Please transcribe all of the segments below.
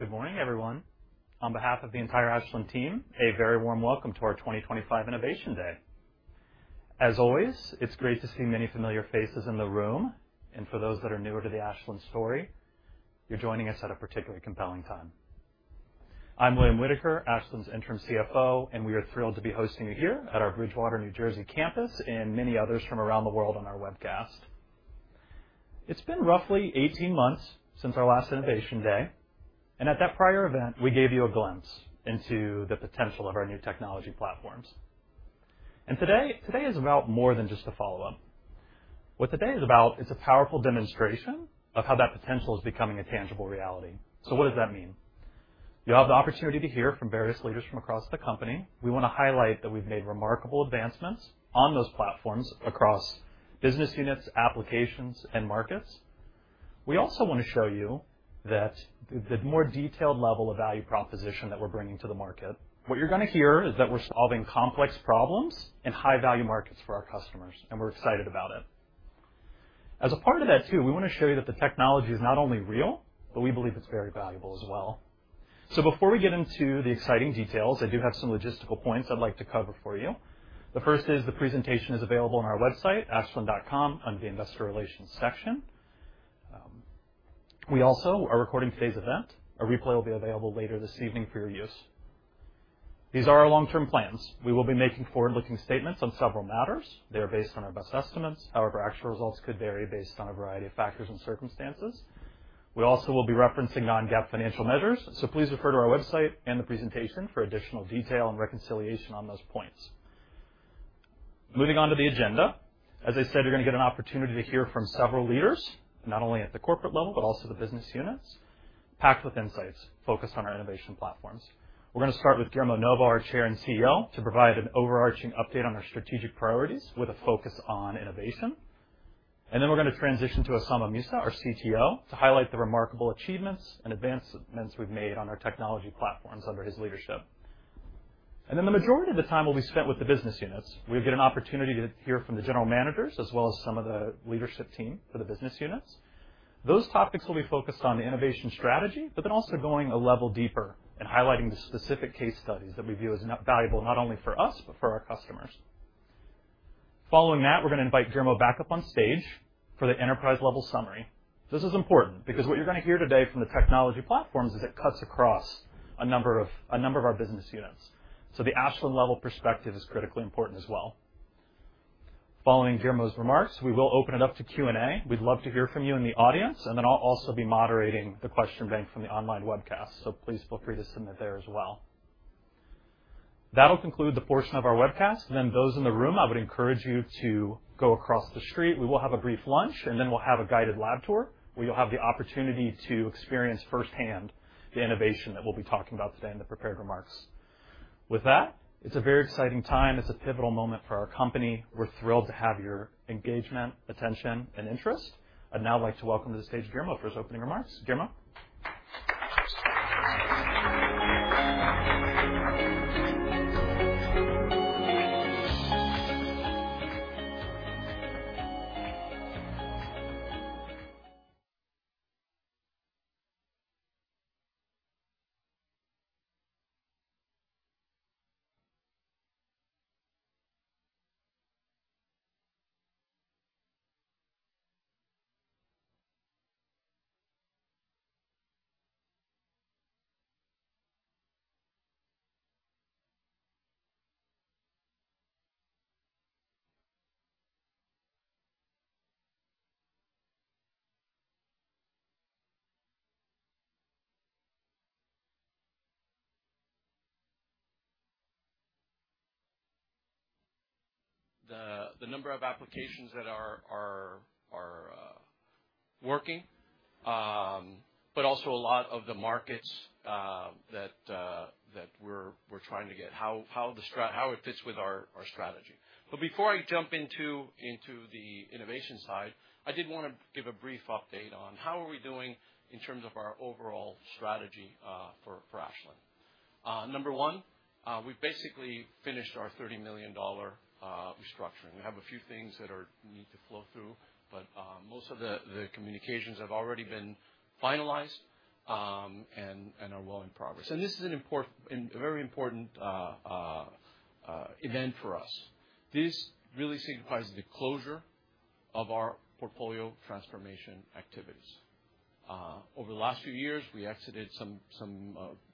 Good morning, everyone. On behalf of the entire Ashland team, a very warm welcome to our 2025 Innovation Day. As always, it's great to see many familiar faces in the room, and for those that are newer to the Ashland story, you're joining us at a particularly compelling time. I'm William Whitaker, Ashland's interim CFO, and we are thrilled to be hosting you here at our Bridgewater, New Jersey campus, and many others from around the world on our webcast. It's been roughly 18 months since our last Innovation Day, and at that prior event, we gave you a glimpse into the potential of our new technology platforms. Today is about more than just a follow-up. What today is about is a powerful demonstration of how that potential is becoming a tangible reality. What does that mean? You'll have the opportunity to hear from various leaders from across the company. We want to highlight that we've made remarkable advancements on those platforms across business units, applications, and markets. We also want to show you that the more detailed level of value proposition that we're bringing to the market, what you're going to hear is that we're solving complex problems in high-value markets for our customers, and we're excited about it. As a part of that, too, we want to show you that the technology is not only real, but we believe it's very valuable as well. Before we get into the exciting details, I do have some logistical points I'd like to cover for you. The first is the presentation is available on our website, ashland.com, under the Investor Relations section. We also are recording today's event. A replay will be available later this evening for your use. These are our long-term plans. We will be making forward-looking statements on several matters. They are based on our best estimates. However, actual results could vary based on a variety of factors and circumstances. We also will be referencing non-GAAP financial measures, so please refer to our website and the presentation for additional detail and reconciliation on those points. Moving on to the agenda, as I said, you're going to get an opportunity to hear from several leaders, not only at the corporate level, but also the business units, packed with insights focused on our innovation platforms. We're going to start with Guillermo Novo, our Chair and CEO, to provide an overarching update on our strategic priorities with a focus on innovation. We are going to transition to Osama Musa, our CTO, to highlight the remarkable achievements and advancements we have made on our technology platforms under his leadership. The majority of the time will be spent with the business units. We will get an opportunity to hear from the general managers, as well as some of the leadership team for the business units. Those topics will be focused on the innovation strategy, but also going a level deeper and highlighting the specific case studies that we view as valuable not only for us, but for our customers. Following that, we are going to invite Guillermo back up on stage for the enterprise-level summary. This is important because what you are going to hear today from the technology platforms is that it cuts across a number of our business units. The Ashland-level perspective is critically important as well. Following Guillermo's remarks, we will open it up to Q&A. We'd love to hear from you in the audience, and then I'll also be moderating the question bank from the online webcast, so please feel free to submit there as well. That'll conclude the portion of our webcast. Those in the room, I would encourage you to go across the street. We will have a brief lunch, and then we'll have a guided lab tour where you'll have the opportunity to experience firsthand the innovation that we'll be talking about today in the prepared remarks. With that, it's a very exciting time. It's a pivotal moment for our company. We're thrilled to have your engagement, attention, and interest. I'd now like to welcome to the stage Guillermo for his opening remarks. Guillermo. The number of applications that are working, but also a lot of the markets that we're trying to get, how it fits with our strategy. Before I jump into the innovation side, I did want to give a brief update on how are we doing in terms of our overall strategy for Ashland. Number one, we've basically finished our $30 million restructuring. We have a few things that need to flow through, but most of the communications have already been finalized and are well in progress. This is a very important event for us. This really signifies the closure of our portfolio transformation activities. Over the last few years, we exited some,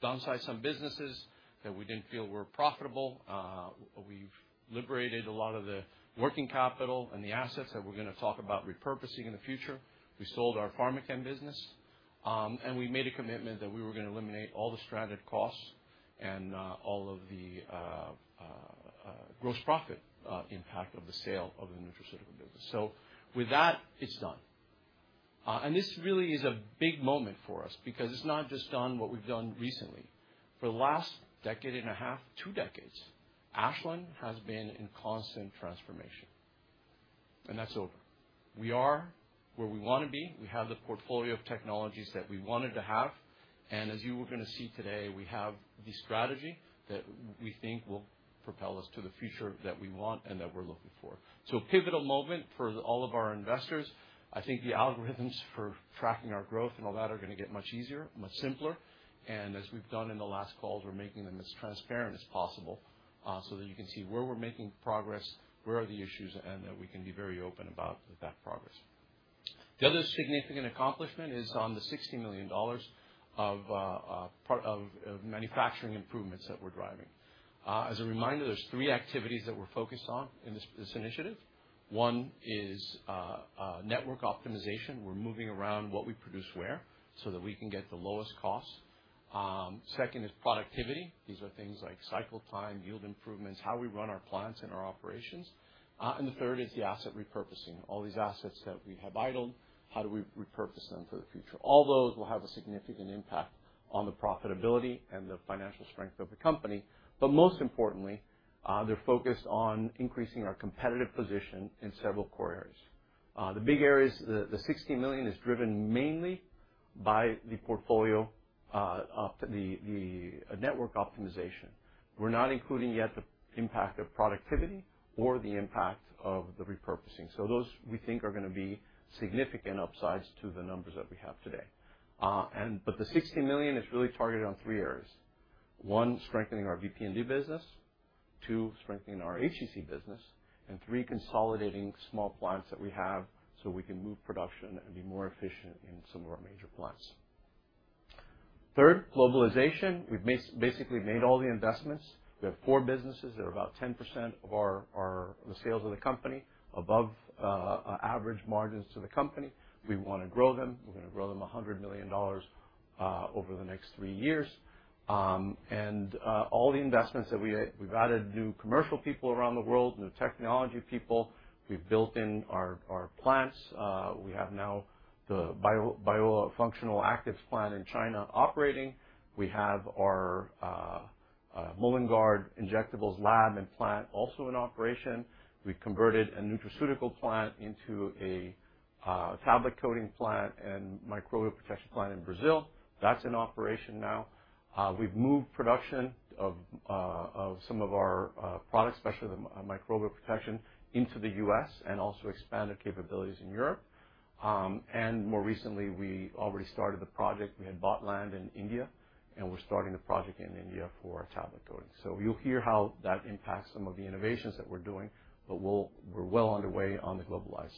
downsized some businesses that we didn't feel were profitable. We've liberated a lot of the working capital and the assets that we're going to talk about repurposing in the future. We sold our pharma chem business, and we made a commitment that we were going to eliminate all the stranded costs and all of the gross profit impact of the sale of the nutraceutical business. With that, it's done. This really is a big moment for us because it's not just done what we've done recently. For the last decade and a half, two decades, Ashland has been in constant transformation, and that's over. We are where we want to be. We have the portfolio of technologies that we wanted to have. As you are going to see today, we have the strategy that we think will propel us to the future that we want and that we're looking for. Pivotal moment for all of our investors. I think the algorithms for tracking our growth and all that are going to get much easier, much simpler. As we have done in the last calls, we are making them as transparent as possible so that you can see where we are making progress, where the issues are, and that we can be very open about that progress. The other significant accomplishment is on the $60 million of manufacturing improvements that we are driving. As a reminder, there are three activities that we are focused on in this initiative. One is network optimization. We are moving around what we produce where so that we can get the lowest costs. Second is productivity. These are things like cycle time, yield improvements, how we run our plants and our operations. The third is the asset repurposing. All these assets that we have idle, how do we repurpose them for the future? All those will have a significant impact on the profitability and the financial strength of the company. Most importantly, they're focused on increasing our competitive position in several core areas. The big areas, the $60 million is driven mainly by the portfolio network optimization. We're not including yet the impact of productivity or the impact of the repurposing. Those we think are going to be significant upsides to the numbers that we have today. The $60 million is really targeted on three areas. One, strengthening our VP&D business. Two, strengthening our HEC business. Three, consolidating small plants that we have so we can move production and be more efficient in some of our major plants. Third, globalization. We've basically made all the investments. We have four businesses that are about 10% of the sales of the company, above average margins to the company. We want to grow them. We're going to grow them $100 million over the next three years. All the investments that we've added, new commercial people around the world, new technology people. We've built in our plants. We have now the biofunctional actives plant in China operating. We have our Mullingar injectables lab and plant also in operation. We converted a nutraceutical plant into a tablet coating plant and microbial protection plant in Brazil. That's in operation now. We've moved production of some of our products, especially the microbial protectant, into the U.S. and also expanded capabilities in Europe. More recently, we already started the project. We had bought land in India, and we're starting the project in India for our tablet coating. You'll hear how that impacts some of the innovations that we're doing, but we're well underway on the globalized.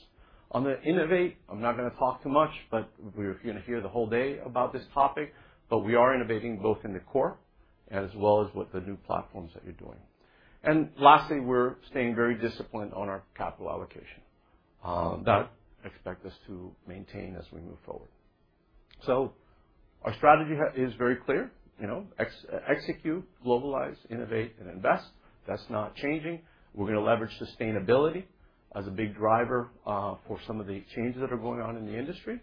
On the innovate, I'm not going to talk too much, but we're going to hear the whole day about this topic. We are innovating both in the core as well as with the new platforms that you're doing. Lastly, we're staying very disciplined on our capital allocation. That expects us to maintain as we move forward. Our strategy is very clear. Execute, globalize, innovate, and invest. That's not changing. We're going to leverage sustainability as a big driver for some of the changes that are going on in the industry.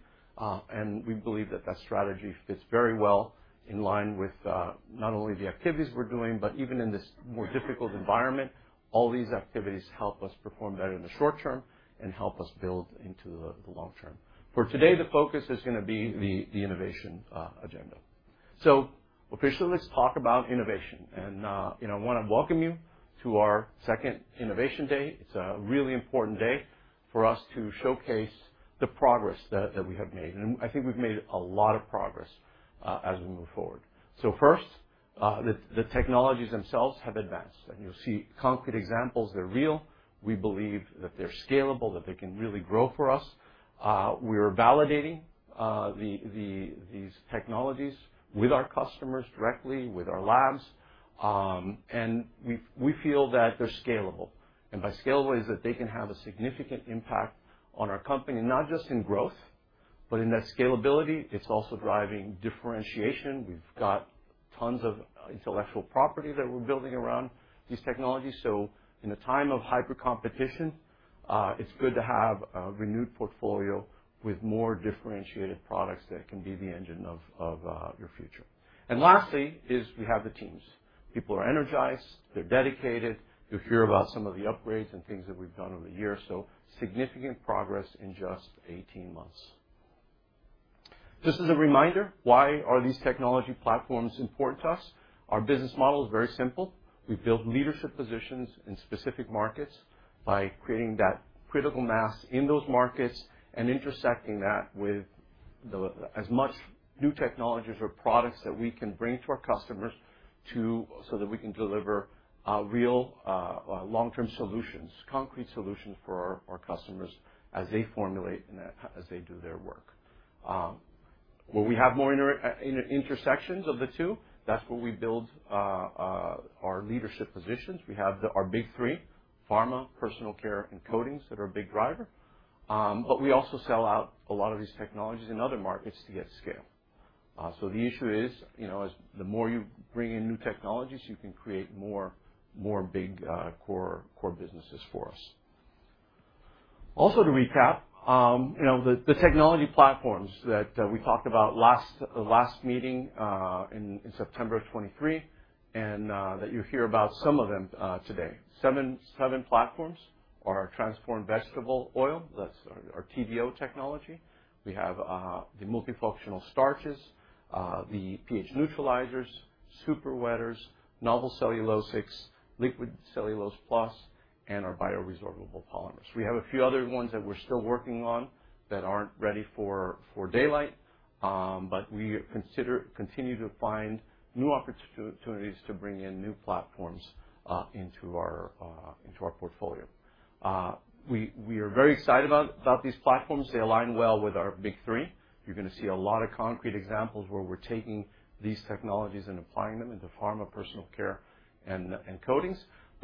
We believe that that strategy fits very well in line with not only the activities we're doing, but even in this more difficult environment. All these activities help us perform better in the short term and help us build into the long term. For today, the focus is going to be the innovation agenda. Officially, let's talk about innovation. I want to welcome you to our second Innovation Day. It's a really important day for us to showcase the progress that we have made. I think we've made a lot of progress as we move forward. First, the technologies themselves have advanced. You'll see concrete examples. They're real. We believe that they're scalable, that they can really grow for us. We're validating these technologies with our customers directly, with our labs. We feel that they're scalable. By scalable, it's that they can have a significant impact on our company, not just in growth, but in that scalability. It's also driving differentiation. We've got tons of intellectual property that we're building around these technologies. In a time of hyper-competition, it's good to have a renewed portfolio with more differentiated products that can be the engine of your future. Lastly, we have the teams. People are energized. They're dedicated. You'll hear about some of the upgrades and things that we've done over the year. Significant progress in just 18 months. This is a reminder. Why are these technology platforms important to us? Our business model is very simple. We've built leadership positions in specific markets by creating that critical mass in those markets and intersecting that with as much new technologies or products that we can bring to our customers so that we can deliver real long-term solutions, concrete solutions for our customers as they formulate and as they do their work. When we have more intersections of the two, that's where we build our leadership positions. We have our big three, pharma, personal care, and coatings that are a big driver. We also sell out a lot of these technologies in other markets to get scale. The issue is the more you bring in new technologies, you can create more big core businesses for us. Also, to recap, the technology platforms that we talked about last meeting in September of 2023, and that you'll hear about some of them today. Seven platforms are our transformed vegetable oil, that's our TVO technology. We have the multifunctional starches, the pH neutralizers, super wetters, novel cellulosics, liquid cellulose plus, and our bioresorbable polymers. We have a few other ones that we're still working on that aren't ready for daylight, but we continue to find new opportunities to bring in new platforms into our portfolio. We are very excited about these platforms. They align well with our big three. You're going to see a lot of concrete examples where we're taking these technologies and applying them into pharma, personal care, and coatings.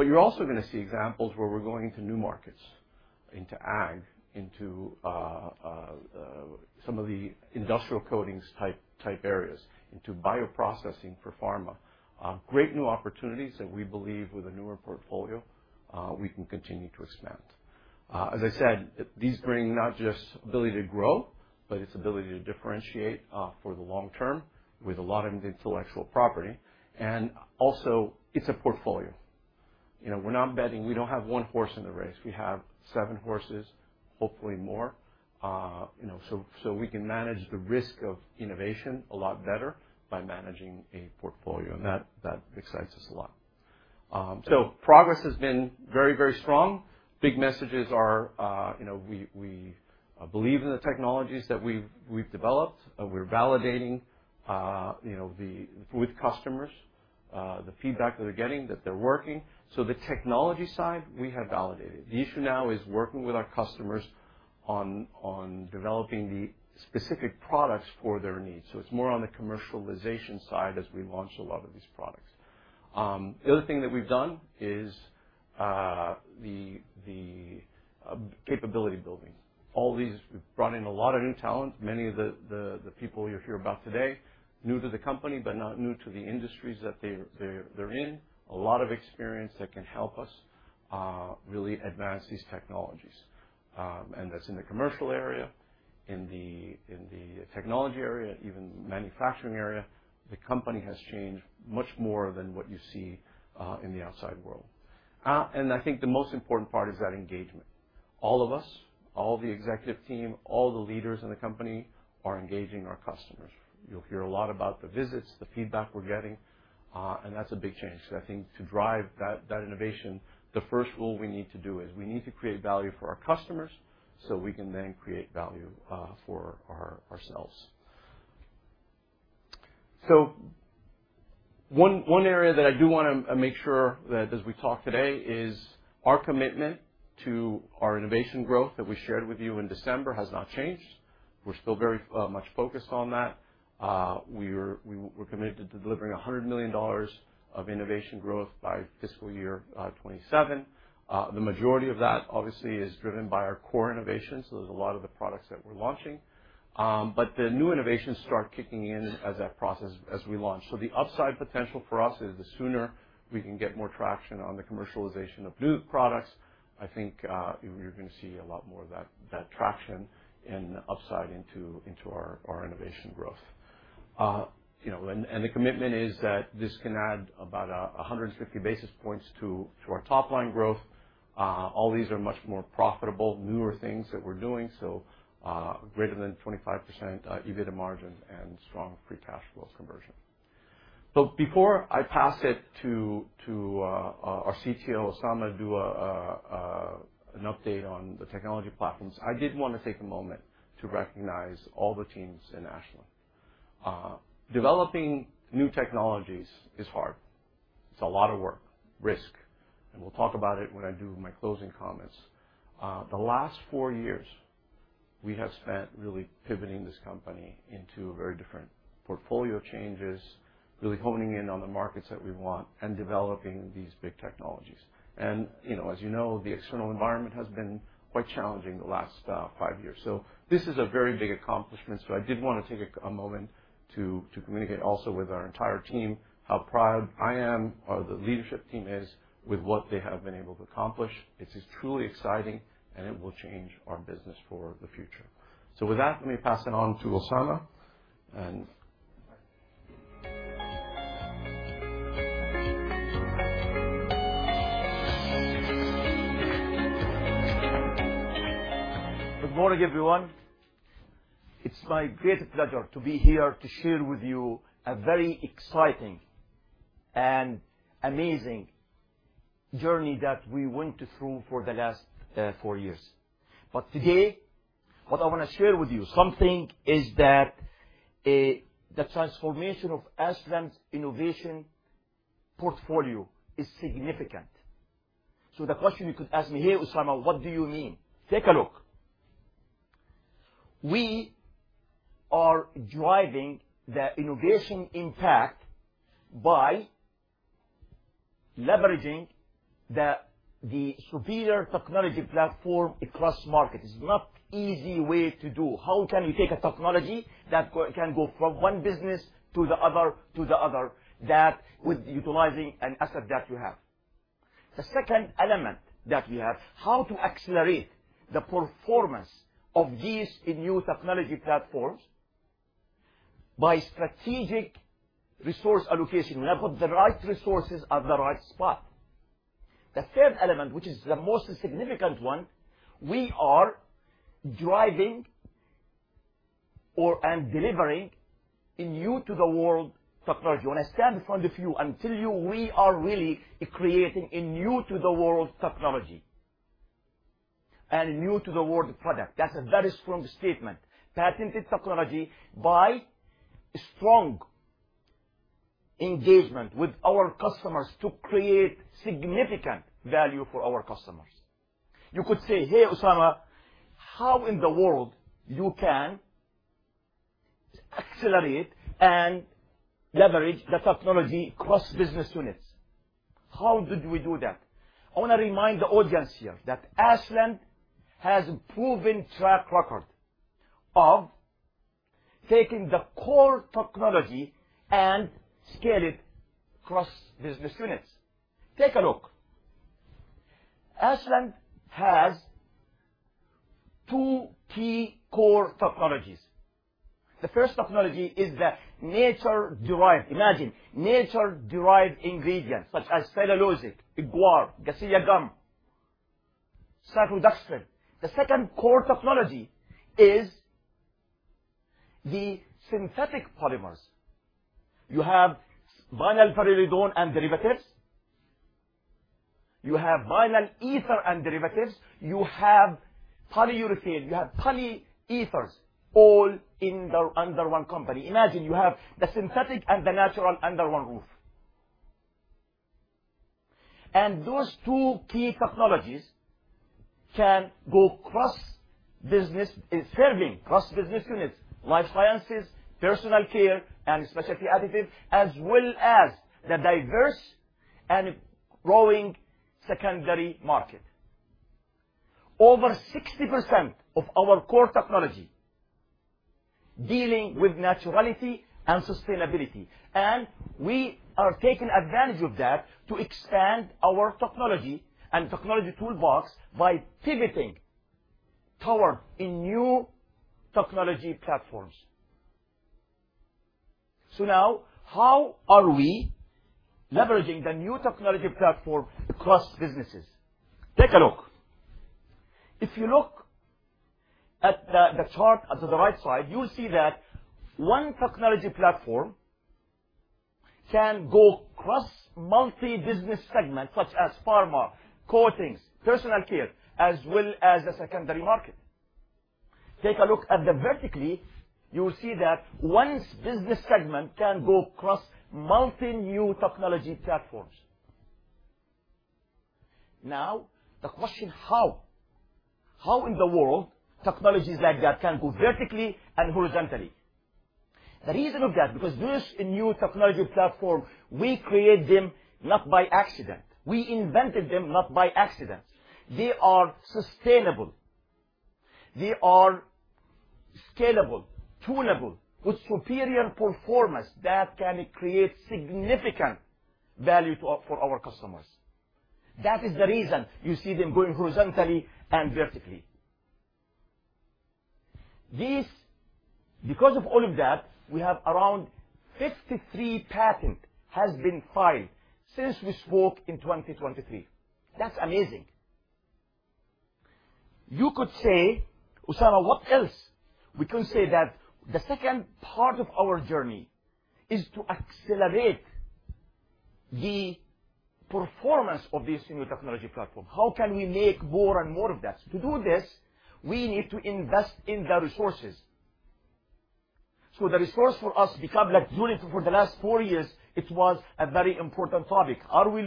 You're also going to see examples where we're going to new markets, into ag, into some of the industrial coatings type areas, into bioprocessing for pharma. Great new opportunities that we believe with a newer portfolio, we can continue to expand. As I said, these bring not just ability to grow, but it's ability to differentiate for the long term with a lot of intellectual property. Also, it's a portfolio. We're not betting. We don't have one horse in the race. We have seven horses, hopefully more. We can manage the risk of innovation a lot better by managing a portfolio. That excites us a lot. Progress has been very, very strong. Big messages are we believe in the technologies that we've developed. We're validating with customers the feedback that they're getting, that they're working. The technology side, we have validated. The issue now is working with our customers on developing the specific products for their needs. It is more on the commercialization side as we launch a lot of these products. The other thing that we have done is the capability building. All these, we have brought in a lot of new talent. Many of the people you will hear about today, new to the company, but not new to the industries that they are in. A lot of experience that can help us really advance these technologies. That is in the commercial area, in the technology area, even manufacturing area. The company has changed much more than what you see in the outside world. I think the most important part is that engagement. All of us, all the executive team, all the leaders in the company are engaging our customers. You will hear a lot about the visits, the feedback we are getting. That is a big change. I think to drive that innovation, the first rule we need to do is we need to create value for our customers so we can then create value for ourselves. One area that I do want to make sure that as we talk today is our commitment to our innovation growth that we shared with you in December has not changed. We are still very much focused on that. We are committed to delivering $100 million of innovation growth by fiscal year 2027. The majority of that, obviously, is driven by our core innovations. There are a lot of the products that we are launching. The new innovations start kicking in as that process as we launch. The upside potential for us is the sooner we can get more traction on the commercialization of new products. I think you're going to see a lot more of that traction and upside into our innovation growth. The commitment is that this can add about 150 basis points to our top-line growth. All these are much more profitable, newer things that we're doing. Greater than 25% EBITDA margin and strong free cash flows conversion. Before I pass it to our CTO, Osama, to do an update on the technology platforms, I did want to take a moment to recognize all the teams in Ashland. Developing new technologies is hard. It's a lot of work, risk. We'll talk about it when I do my closing comments. The last four years, we have spent really pivoting this company into very different portfolio changes, really honing in on the markets that we want and developing these big technologies. As you know, the external environment has been quite challenging the last five years. This is a very big accomplishment. I did want to take a moment to communicate also with our entire team how proud I am, how the leadership team is with what they have been able to accomplish. It's truly exciting, and it will change our business for the future. With that, let me pass it on to Osama. Good morning, everyone. It's my great pleasure to be here to share with you a very exciting and amazing journey that we went through for the last four years. Today, what I want to share with you is that the transformation of Ashland's innovation portfolio is significant. The question you could ask me, "Hey, Osama, what do you mean?" Take a look. We are driving the innovation impact by leveraging the superior technology platform across markets. It's not an easy way to do. How can we take a technology that can go from one business to the other to the other with utilizing an asset that you have? The second element that we have, how to accelerate the performance of these new technology platforms by strategic resource allocation. We have got the right resources at the right spot. The third element, which is the most significant one, we are driving and delivering a new-to-the-world technology. When I stand in front of you, I'm telling you, we are really creating a new-to-the-world technology and a new-to-the-world product. That is from the statement, patented technology by strong engagement with our customers to create significant value for our customers. You could say, "Hey, Osama, how in the world you can accelerate and leverage the technology across business units?" How did we do that? I want to remind the audience here that Ashland has a proven track record of taking the core technology and scaling it across business units. Take a look. Ashland has two key core technologies. The first technology is the nature-derived, imagine, nature-derived ingredients such as cellulosics, guar, gellan gum, cell production. The second core technology is the synthetic polymers. You have vinyl pyrrolidone and derivatives. You have vinyl ether and derivatives. You have polyurethane. You have polyethylenes, all under one company. Imagine you have the synthetic and the natural under one roof. Those two key technologies can go cross-business, serving cross-business units, life sciences, personal care, and specialty additives, as well as the diverse and growing secondary market. Over 60% of our core technology dealing with naturality and sustainability. We are taking advantage of that to expand our technology and technology toolbox by pivoting towards new technology platforms. Now, how are we leveraging the new technology platform across businesses? Take a look. If you look at the chart on the right side, you'll see that one technology platform can go across multi-business segments such as pharma, coatings, personal care, as well as the secondary market. Take a look at the vertically. You'll see that one business segment can go across multi-new technology platforms. Now, the question, how? How in the world technologies like that can go vertically and horizontally? The reason of that, because those new technology platforms, we create them not by accident. We invented them not by accident. They are sustainable. They are scalable, tunable, with superior performance that can create significant value for our customers. That is the reason you see them going horizontally and vertically. Because of all of that, we have around 53 patents that have been filed since we spoke in 2023. That's amazing. You could say, "Osama, what else?" We can say that the second part of our journey is to accelerate the performance of these new technology platforms. How can we make more and more of that? To do this, we need to invest in the resources. The resource for us, the public unit for the last four years, it was a very important topic. Are we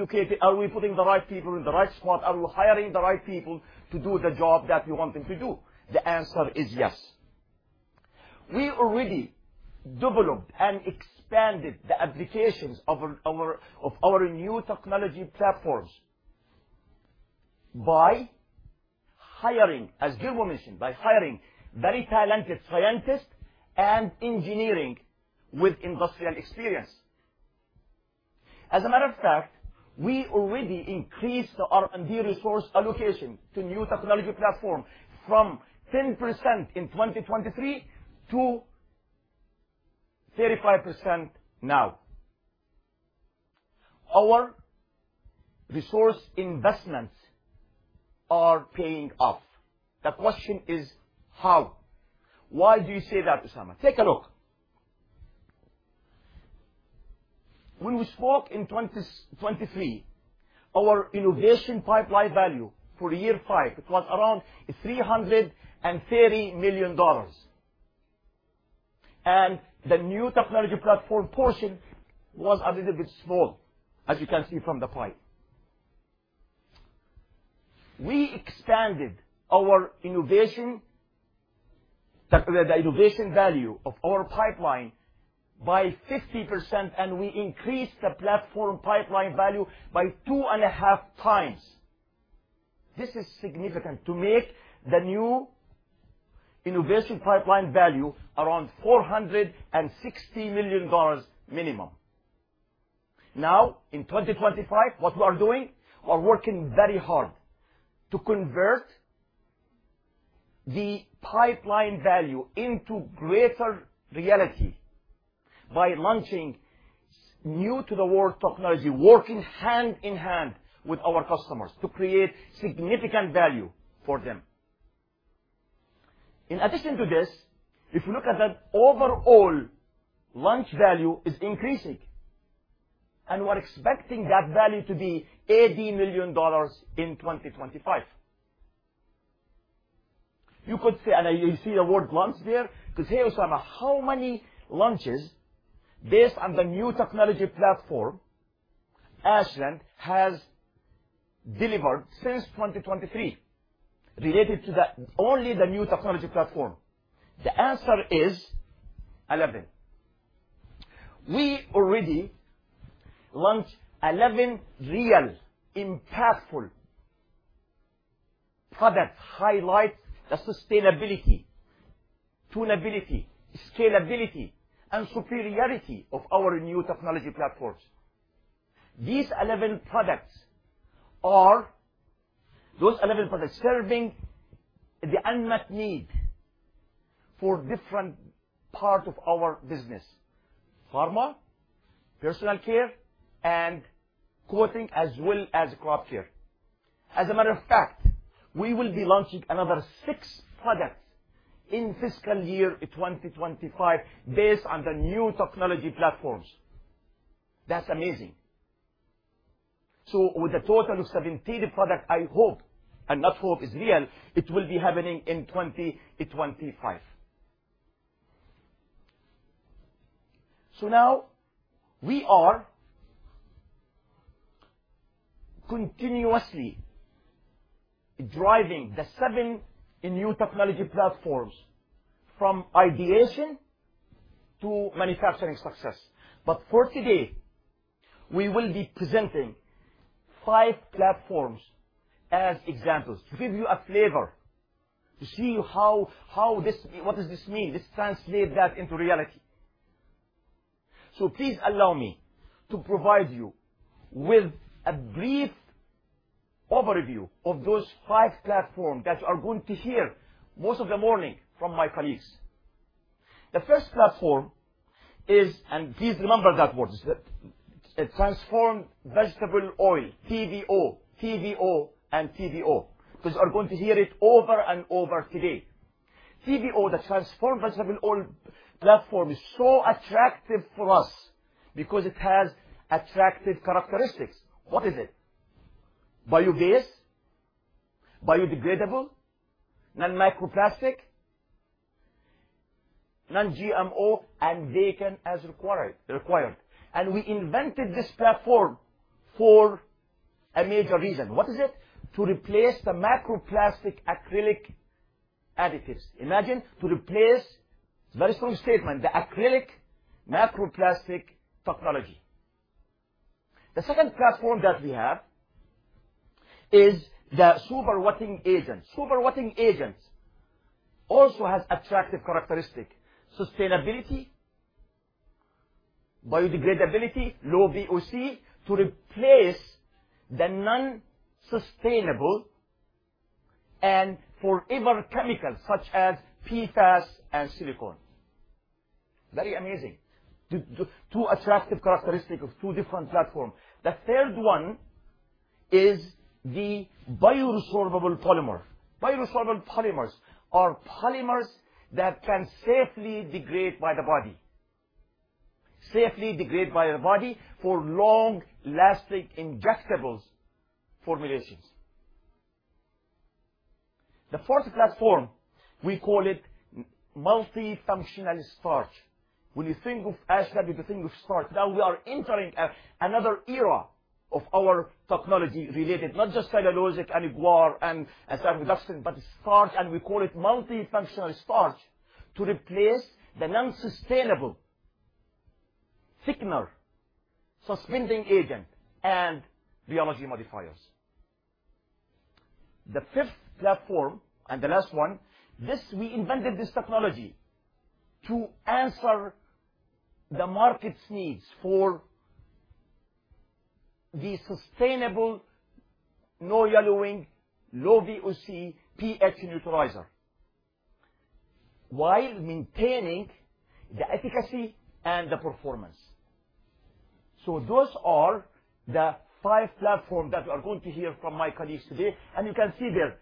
putting the right people in the right spot? Are we hiring the right people to do the job that we want them to do? The answer is yes. We already developed and expanded the applications of our new technology platforms by hiring, as Guillermo mentioned, by hiring very talented scientists and engineering with industrial experience. As a matter of fact, we already increased our MD resource allocation to new technology platforms from 10% in 2023 to 35% now. Our resource investments are paying off. The question is, how? Why do you say that, Osama? Take a look. When we spoke in 2023, our innovation pipeline value for year five, it was around $330 million. The new technology platform portion was a little bit small, as you can see from the pipe. We expanded the innovation value of our pipeline by 50%, and we increased the platform pipeline value by two and a half times. This is significant to make the new innovation pipeline value around $460 million minimum. Now, in 2025, what we are doing, we are working very hard to convert the pipeline value into greater reality by launching new-to-the-world technology, working hand in hand with our customers to create significant value for them. In addition to this, if you look at the overall launch value, it is increasing. We are expecting that value to be $80 million in 2025. You could say, and you see the word launch there, because, hey, Osama, how many launches based on the new technology platform Ashland has delivered since 2023 related to only the new technology platform? The answer is 11. We already launched 11 real, impactful products that highlight the sustainability, tunability, scalability, and superiority of our new technology platforms. These 11 products are those 11 products serving the unmet need for different parts of our business: pharma, personal care, and coating, as well as crop care. As a matter of fact, we will be launching another six products in fiscal year 2025 based on the new technology platforms. That's amazing. With a total of 17 products, I hope, and that hope is real, it will be happening in 2025. We are continuously driving the seven new technology platforms from ideation to manufacturing success. For today, we will be presenting five platforms as examples to give you a flavor, to see how this, what does this mean? Let's translate that into reality. Please allow me to provide you with a brief overview of those five platforms that you are going to hear most of the morning from my colleagues. The first platform is, and please remember that word, it's transformed vegetable oil, TVO, TVO, and TVO. You are going to hear it over and over today. TVO, the transformed vegetable oil platform, is so attractive for us because it has attractive characteristics. What is it? Biobased, biodegradable, non-microplastic, non-GMO, and vacant as required. We invented this platform for a major reason. What is it? To replace the microplastic acrylic additives. Imagine to replace, it is a very strong statement, the acrylic microplastic technology. The second platform that we have is the superwetting agent. Superwetting agent also has attractive characteristics: sustainability, biodegradability, low VOC, to replace the non-sustainable and forever chemicals such as PFAS and silicone. Very amazing. Two attractive characteristics of two different platforms. The third one is the bioresorbable polymers. Bioresorbable polymers are polymers that can safely degrade by the body, safely degrade by the body for long-lasting injectables formulations. The fourth platform, we call it multi-functional starch. When you think of Ashland, you think of starch. Now we are entering another era of our technology related, not just cellulosics and guar and tacrodustin, but starch, and we call it multi-functional starch to replace the non-sustainable thickener, suspending agent, and biology modifiers. The fifth platform, and the last one, we invented this technology to answer the market's needs for the sustainable no-yellowing, low VOC, PX neutralizer, while maintaining the efficacy and the performance. Those are the five platforms that we are going to hear from my colleagues today. You can see their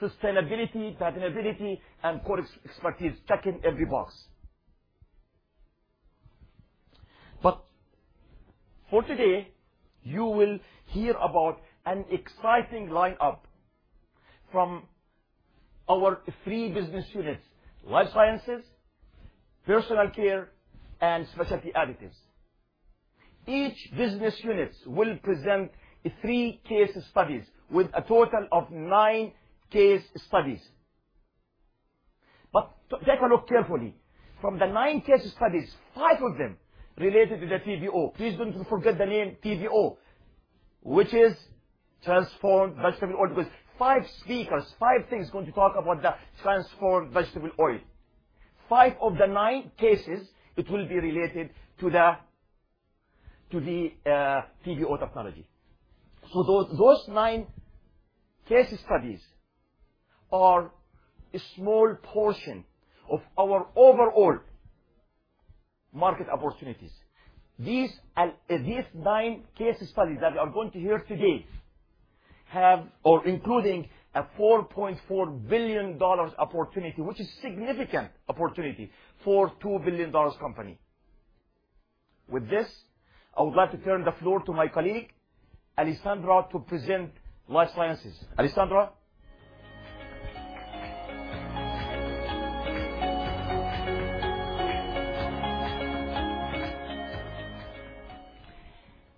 sustainability, patentability, and core expertise checking every box. For today, you will hear about an exciting lineup from our three business units, life sciences, personal care, and specialty additives. Each business unit will present three case studies with a total of nine case studies. Take a look carefully. From the nine case studies, five of them are related to the TVO. Please don't forget the name TVO, which is transformed vegetable oil. With five speakers, five things going to talk about the transformed vegetable oil. Five of the nine cases, it will be related to the TVO technology. Those nine case studies are a small portion of our overall market opportunities. These nine case studies that we are going to hear today have or include a $4.4 billion opportunity, which is a significant opportunity for a $2 billion company. With this, I would like to turn the floor to my colleague, Alessandra, to present life sciences. Alessandra.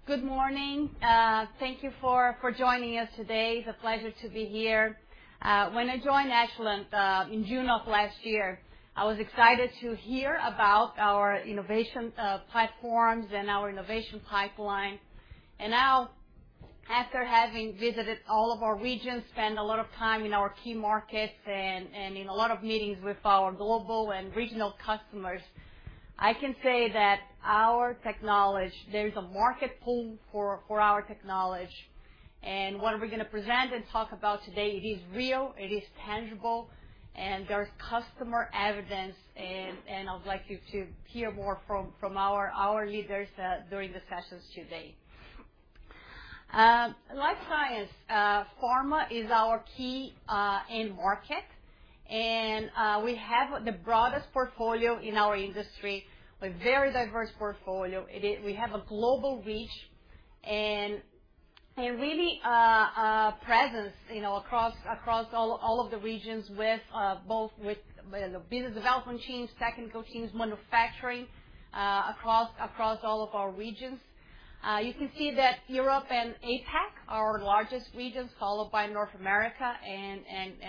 Good morning. Thank you for joining us today. It's a pleasure to be here. When I joined Ashland in June of last year, I was excited to hear about our innovation platforms and our innovation pipeline. Now, after having visited all of our regions, spent a lot of time in our key markets, and in a lot of meetings with our global and regional customers, I can say that our technology, there's a market pull for our technology. What are we going to present and talk about today? It is real. It is tangible. There is customer evidence. I'd like you to hear more from our leaders during the sessions today. Life science, pharma is our key end market. We have the broadest portfolio in our industry, a very diverse portfolio. We have a global reach and really a presence across all of the regions with both business development teams, technical teams, manufacturing across all of our regions. You can see that Europe and APAC are our largest regions, followed by North America and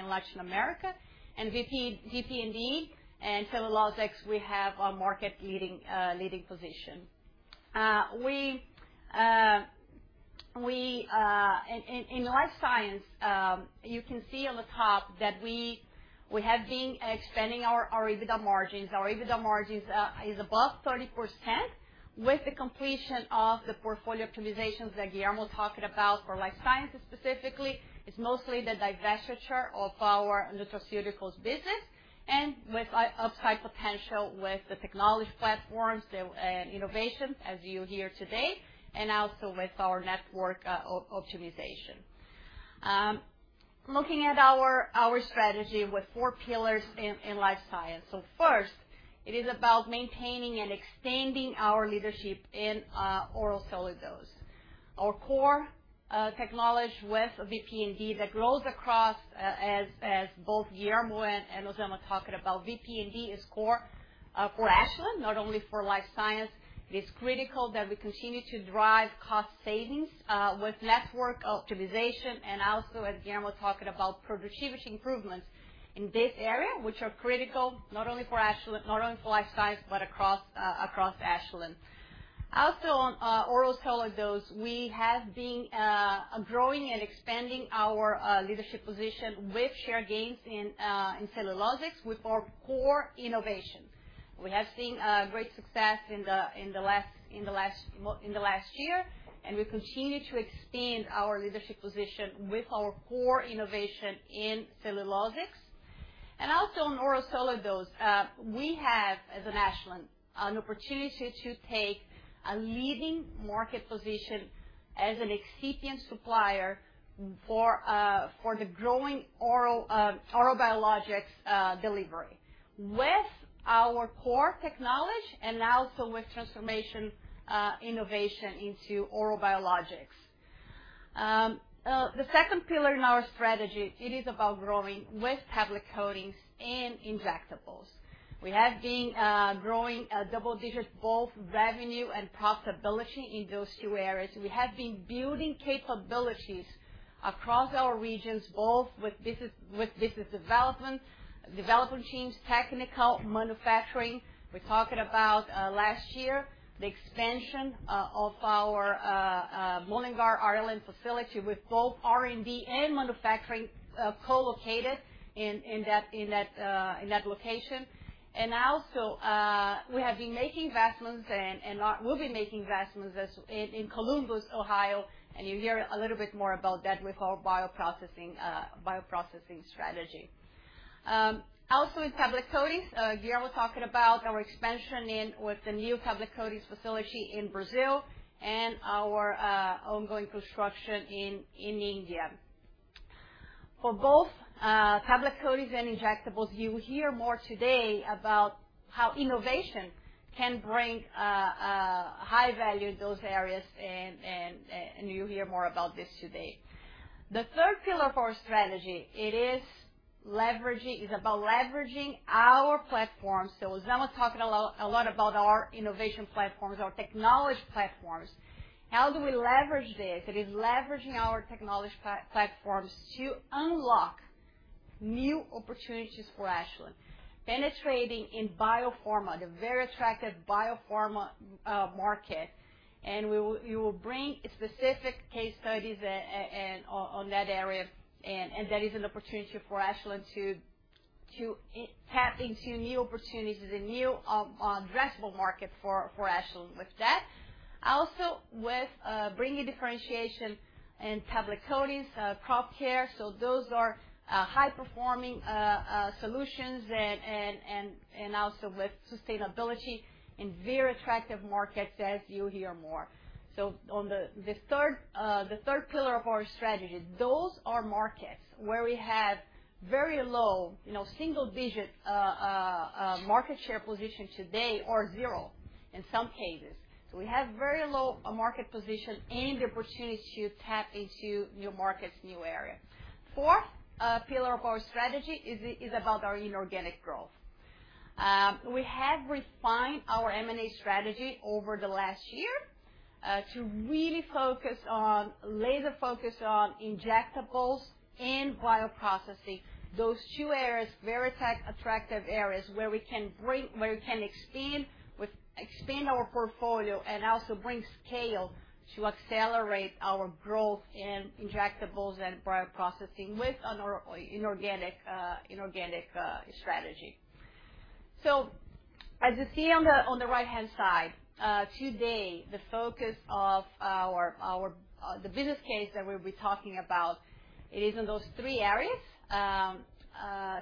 Latin America. VPND and cellulosics, we have a market-leading position. In life science, you can see on the top that we have been expanding our EBITDA margins. Our EBITDA margins are above 30% with the completion of the portfolio optimizations that Guillermo talked about for life sciences specifically. It is mostly the divestiture of our nutraceuticals business and with upside potential with the technology platforms and innovations, as you hear today, and also with our network optimization. Looking at our strategy with four pillars in life science. First, it is about maintaining and extending our leadership in oral cellulose. Our core technology with VPND that grows across as both Guillermo and Osama talked about, VPND is core for Ashland, not only for life science. It is critical that we continue to drive cost savings with network optimization and also as Guillermo talked about productivity improvements in this area, which are critical not only for Ashland, not only for life sciences, but across Ashland. Also on oral cellulose, we have been growing and expanding our leadership position with share gains in cellulosics with our core innovation. We have seen great success in the last year, and we continue to expand our leadership position with our core innovation in cellulosics. Also on oral cellulose, we have as Ashland an opportunity to take a leading market position as an excipient supplier for the growing oral biologics delivery with our core technology and also with transformation innovation into oral biologics. The second pillar in our strategy, it is about growing with tablet coatings and injectables. We have been growing double-digit growth revenue and profitability in those two areas. We have been building capabilities across our regions both with business development, development teams, technical, manufacturing. We are talking about last year, the expansion of our Mullingar facility with both R&D and manufacturing co-located in that location. We have been making investments, and we have been making investments in Columbus, Ohio, and you hear a little bit more about that with our bioprocessing strategy. Also in tablet coatings, Guillermo talked about our expansion with the new tablet coatings facility in Brazil and our ongoing construction in India. For both tablet coatings and injectables, you hear more today about how innovation can bring high value in those areas, and you hear more about this today. The third pillar of our strategy, it is about leveraging our platforms. Osama talked a lot about our innovation platforms, our technology platforms. How do we leverage this? It is leveraging our technology platforms to unlock new opportunities for Ashland, penetrating in biopharma, the very attractive biopharma market. We will bring specific case studies on that area. That is an opportunity for Ashland to tap into new opportunities, a new vegetable market for Ashland with that. Also with bringing differentiation in tablet coatings, crop care. Those are high-performing solutions and also with sustainability in very attractive markets, as you hear more. On the third pillar of our strategy, those are markets where we have very low single-digit market share position today or zero in some cases. We have very low market position and the opportunity to tap into new markets, new areas. The fourth pillar of our strategy is about our inorganic growth. We have refined our M&A strategy over the last year to really focus on laser focus on injectables and bioprocessing. Those two areas, very attractive areas where we can expand our portfolio and also bring scale to accelerate our growth in injectables and bioprocessing with an inorganic strategy. As you see on the right-hand side, today, the focus of the business case that we'll be talking about, it is in those three areas,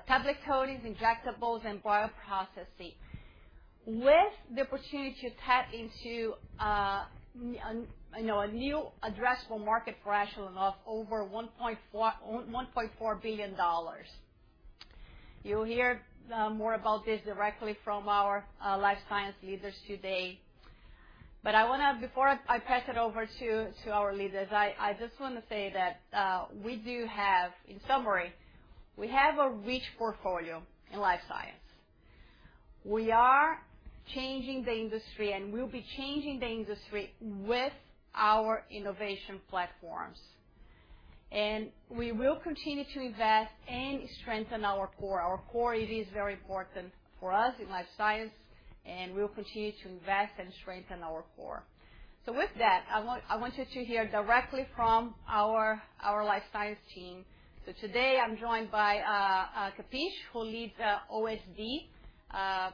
tablet coatings, injectables, and bioprocessing, with the opportunity to tap into a new addressable market for Ashland of over $1.4 billion. You'll hear more about this directly from our life science leaders today. I want to, before I pass it over to our leaders, I just want to say that we do have, in summary, we have a rich portfolio in life science. We are changing the industry, and we will be changing the industry with our innovation platforms. We will continue to invest and strengthen our core. Our core, it is very important for us in life science, and we will continue to invest and strengthen our core. With that, I want you to hear directly from our life science team. Today, I am joined by Kapish, who leads OSD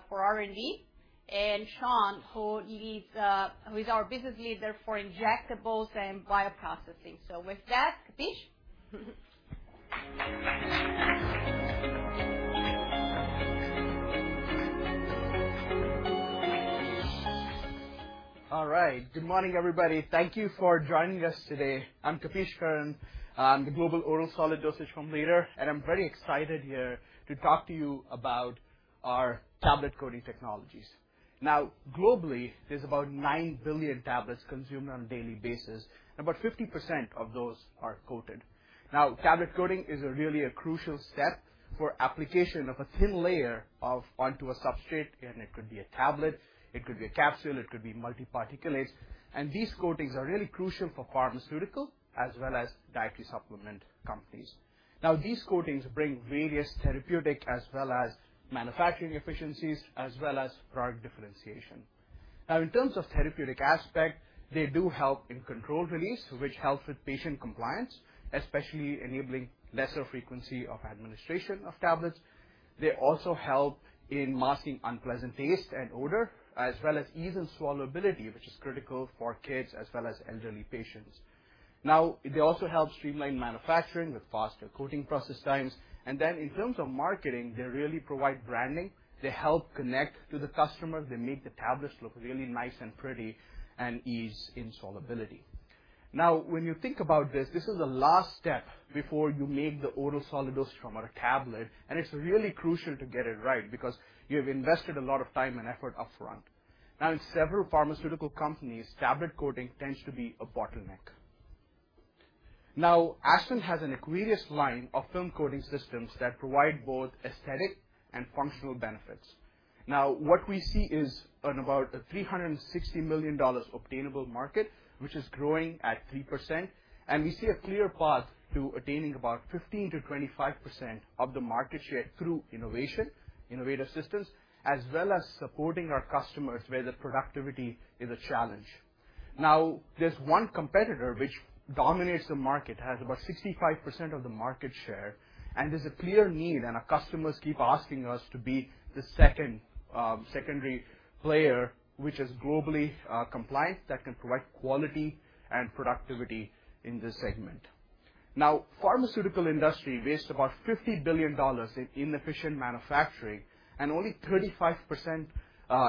for R&D, and Sean, who is our business leader for injectables and bioprocessing. With that, Kapish. All right. Good morning, everybody. Thank you for joining us today. I am Kapish Karan, the Global Oral Solid Dosage Leader, and I am very excited here to talk to you about our tablet coating technologies. Now, globally, there are about 9 billion tablets consumed on a daily basis, and about 50% of those are coated. Now, tablet coating is really a crucial step for application of a thin layer onto a substrate, and it could be a tablet, it could be a capsule, it could be multiparticulate. These coatings are really crucial for pharmaceutical as well as dietary supplement companies. These coatings bring various therapeutic as well as manufacturing efficiencies, as well as product differentiation. In terms of therapeutic aspect, they do help in control release, which helps with patient compliance, especially enabling lesser frequency of administration of tablets. They also help in masking unpleasant taste and odor, as well as ease and swallowability, which is critical for kids as well as elderly patients. They also help streamline manufacturing with faster coating process times. In terms of marketing, they really provide branding. They help connect to the customer. They make the tablets look really nice and pretty and ease in swallowability. Now, when you think about this, this is the last step before you make the oral solid dose from a tablet, and it's really crucial to get it right because you have invested a lot of time and effort upfront. Now, in several pharmaceutical companies, tablet coating tends to be a bottleneck. Now, Ashland has an Aquarius line of film coating systems that provide both aesthetic and functional benefits. Now, what we see is about a $360 million obtainable market, which is growing at 3%. And we see a clear path to attaining about 15%-25% of the market share through innovation, innovative systems, as well as supporting our customers where the productivity is a challenge. Now, there's one competitor which dominates the market, has about 65% of the market share, and there's a clear need, and our customers keep asking us to be the secondary player, which is globally compliant that can provide quality and productivity in this segment. Now, pharmaceutical industry wastes about $50 billion in inefficient manufacturing and only 35%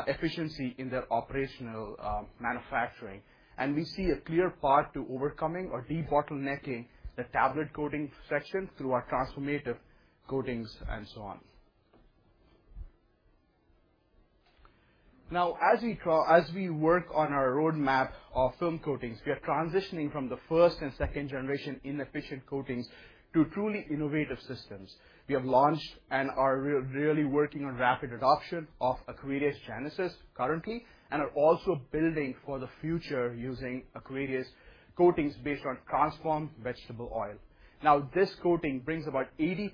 efficiency in their operational manufacturing. We see a clear path to overcoming or debottlenecking the tablet coating section through our transformative coatings and so on. Now, as we work on our roadmap of film coatings, we are transitioning from the first and second generation inefficient coating to truly innovative systems. We have launched and are really working on rapid adoption of Aquarius Genesis currently and are also building for the future using Aquarius coatings based on transformed vegetable oil. Now, this coating brings about 80%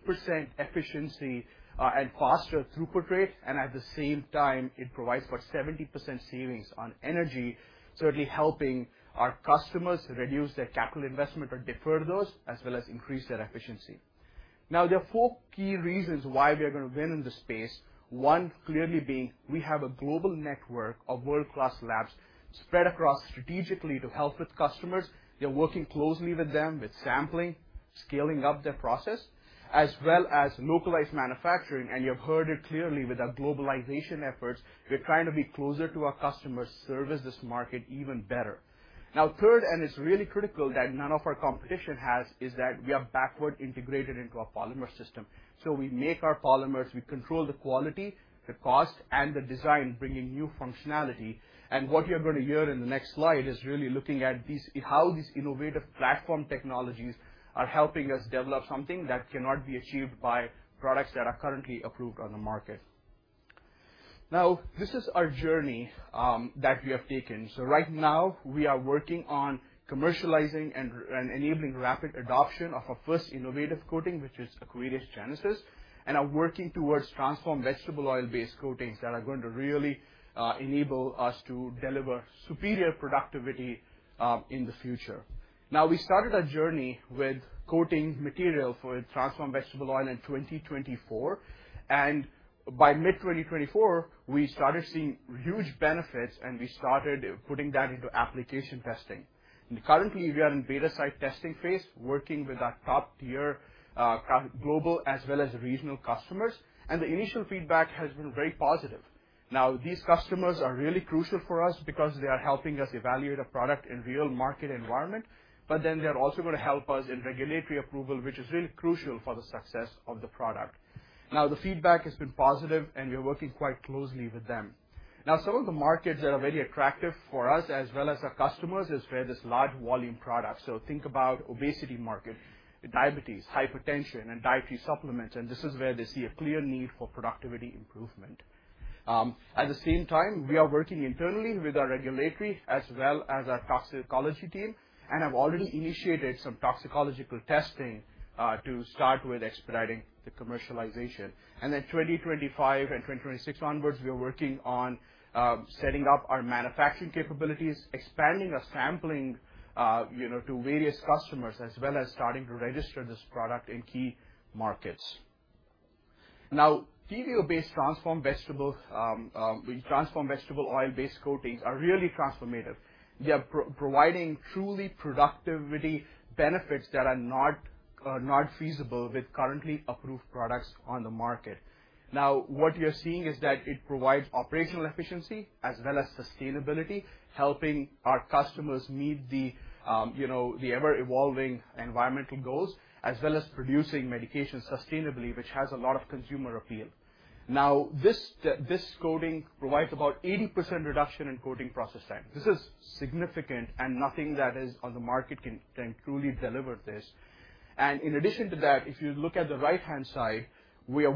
efficiency and faster throughput rates, and at the same time, it provides about 70% savings on energy, certainly helping our customers reduce their capital investment or defer those, as well as increase their efficiency. There are four key reasons why we are going to win in this space. One, clearly being, we have a global network of world-class labs spread across strategically to help with customers. They are working closely with them with sampling, scaling up their process, as well as localized manufacturing. You have heard it clearly with our globalization efforts. We are trying to be closer to our customers, service this market even better. Third, and it is really critical that none of our competition has, is that we are backward integrated into our polymer system. We make our polymers, we control the quality, the cost, and the design, bringing new functionality. What you are going to hear in the next slide is really looking at how these innovative platform technologies are helping us develop something that cannot be achieved by products that are currently approved on the market. This is our journey that we have taken. Right now, we are working on commercializing and enabling rapid adoption of our first innovative coating, which is aquarius genesis, and are working towards transformed vegetable oil-based coatings that are going to really enable us to deliver superior productivity in the future. We started a journey with coating material for transformed vegetable oil in 2024. By mid-2024, we started seeing huge benefits, and we started putting that into application testing. Currently, we are in beta site testing phase, working with our top-tier global as well as regional customers. The initial feedback has been very positive. Now, these customers are really crucial for us because they are helping us evaluate a product in real market environment, but then they're also going to help us in regulatory approval, which is really crucial for the success of the product. The feedback has been positive, and we're working quite closely with them. Some of the markets that are very attractive for us as well as our customers is where there's large volume products. Think about obesity market, diabetes, hypertension, and dietary supplements. This is where they see a clear need for productivity improvement. At the same time, we are working internally with our regulatory as well as our toxicology team, and have already initiated some toxicological testing to start with expediting the commercialization. In 2025 and 2026 onwards, we are working on setting up our manufacturing capabilities, expanding our sampling to various customers, as well as starting to register this product in key markets. TVO-based transformed vegetable oil-based coatings are really transformative. They are providing truly productivity benefits that are not feasible with currently approved products on the market. What you are seeing is that it provides operational efficiency as well as sustainability, helping our customers meet the ever-evolving environmental goals, as well as producing medications sustainably, which has a lot of consumer appeal. This coating provides about 80% reduction in coating process time. This is significant, and nothing that is on the market can truly deliver this. In addition to that, if you look at the right-hand side, we are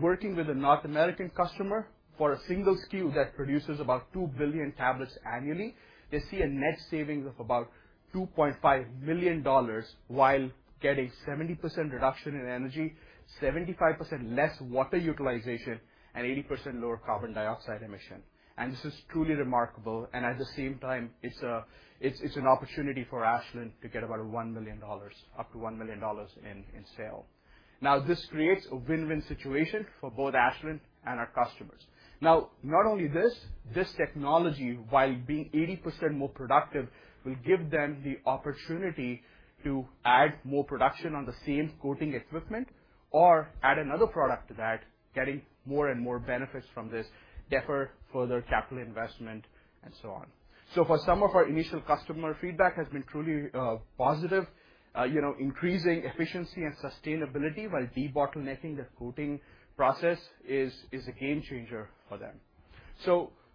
working with a North American customer for a single SKU that produces about 2 billion tablets annually. They see a net savings of about $2.5 million while getting 70% reduction in energy, 75% less water utilization, and 80% lower carbon dioxide emission. This is truly remarkable. At the same time, it's an opportunity for Ashland to get about $1 million, up to $1 million in sale. This creates a win-win situation for both Ashland and our customers. Not only this, this technology, while being 80% more productive, will give them the opportunity to add more production on the same coating equipment or add another product to that, getting more and more benefits from this, defer further capital investment, and so on. Some of our initial customer feedback has been truly positive. Increasing efficiency and sustainability while debottlenecking the coating process is a game changer for them.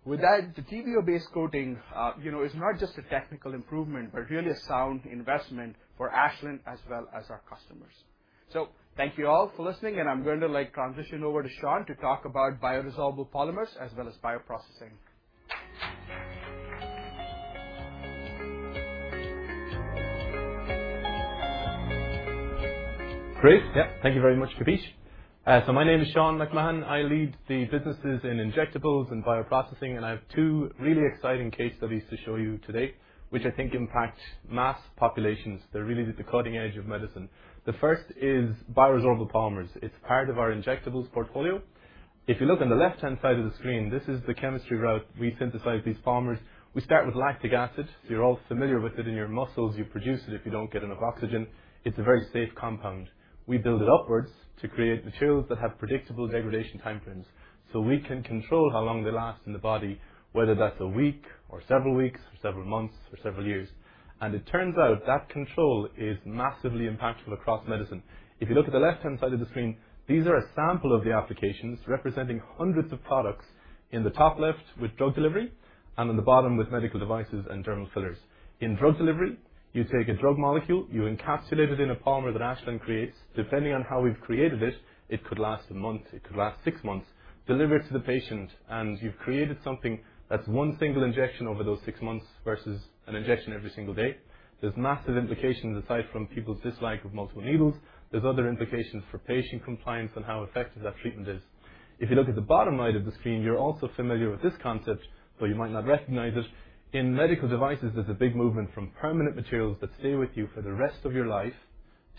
With that, the TVO-based coating is not just a technical improvement, but really a sound investment for Ashland as well as our customers. Thank you all for listening, and I'm going to transition over to Sean to talk about bioresorbable polymers as well as bioprocessing. Great. Thank you very much, Kapish. My name is Seán McMahon. I lead the businesses in injectables and bioprocessing, and I have two really exciting case studies to show you today, which I think impact mass populations. They're really at the cutting edge of medicine. The first is bioresorbable polymers. It's part of our injectables portfolio. If you look on the left-hand side of the screen, this is the chemistry route we synthesize these polymers. We start with lactic acid. You're all familiar with it in your muscles. You produce it if you don't get enough oxygen. It's a very safe compound. We build it upwards to create materials that have predictable degradation time frames. We can control how long they last in the body, whether that's a week or several weeks or several months or several years. It turns out that control is massively impactful across medicine. If you look at the left-hand side of the screen, these are a sample of the applications representing hundreds of products in the top left with drug delivery and on the bottom with medical devices and dermal fillers. In drug delivery, you take a drug molecule, you encapsulate it in a polymer that Ashland creates. Depending on how we've created it, it could last a month, it could last six months, deliver it to the patient, and you've created something that's one single injection over those six months versus an injection every single day. There's massive implications aside from people's dislike of multiple needles. There's other implications for patient compliance and how effective that treatment is. If you look at the bottom right of the screen, you're also familiar with this concept, but you might not recognize it. In medical devices, there's a big movement from permanent materials that stay with you for the rest of your life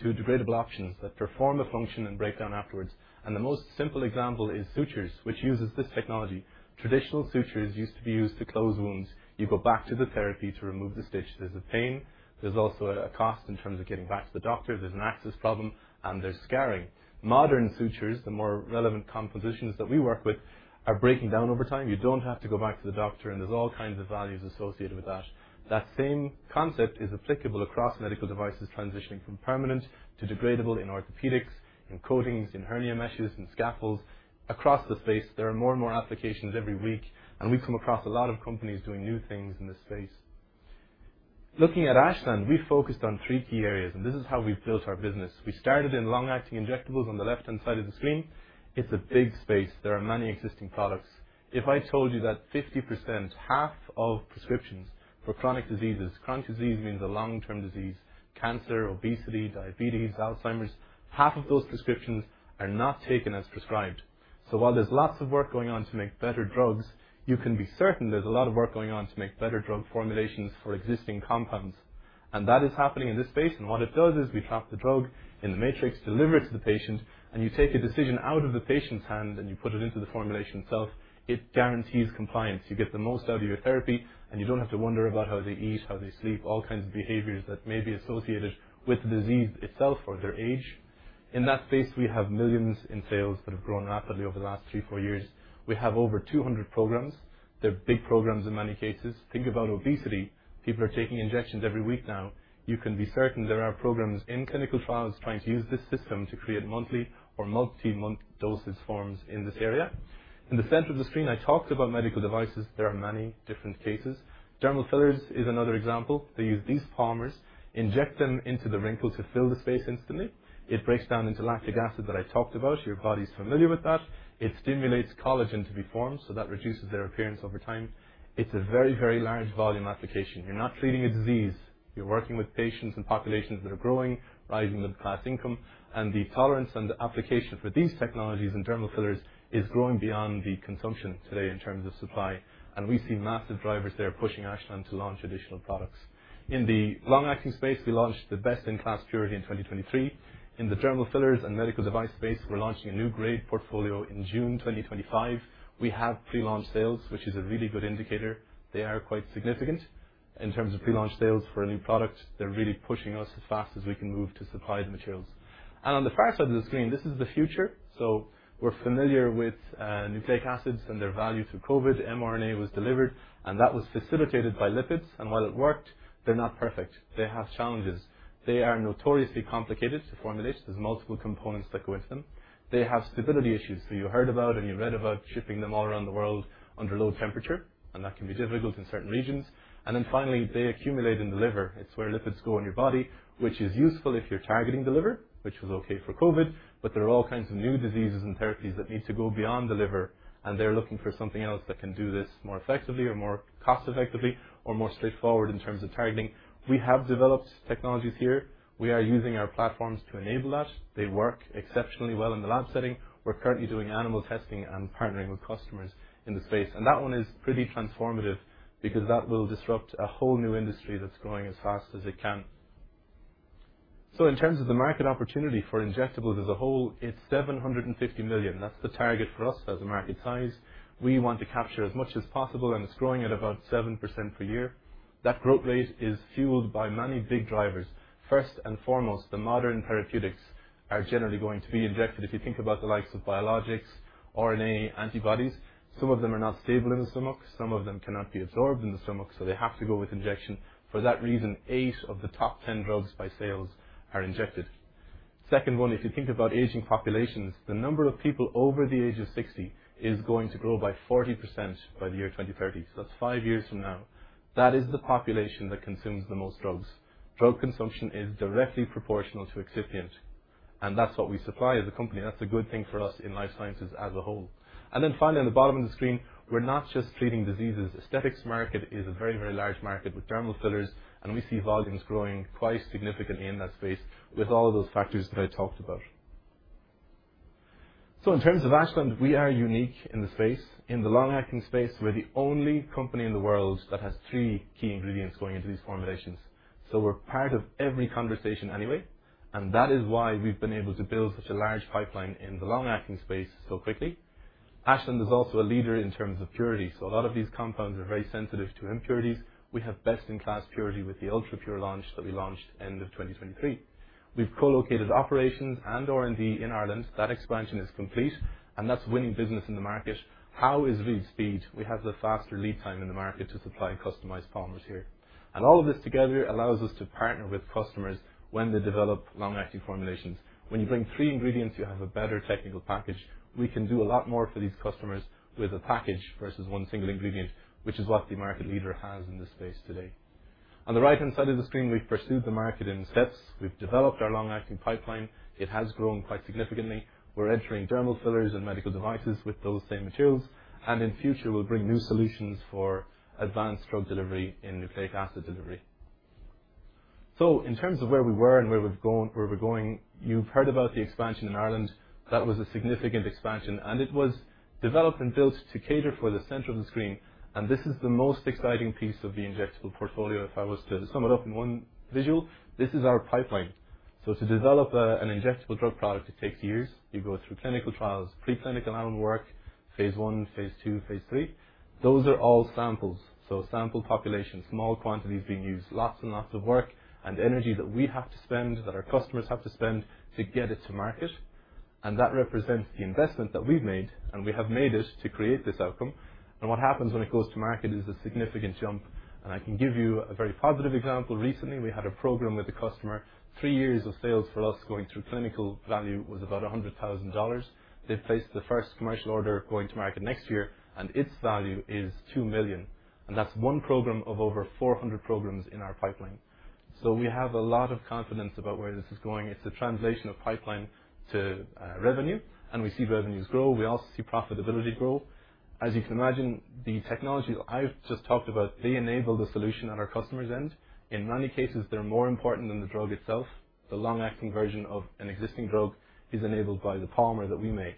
to degradable options that perform a function and break down afterwards. The most simple example is sutures, which uses this technology. Traditional sutures used to be used to close wounds. You go back to the therapy to remove the stitch. There's a pain. There's also a cost in terms of getting back to the doctor. There's an access problem, and there's scarring. Modern sutures, the more relevant compositions that we work with, are breaking down over time. You do not have to go back to the doctor, and there is all kinds of value associated with that. That same concept is applicable across medical devices, transitioning from permanent to degradable in orthopedics, in coatings, in hernia meshes, in scaffolds. Across the face, there are more and more applications every week, and we come across a lot of companies doing new things in this space. Looking at Ashland, we focused on three key areas, and this is how we built our business. We started in long-acting injectables on the left-hand side of the screen. It is a big space. There are many existing products. If I told you that 50%, half of prescriptions for chronic diseases, chronic disease means a long-term disease, cancer, obesity, diabetes, Alzheimer's, half of those prescriptions are not taken as prescribed. While there's lots of work going on to make better drugs, you can be certain there's a lot of work going on to make better drug formulations for existing compounds. That is happening in this space. What it does is we trap the drug in the matrix, deliver it to the patient, and you take a decision out of the patient's hand and you put it into the formulation itself. It guarantees compliance. You get the most out of your therapy, and you don't have to wonder about how they eat, how they sleep, all kinds of behaviors that may be associated with the disease itself or their age. In that space, we have millions in sales that have grown rapidly over the last three, four years. We have over 200 programs. They're big programs in many cases. Think about obesity. People are taking injections every week now. You can be certain there are programs in clinical trials trying to use this system to create monthly or multi-month dosage forms in this area. In the center of the screen, I talked about medical devices. There are many different cases. Dermal fillers is another example. They use these polymers, inject them into the wrinkles to fill the space instantly. It breaks down into lactic acid that I talked about. Your body's familiar with that. It stimulates collagen to be formed, so that reduces their appearance over time. It's a very, very large volume application. You're not treating a disease. You're working with patients and populations that are growing, rising the class income. The tolerance and the application for these technologies and dermal fillers is growing beyond the consumption today in terms of supply. We see massive drivers there pushing Ashland to launch additional products. In the long-acting space, we launched the best-in-class purity in 2023. In the dermal fillers and medical device space, we're launching a new grade portfolio in June 2025. We have pre-launch sales, which is a really good indicator. They are quite significant in terms of pre-launch sales for a new product. They're really pushing us as fast as we can move to supply the materials. On the far side of the screen, this is the future. We're familiar with nucleic acids and their value through COVID. mRNA was delivered, and that was facilitated by lipids. While it worked, they're not perfect. They have challenges. They are notoriously complicated to formulate. There's multiple components that go into them. They have stability issues. You heard about and you read about shipping them all around the world under low temperature, and that can be difficult in certain regions. Finally, they accumulate in the liver. It is where lipids go in your body, which is useful if you are targeting the liver, which is okay for COVID. There are all kinds of new diseases and therapies that need to go beyond the liver, and they are looking for something else that can do this more effectively or more cost-effectively or more straightforward in terms of targeting. We have developed technologies here. We are using our platforms to enable that. They work exceptionally well in the lab setting. We are currently doing animal testing and partnering with customers in the space. That one is pretty transformative because that will disrupt a whole new industry that is growing as fast as it can. In terms of the market opportunity for injectables as a whole, it's $750 million. That's the target for us as the market ties. We want to capture as much as possible, and it's growing at about 7% per year. That growth rate is fueled by many big drivers. First and foremost, the modern therapeutics are generally going to be injected. If you think about the likes of biologics, RNA, antibodies, some of them are not stable in the stomach. Some of them cannot be absorbed in the stomach, so they have to go with injection. For that reason, eight of the top 10 drugs by sales are injected. Second one, if you think about aging populations, the number of people over the age of 60 is going to grow by 40% by the year 2030. That's five years from now. That is the population that consumes the most drugs. Drug consumption is directly proportional to excipients, and that's what we supply as a company. That's a good thing for us in life sciences as a whole. Finally, on the bottom of the screen, we're not just feeding diseases. Aesthetics market is a very, very large market with dermal fillers, and we see volumes growing quite significantly in that space with all of those factors that I talked about. In terms of Ashland, we are unique in the space. In the long-acting space, we're the only company in the world that has three key ingredients going into these formulations. We're part of every conversation anyway, and that is why we've been able to build such a large pipeline in the long-acting space so quickly. Ashland is also a leader in terms of purity. A lot of these compounds are very sensitive to impurities. We have best-in-class purity with the UltraPure launch that we launched at the end of 2023. We have co-located operations and R&D in Ireland. That expansion is complete, and that is winning business in the market. How is lead speed? We have the faster lead time in the market to supply customized polymers here. All of this together allows us to partner with customers when they develop long-acting formulations. When you bring three ingredients, you have a better technical package. We can do a lot more for these customers with a package versus one single ingredient, which is what the market leader has in this space today. On the right-hand side of the screen, we have pursued the market in sets. We have developed our long-acting pipeline. It has grown quite significantly. We're entering dermal fillers and medical devices with those same materials. In future, we'll bring new solutions for advanced drug delivery in nucleic acid delivery. In terms of where we were and where we're going, you've heard about the expansion in Ireland. That was a significant expansion, and it was developed and built to cater for the center of the screen. This is the most exciting piece of the injectable portfolio. If I was to sum it up in one visual, this is our pipeline. To develop an injectable drug product, it takes years. You go through clinical trials, big clinical animal work, phase one, phase two, phase three. Those are all samples. Sample populations, small quantities being used, lots and lots of work and energy that we have to spend, that our customers have to spend to get it to market. That represents the investment that we've made, and we have made it to create this outcome. What happens when it goes to market is a significant jump. I can give you a very positive example. Recently, we had a program with a customer. Three years of sales for us going through clinical value was about $100,000. They faced the first commercial order going to market next year, and its value is $2 million. That is one program of over 400 programs in our pipeline. We have a lot of confidence about where this is going. It's the translation of pipeline to revenue, and we see revenues grow. We also see profitability grow. As you can imagine, the technology I've just talked about, they enable the solution at our customer's end. In many cases, they're more important than the drug itself. The long-acting version of an existing drug is enabled by the polymer that we make.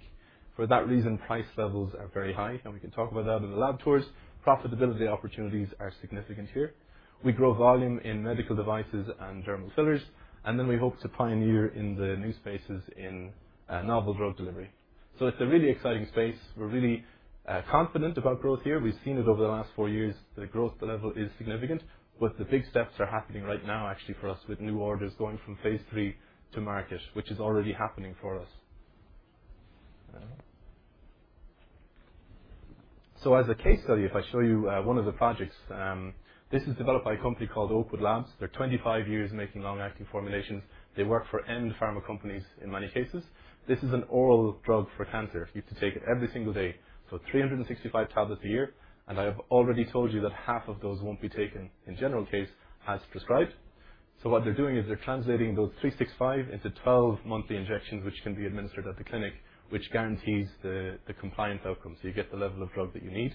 For that reason, price levels are very high, and we can talk about that in the lab tours. Profitability opportunities are significant here. We grow volume in medical devices and dermal fillers, and then we hope to pioneer in the new spaces in novel drug delivery. It is a really exciting space. We are really confident about growth here. We have seen it over the last four years. The growth level is significant, but the big steps are happening right now, actually for us with new orders going from phase three to market, which is already happening for us. As a case study, if I show you one of the projects, this is developed by a company called Oakwood Labs. They are 25 years making long-acting formulations. They work for end pharma companies in many cases. This is an oral drug for cancer. You have to take it every single day. Three hundred sixty-five tablets a year. I have already told you that half of those will not be taken in general case as prescribed. What they are doing is translating those 365 into 12 monthly injections, which can be administered at the clinic, which guarantees the compliant outcome. You get the level of drug that you need.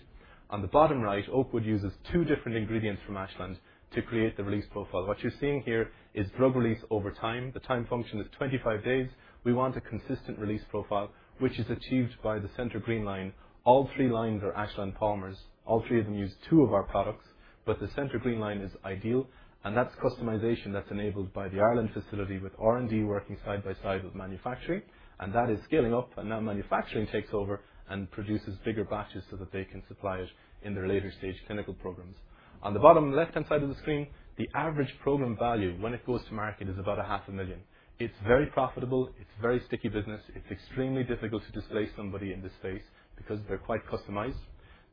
On the bottom right, Oakwood uses two different ingredients from Ashland to create the release profile. What you are seeing here is drug release over time. The time function is 25 days. We want a consistent release profile, which is achieved by the center green line. All three lines are Ashland polymers. All three of them use two of our products, but the center green line is ideal. That's customization that's enabled by the Ireland facility with R&D working side by side with manufacturing. That is scaling up. Now manufacturing takes over and produces bigger batches so that they can supply it in their later stage clinical programs. On the bottom left-hand side of the screen, the average program value when it goes to market is about $500,000. It's very profitable. It's a very sticky business. It's extremely difficult to displace somebody in this space because they're quite customized.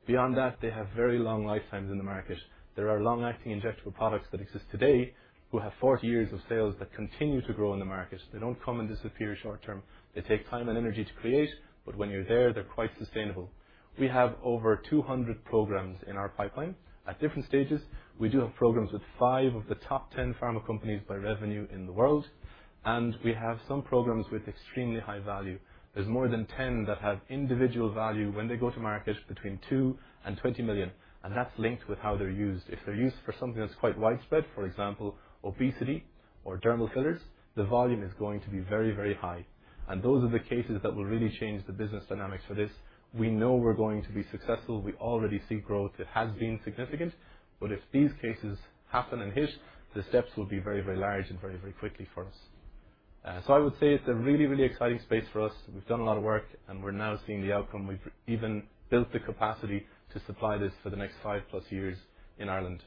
Beyond that, they have very long lifetimes in the market. There are long-acting injectable products that exist today who have 40 years of sales that continue to grow in the market. They don't come and disappear short term. They take time and energy to create, but when you're there, they're quite sustainable. We have over 200 programs in our pipeline at different stages. We do have programs with five of the top 10 pharma companies by revenue in the world. We have some programs with extremely high value. There are more than 10 that have individual value when they go to market between $2 million and $20 million. That is linked with how they are used. If they are used for something that is quite widespread, for example, obesity or dermal fillers, the volume is going to be very, very high. Those are the cases that will really change the business dynamics for this. We know we are going to be successful. We already see growth. It has been significant. If these cases happen and hit, the steps will be very, very large and very, very quickly for us. I would say it is a really, really exciting space for us. We have done a lot of work, and we are now seeing the outcome. We've even built the capacity to supply this for the next five plus years in Ireland.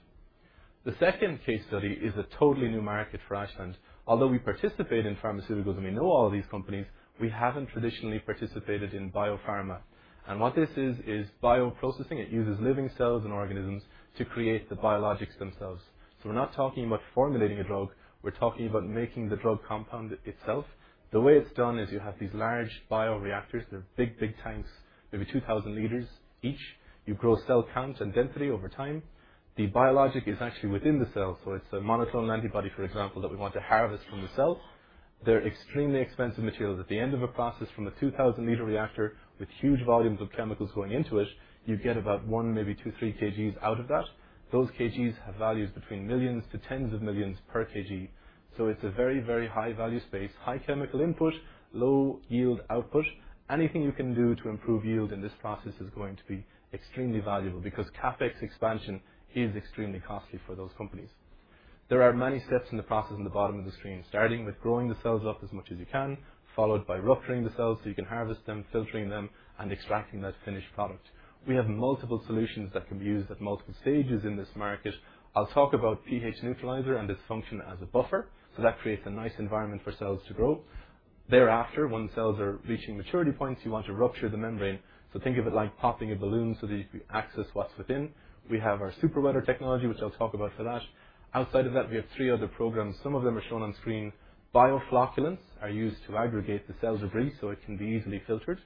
The second case study is a totally new market for Ashland. Although we participate in pharmaceuticals and we know all of these companies, we haven't traditionally participated in biopharma. What this is, is bioprocessing. It uses living cells and organisms to create the biologics themselves. We're not talking about formulating a drug. We're talking about making the drug compound itself. The way it's done is you have these large bioreactors. They're big, big tanks, maybe 2,000 L each. You grow cell counts and density over time. The biologic is actually within the cell. It's a monoclonal antibody, for example, that we want to harvest from the cell. They're extremely expensive materials at the end of a process from a 2,000 L reactor with huge volumes of chemicals going into it. You get about one, maybe two, three kgs out of that. Those kgs have values between millions to tens of millions per kg. It is a very, very high-value space, high chemical input, low yield output. Anything you can do to improve yield in this process is going to be extremely valuable because CapEx expansion is extremely costly for those companies. There are many steps in the process in the bottom of the screen, starting with growing the cells up as much as you can, followed by rupturing the cells so you can harvest them, filtering them, and extracting that finished product. We have multiple solutions that can be used at multiple stages in this market. I'll talk about pH neutralizer and its function as a buffer that creates a nice environment for cells to grow. Thereafter, when cells are reaching maturity points, you want to rupture the membrane. Think of it like popping a balloon so that you can access what's within. We have our superwetter technology, which I'll talk about for that. Outside of that, we have three other programs. Some of them are shown on screen. Bioflocculants are used to aggregate the cells of reef so it can be easily filtered.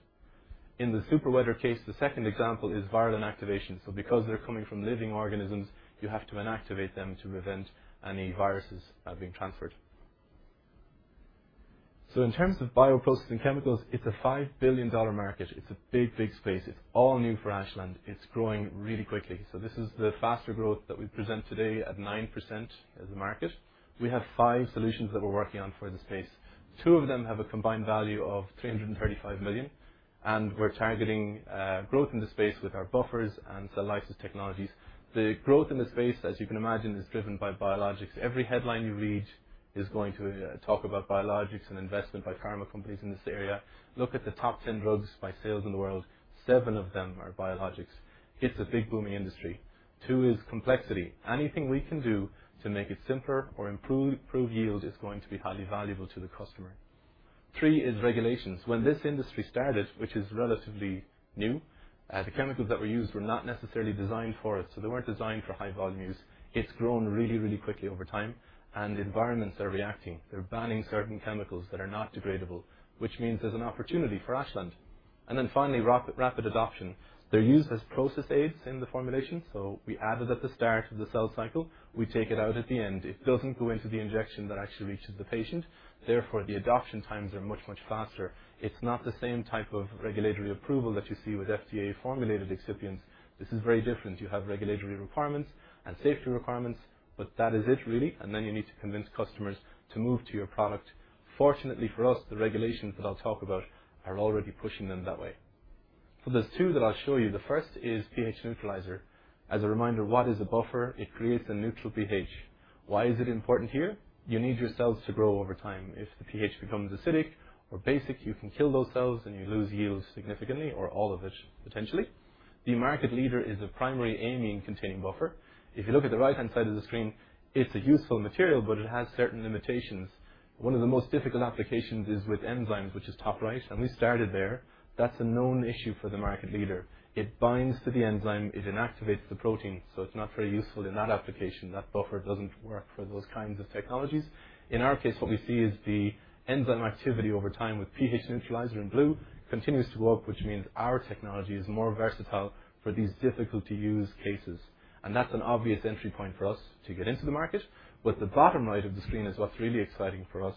In the superwetter case, the second example is viral inactivation. Because they're coming from living organisms, you have to inactivate them to prevent any viruses being transferred. In terms of bioprocessing chemicals, it's a $5 billion market. It's a big, big space. It's all new for Ashland. It's growing really quickly. This is the faster growth that we present today at 9% as a market. We have five solutions that we're working on for the space. Two of them have a combined value of $335 million, and we're targeting growth in the space with our buffers and cell lysis technologies. The growth in the space, as you can imagine, is driven by biologics. Every headline you read is going to talk about biologics and investment by pharma companies in this area. Look at the top 10 drugs by sales in the world. Seven of them are biologics. It's a big booming industry. Two is complexity. Anything we can do to make it simpler or improve yield is going to be highly valuable to the customer. Three is regulations. When this industry started, which is relatively new, the chemicals that were used were not necessarily designed for us. They were not designed for high volumes. It's grown really, really quickly over time. The environments are reacting. They're banning certain chemicals that are not degradable, which means there's an opportunity for Ashland. Finally, rapid adoption. They're used as process aids in the formulation. We add it at the start of the cell cycle. We take it out at the end. It doesn't go into the injection that actually reaches the patient. Therefore, the adoption times are much, much faster. It's not the same type of regulatory approval that you see with FDA-formulated recipients. This is very different. You have regulatory requirements and safety requirements, but that is it really. You need to convince customers to move to your product. Fortunately for us, the regulations that I'll talk about are already pushing them that way. There's two that I'll show you. The first is pH neutralizer. As a reminder, what is a buffer? It creates a neutral pH. Why is it important here? You need your cells to grow over time. If the pH becomes acidic or basic, you can kill those cells and you lose yield significantly or all of it potentially. The market leader is a primary amine-containing buffer. If you look at the right-hand side of the screen, it's a useful material, but it has certain limitations. One of the most difficult applications is with enzymes, which is top right. We started there. That's a known issue for the market leader. It binds to the enzyme. It inactivates the protein. It's not very useful in that application. That buffer doesn't work for those kinds of technologies. In our case, what we see is the enzyme activity over time with pH neutralizer in blue continues to go up, which means our technology is more versatile for these difficult-to-use cases. That is an obvious entry point for us to get into the market. The bottom right of the screen is what is really exciting for us.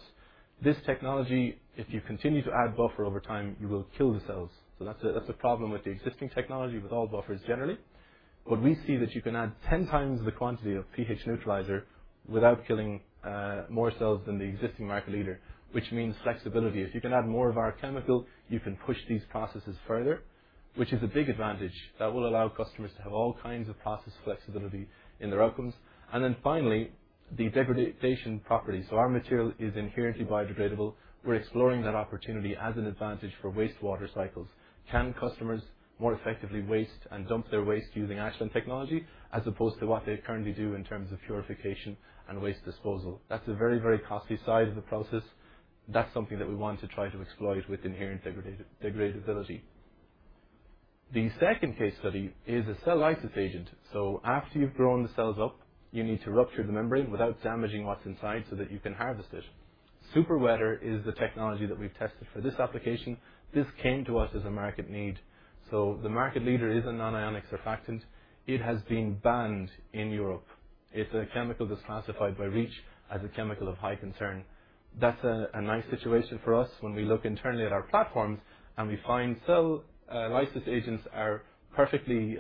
This technology, if you continue to add buffer over time, you will kill the cells. That is a problem with the existing technology, with all buffers generally. We see that you can add 10x the quantity of pH neutralizer without killing more cells than the existing market leader, which means flexibility. If you can add more of our chemical, you can push these processes further, which is a big advantage that will allow customers to have all kinds of process flexibility in their outcomes. Finally, the degradation property. Our material is inherently biodegradable. We are exploring that opportunity as an advantage for wastewater cycles. Can customers more effectively waste and dump their waste using Ashland technology as opposed to what they currently do in terms of purification and waste disposal? That is a very, very costly side of the process. That is something that we want to try to exploit with inherent degradability. The second case study is a cell lysis agent. After you have grown the cells up, you need to rupture the membrane without damaging what is inside so that you can harvest it. Superwetter is the technology that we have tested for this application. This came to us as a market need. The market leader is a non-ionic surfactant. It has been banned in Europe. It is a chemical that is classified by REACH as a chemical of high concern. That is a nice situation for us when we look internally at our platforms and we find cell lysis agents are perfectly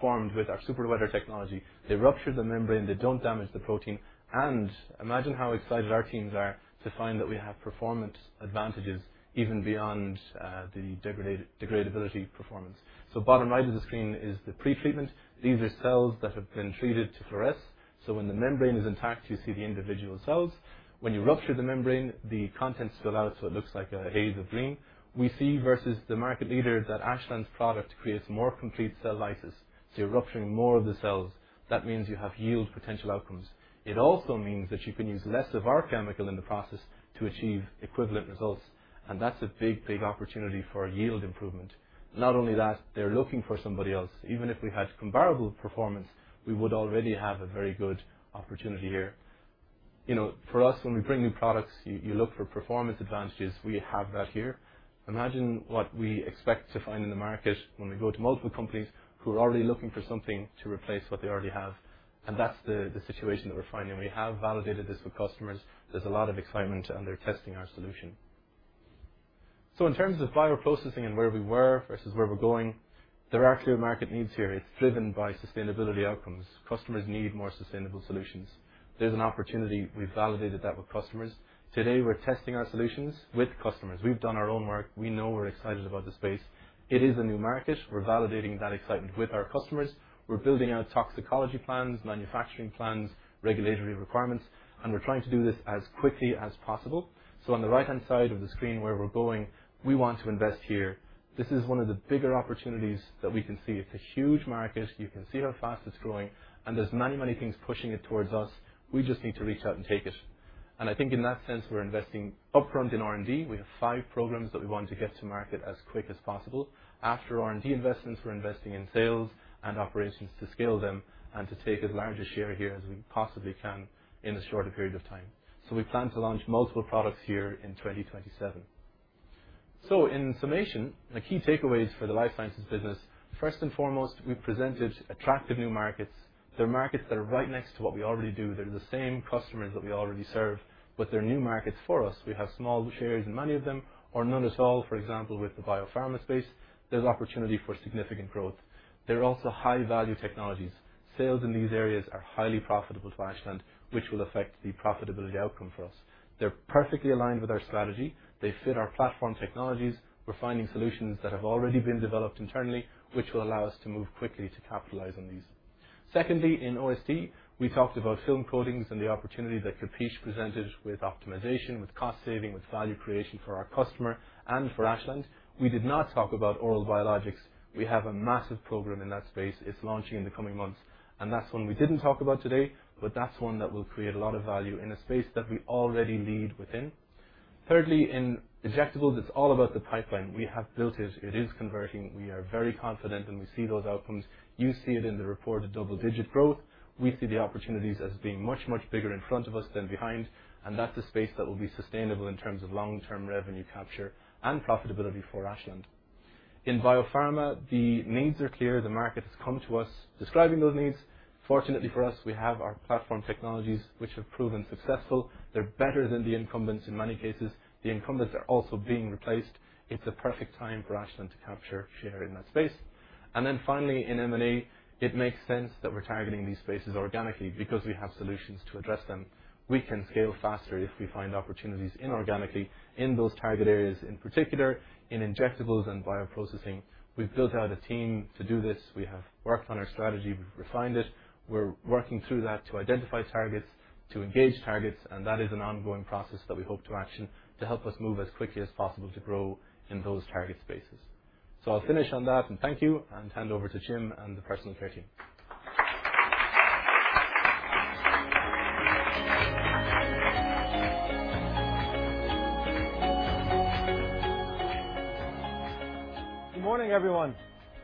formed with our superwetter technology. They rupture the membrane. They don't damage the protein. Imagine how excited our teams are to find that we have performance advantages even beyond the degradability performance. Bottom right of the screen is the pre-treatment. These are cells that have been treated to fluoresce. When the membrane is intact, you see the individual cells. When you rupture the membrane, the contents spill out, so it looks like a haze of green. We see versus the market leader that Ashland's product creates more complete cell lysis. You're rupturing more of the cells. That means you have yield potential outcomes. It also means that you can use less of our chemical in the process to achieve equivalent results. That's a big, big opportunity for yield improvement. Not only that, they're looking for somebody else. Even if we had comparable performance, we would already have a very good opportunity here. You know, for us, when we bring new products, you look for performance advantages. We have that here. Imagine what we expect to find in the market when we go to multiple companies who are already looking for something to replace what they already have. That is the situation that we're finding. We have validated this with customers. There's a lot of excitement, and they're testing our solution. In terms of bioprocessing and where we were versus where we're going, there are a few market needs here. It is driven by sustainability outcomes. Customers need more sustainable solutions. There's an opportunity. We've validated that with customers. Today, we're testing our solutions with customers. We've done our own work. We know we're excited about the space. It is a new market. We're validating that excitement with our customers. We're building out toxicology plans, manufacturing plans, regulatory requirements. We're trying to do this as quickly as possible. On the right-hand side of the screen where we're going, we want to invest here. This is one of the bigger opportunities that we can see. It's a huge market. You can see how fast it's going. There are many, many things pushing it towards us. We just need to reach out and take it. I think in that sense, we're investing upfront in R&D. We have five programs that we want to get to market as quick as possible. After R&D investments, we're investing in sales and operations to scale them and to take as large a share here as we possibly can in the shorter period of time. We plan to launch multiple products here in 2027. In summation, the key takeaways for the life sciences business, first and foremost, we've presented attractive new markets. They're markets that are right next to what we already do. They're the same customers that we already serve. They're new markets for us. We have small shares in many of them or none at all, for example, with the biopharma space. There's opportunity for significant growth. They're also high-value technologies. Sales in these areas are highly profitable to Ashland, which will affect the profitability outcome for us. They're perfectly aligned with our strategy. They fit our platform technologies. We're finding solutions that have already been developed internally, which will allow us to move quickly to capitalize on these. Secondly, in OSD, we talked about film coatings and the opportunity that Capiche presented with optimization, with cost saving, with value creation for our customer and for Ashland. We did not talk about oral biologics. We have a massive program in that space. It's launching in the coming months. That's one we didn't talk about today, but that's one that will create a lot of value in a space that we already lead within. Thirdly, in injectables, it's all about the pipeline. We have built it. It is converting. We are very confident, and we see those outcomes. You see it in the reported double-digit growth. We see the opportunities as being much, much bigger in front of us than behind. That's a space that will be sustainable in terms of long-term revenue capture and profitability for Ashland. In biopharma, the needs are clear. The market has come to us describing those needs. Fortunately for us, we have our platform technologies, which have proven successful. They're better than the incumbents in many cases. The incumbents are also being replaced. It's a perfect time for Ashland to capture share in that space. Finally, in M&A, it makes sense that we're targeting these spaces organically because we have solutions to address them. We can scale faster if we find opportunities inorganically in those target areas, in particular, in injectables and bioprocessing. We've built out a team to do this. We have worked on our strategy. We've refined it. We're working through that to identify targets, to engage targets. That is an ongoing process that we hope to action to help us move as quickly as possible to grow in those target spaces. I'll finish on that and thank you and hand over to Jim and the personal care team. Good morning, everyone.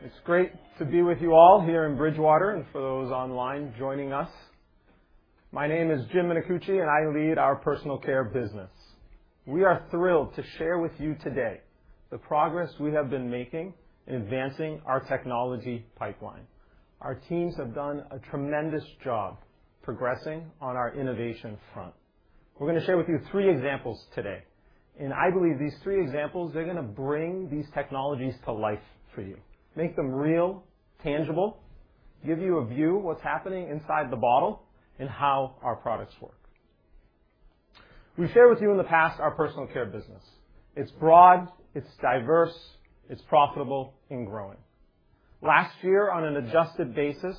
It's great to be with you all here in Bridgewater and for those online joining us. My name is Jim Minicucci, and I lead our personal care business. We are thrilled to share with you today the progress we have been making in advancing our technology pipeline. Our teams have done a tremendous job progressing on our innovation front. We are going to share with you three examples today. I believe these three examples, they are going to bring these technologies to life for you, make them real, tangible, give you a view of what is happening inside the bottle and how our products work. We have shared with you in the past our personal care business. It is broad, it is diverse, it is profitable, and growing. Last year, on an adjusted basis,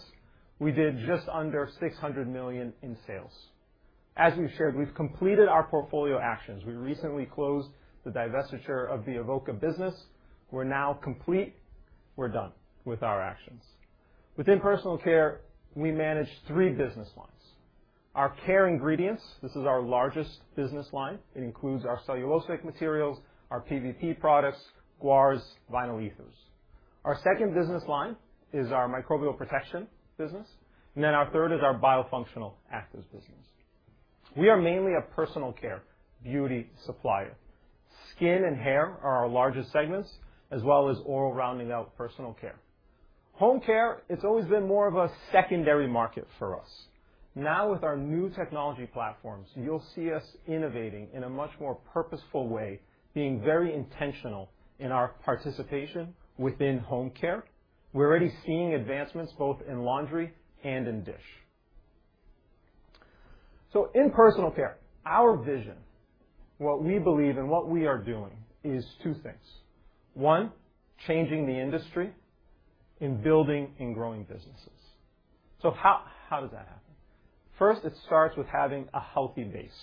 we did just under $600 million in sales. As you shared, we have completed our portfolio actions. We recently closed the divestiture of the Evoca business. We are now complete. We are done with our actions. Within personal care, we manage three business lines. Our care ingredients, this is our largest business line. It includes our cellulose-based materials, our PVP products, guars, vinyl ethers. Our second business line is our microbial protection business. Then our third is our biofunctional actives business. We are mainly a personal care beauty supplier. Skin and hair are our largest segments, as well as oral rounding out personal care. Home care, it has always been more of a secondary market for us. Now, with our new technology platforms, you will see us innovating in a much more purposeful way, being very intentional in our participation within home care. We are already seeing advancements both in laundry, hand, and dish. In personal care, our vision, what we believe and what we are doing is two things. One, changing the industry in building and growing businesses. How does that happen? First, it starts with having a healthy base,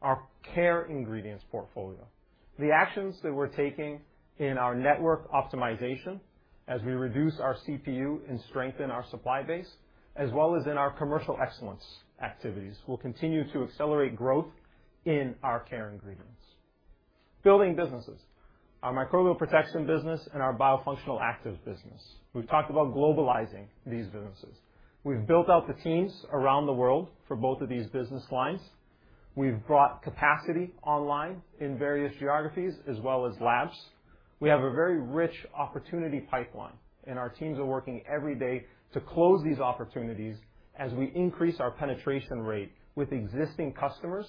our care ingredients portfolio. The actions that we're taking in our network optimization as we reduce our CPU and strengthen our supply base, as well as in our commercial excellence activities, will continue to accelerate growth in our care ingredients. Building businesses, our microbial protection business and our biofunctional actives business. We've talked about globalizing these businesses. We've built out the teams around the world for both of these business lines. We've brought capacity online in various geographies, as well as labs. We have a very rich opportunity pipeline, and our teams are working every day to close these opportunities as we increase our penetration rate with existing customers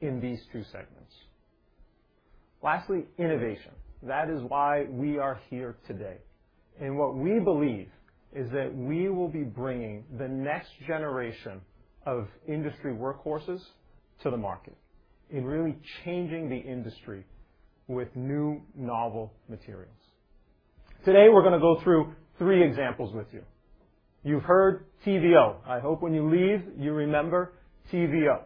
in these two segments. Lastly, innovation. That is why we are here today. What we believe is that we will be bringing the next generation of industry workhorses to the market and really changing the industry with new, novel materials. Today, we're going to go through three examples with you. You've heard TVO. I hope when you leave, you remember TVO.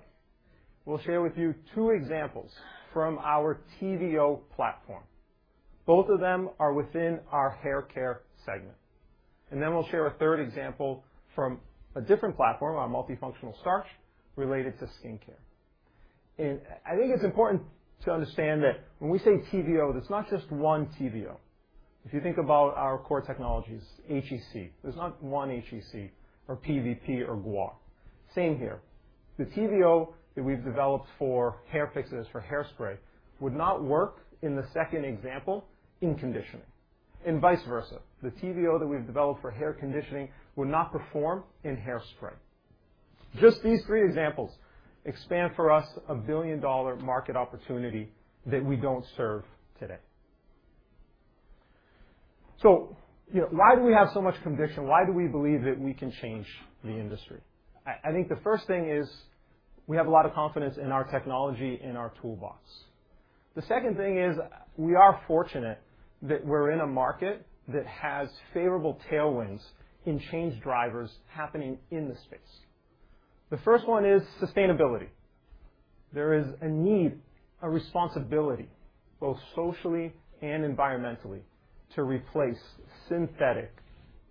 We'll share with you two examples from our TVO platform. Both of them are within our hair care segment. Then we'll share a third example from a different platform, our multifunctional starch, related to skincare. I think it's important to understand that when we say TVO, there's not just one TVO. If you think about our core technologies, HEC, there's not one HEC or PVP or guar. Same here. The TVO that we've developed for hair fixes for hairspray would not work in the second example in conditioning. Vice versa, the TVO that we've developed for hair conditioning would not perform in hairspray. Just these three examples expand for us a billion-dollar market opportunity that we do not serve today. Why do we have so much conviction? Why do we believe that we can change the industry? I think the first thing is we have a lot of confidence in our technology and our toolbox. The second thing is we are fortunate that we are in a market that has favorable tailwinds and change drivers happening in the space. The first one is sustainability. There is a need, a responsibility, both socially and environmentally, to replace synthetic,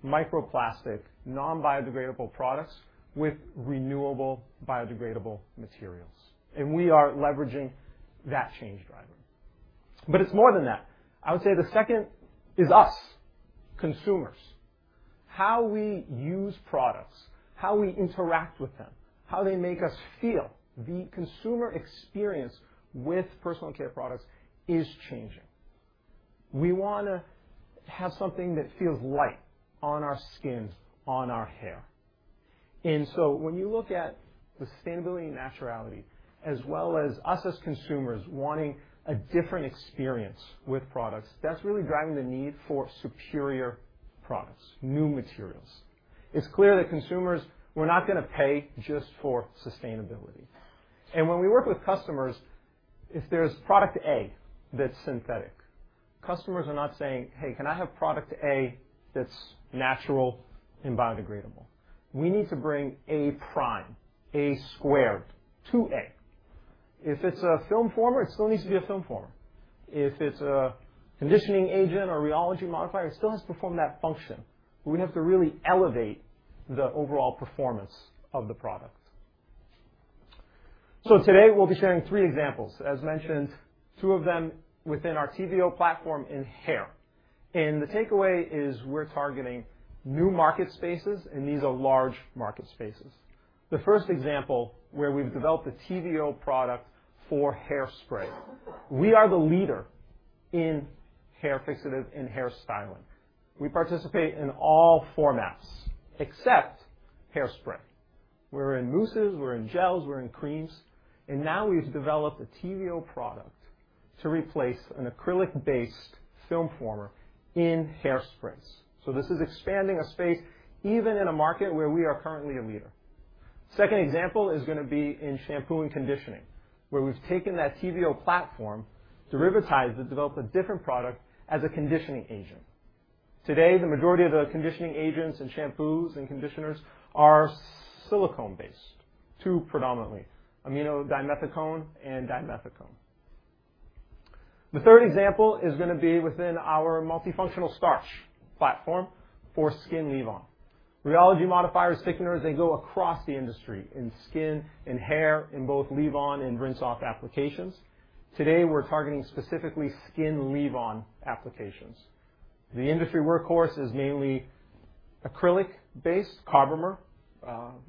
microplastic, non-biodegradable products with renewable biodegradable materials. We are leveraging that change driver. It is more than that. I would say the second is us, consumers. How we use products, how we interact with them, how they make us feel, the consumer experience with personal care products is changing. We want to have something that feels light on our skin, on our hair. When you look at the sustainability and naturality as well as us as consumers wanting a different experience with products, that is really driving the need for superior products, new materials. It is clear that consumers, we are not going to pay just for sustainability. When we work with customers, if there is product A that is synthetic, customers are not saying, "Hey, can I have product A that is natural and biodegradable?" We need to bring A prime, A squared to A. If it is a film former, it still needs to be a film former. If it is a conditioning agent or rheology modifier, it still has to perform that function. We have to really elevate the overall performance of the product. Today, we'll be sharing three examples, as mentioned, two of them within our TVO platform in hair. The takeaway is we're targeting new market spaces, and these are large market spaces. The first example where we've developed a TVO product for hairspray. We are the leader in hair fixatives and hair styling. We participate in all formats except hairspray. We're in mousses, we're in gels, we're in creams. Now we've developed a TVO product to replace an acrylic-based film former in hairsprays. This is expanding a space even in a market where we are currently a leader. The second example is going to be in shampoo and conditioning, where we've taken that TVO platform, derivatized it, developed a different product as a conditioning agent. Today, the majority of the conditioning agents in shampoos and conditioners are silicone-based, two predominantly, amino dimethicone and dimethicone. The third example is going to be within our multifunctional starches platform for skin leave-on. Rheology modifiers, thickeners, they go across the industry in skin and hair in both leave-on and rinse-off applications. Today, we're targeting specifically skin leave-on applications. The industry workhorse is mainly acrylic-based carbomer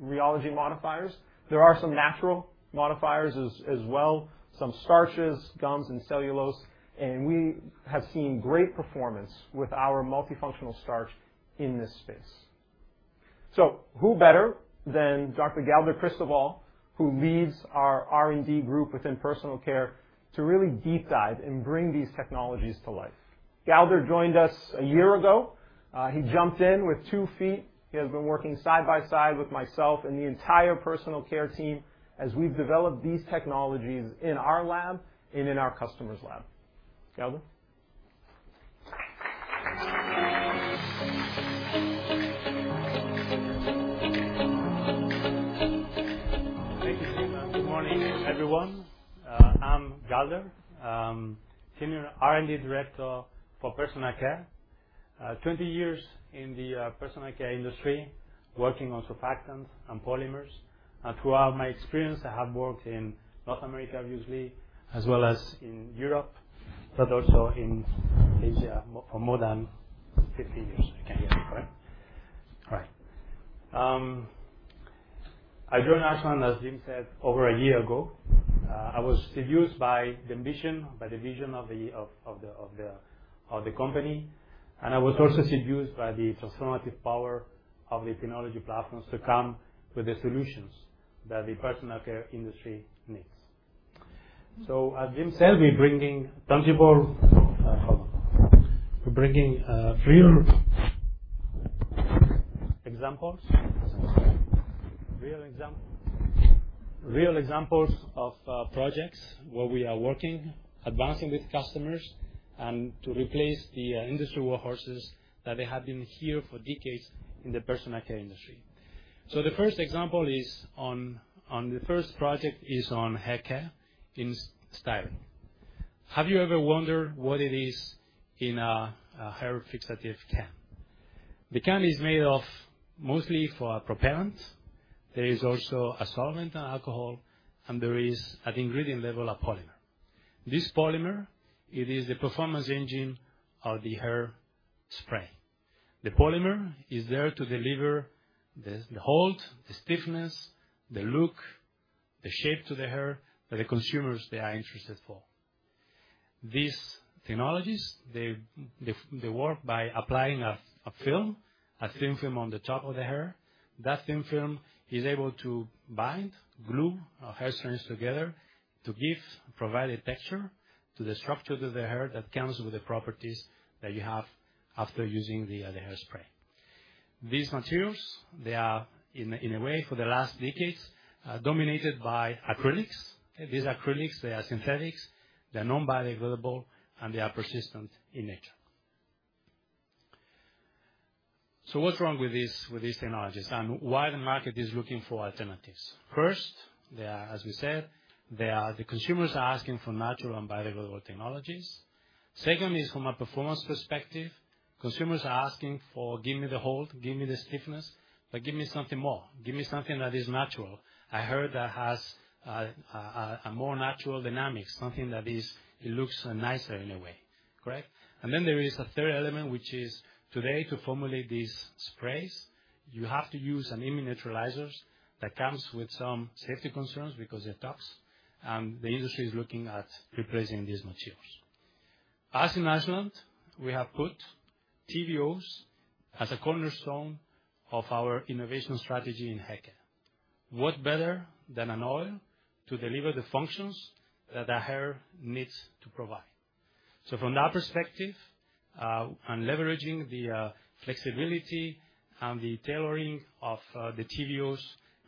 rheology modifiers. There are some natural modifiers as well, some starches, gums, and cellulose. We have seen great performance with our multifunctional starches in this space. Who better than Dr. Galder Cristobal, who leads our R&D group within personal care, to really deep dive and bring these technologies to life? Galder joined us a year ago. He jumped in with two feet. He has been working side by side with myself and the entire personal care team as we've developed these technologies in our lab and in our customer's lab. Galder. Good morning, everyone. I'm Galder, Senior R&D Director for Personal Care. Twenty years in the personal care industry, working on surfactants and polymers. Throughout my experience, I have worked in North America usually, as well as in Europe. In Asia for more than 15 years. I can hear you, correct? Right. I joined Ashland, as Jim said, over a year ago. I was seduced by the ambition, by the vision of the company. I was also seduced by the transformative power of the technology platforms to come with the solutions that the personal care industry needs. As Jim said, we're bringing tangible examples of projects where we are working, advancing with customers, to replace the industry workhorses that have been here for decades in the personal care industry. The first example is, the first project is on hair care in styling. Have you ever wondered what it is in a hair fixative can? The can is made of mostly a propellant. There is also a solvent and alcohol, and there is at the ingredient level a polymer. This polymer, it is the performance engine of the hair spray. The polymer is there to deliver the hold, the stiffness, the look, the shape to the hair that the consumers, they are interested for. These technologies, they work by applying a film, a thin film on the top of the hair. That thin film is able to bind, glue hair strands together to give, provide a texture to the structure of the hair that comes with the properties that you have after using the hairspray. These materials, they are in a way for the last decades dominated by acrylics. These acrylics, they are synthetic, they are non-biodegradable, and they are persistent in nature. What's wrong with these technologies and why the market is looking for alternatives? First, as we said, the consumers are asking for natural and biodegradable technologies. Second, from a performance perspective, consumers are asking for, "Give me the hold, give me the stiffness, but give me something more. Give me something that is natural." I heard that has a more natural dynamic, something that looks nicer in a way, correct? There is a third element, which is today to formulate these sprays, you have to use an amine neutralizer that comes with some health concerns because it touches. The industry is looking at replacing these materials. As in Ashland, we have put TVOs as a cornerstone of our innovation strategy in hair care. What better than an oil to deliver the functions that the hair needs to provide? From that perspective, and leveraging the flexibility and the tailoring of the TVOs,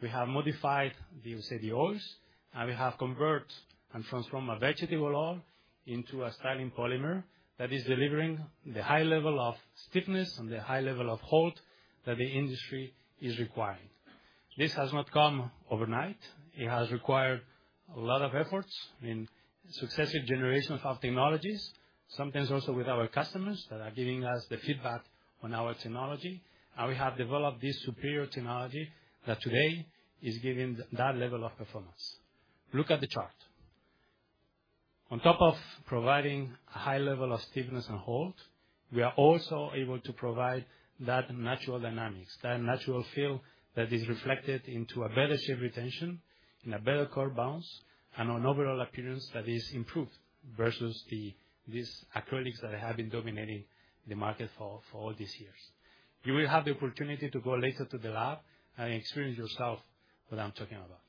we have modified the oils, and we have converted and transformed a vegetable oil into a styling polymer that is delivering the high level of stiffness and the high level of hold that the industry is requiring. This has not come overnight. It has required a lot of efforts in successive generations of technologies, sometimes also with our customers that are giving us the feedback on our technology. We have developed this superior technology that today is giving that level of performance. Look at the chart. On top of providing a high level of stiffness and hold, we are also able to provide that natural dynamics, that natural feel that is reflected into a better shape retention, in a better curve bounce, and an overall appearance that is improved versus these acrylics that have been dominating the market for all these years. You will have the opportunity to go later to the lab and experience yourself what I'm talking about.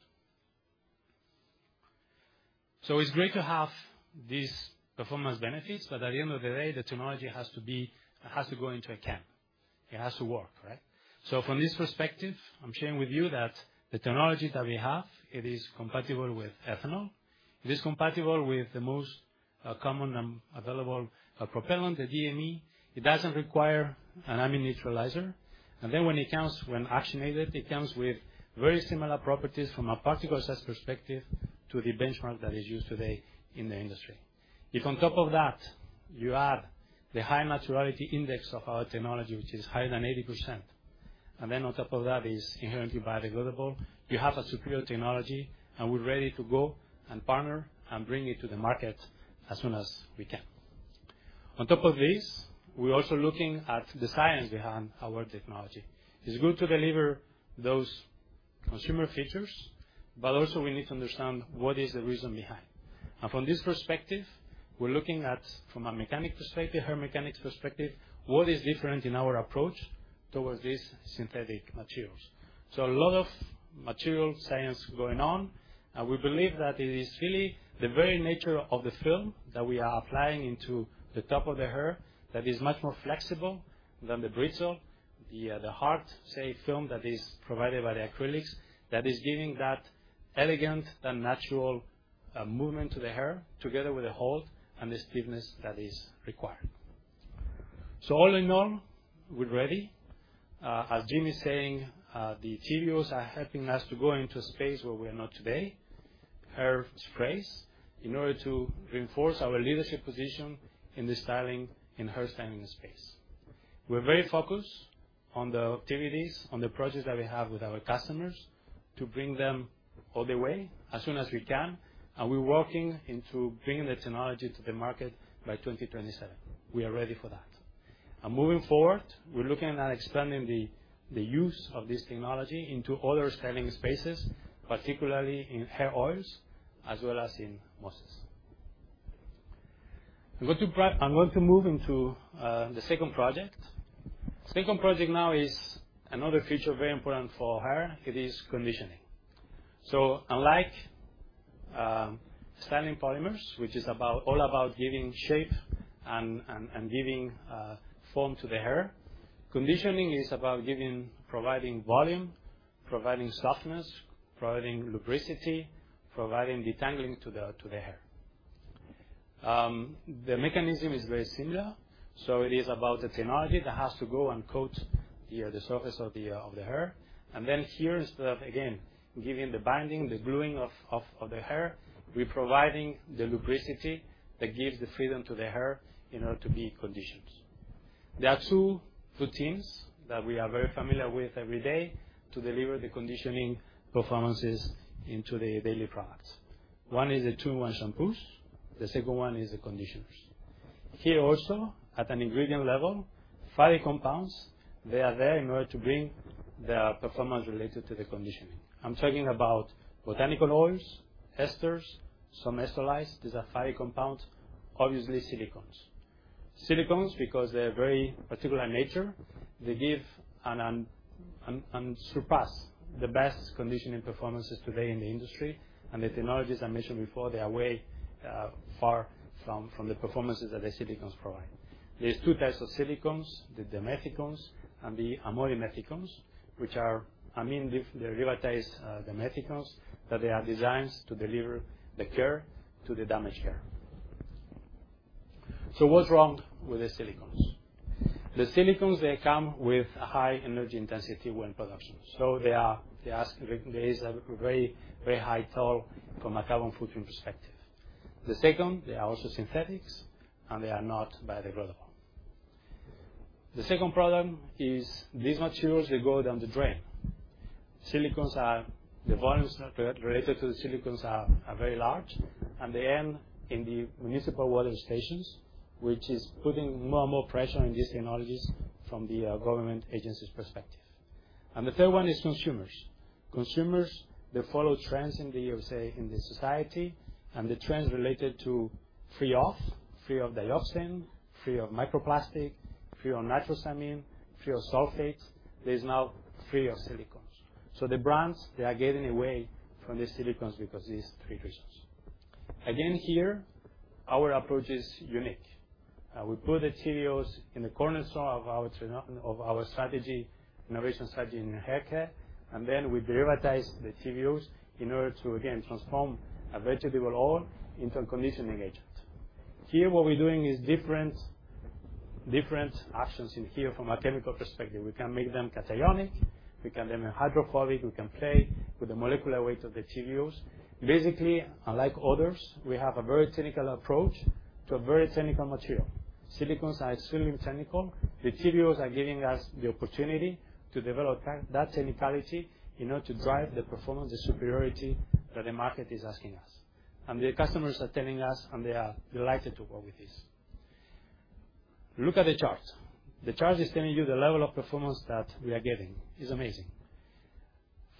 It is great to have these performance benefits, but at the end of the day, the technology has to go into a camp. It has to work, right? From this perspective, I'm sharing with you that the technology that we have, it is compatible with ethanol. It is compatible with the most common and available propellant, the DME. It doesn't require an amino neutralizer. When it comes, when actionated, it comes with very similar properties from a particle size perspective to the benchmark that is used today in the industry. If on top of that, you add the high naturality index of our technology, which is higher than 80%, and then on top of that is inherently biodegradable, you have a superior technology, and we're ready to go and partner and bring it to the market as soon as we can. On top of this, we're also looking at the science behind our technology. It's good to deliver those consumer features, but also we need to understand what is the reason behind. From this perspective, we're looking at, from a mechanical perspective, hair mechanics perspective, what is different in our approach towards these synthetic materials. A lot of material science going on, and we believe that it is really the very nature of the film that we are applying into the top of the hair that is much more flexible than the brittle, the hard, say, film that is provided by the acrylics that is giving that elegant and natural movement to the hair together with the hold and the stiffness that is required. All in all, we're ready. As Jim is saying, the TVOs are helping us to go into a space where we are not today, hair sprays, in order to reinforce our leadership position in the styling and hair styling space. We're very focused on the activities, on the projects that we have with our customers to bring them all the way as soon as we can. We're working into bringing the technology to the market by 2027. We are ready for that. Moving forward, we're looking at expanding the use of this technology into other styling spaces, particularly in hair oils, as well as in mousses. I'm going to move into the second project. Second project now is another feature very important for hair. It is conditioning. Unlike styling polymers, which is all about giving shape and giving form to the hair, conditioning is about giving, providing volume, providing softness, providing lubricity, providing detangling to the hair. The mechanism is very similar. It is about a technology that has to go and coat the surface of the hair. Here, instead of, again, giving the binding, the gluing of the hair, we're providing the lubricity that gives the freedom to the hair in order to be conditioned. There are two routines that we are very familiar with every day to deliver the conditioning performances into the daily products. One is the two-in-one shampoos. The second one is the conditioners. Here also, at an ingredient level, fatty compounds, they are there in order to bring the performance related to the conditioning. I'm talking about botanical oils, esters, some ester-likes, these are fatty compounds, obviously silicones. Silicones, because they're very particular in nature, they give and surpass the best conditioning performances today in the industry. The technologies I mentioned before, they are way far from the performances that the silicones provide. are two types of silicones, the dimethicones and the amodimethicones, which are amine derivatives, dimethicones that they are designed to deliver the care to the damaged hair. What is wrong with the silicones? The silicones, they come with a high energy intensity when produced. They are very, very high toll from a carbon footing perspective. The second, they are also synthetics, and they are not biodegradable. The second problem is these materials will go down the drain. Silicones are, the volumes related to the silicones are very large, and they end in the municipal water stations, which is putting more and more pressure in these technologies from the government agencies' perspective. The third one is consumers. Consumers, they follow trends in the society and the trends related to free of, free of dioxin, free of microplastic, free of nitrosamine, free of sulfate. There is now free of silicones. The brands, they are getting away from the silicones because of these three reasons. Again, here, our approach is unique. We put the TVOs in the cornerstone of our strategy, innovation strategy in hair care, and then we derivatize the TVOs in order to, again, transform a vegetable oil into a conditioning agent. Here, what we're doing is different actions in here from a chemical perspective. We can make them cationic. We can make them hydrophobic. We can fade with the molecular weight of the TVOs. Basically, unlike others, we have a very technical approach to a very technical material. Silicones are extremely technical. The TVOs are giving us the opportunity to develop that technicality in order to drive the performance, the superiority that the market is asking us. The customers are telling us, and they are delighted to work with this. Look at the chart. The chart is telling you the level of performance that we are getting. It's amazing.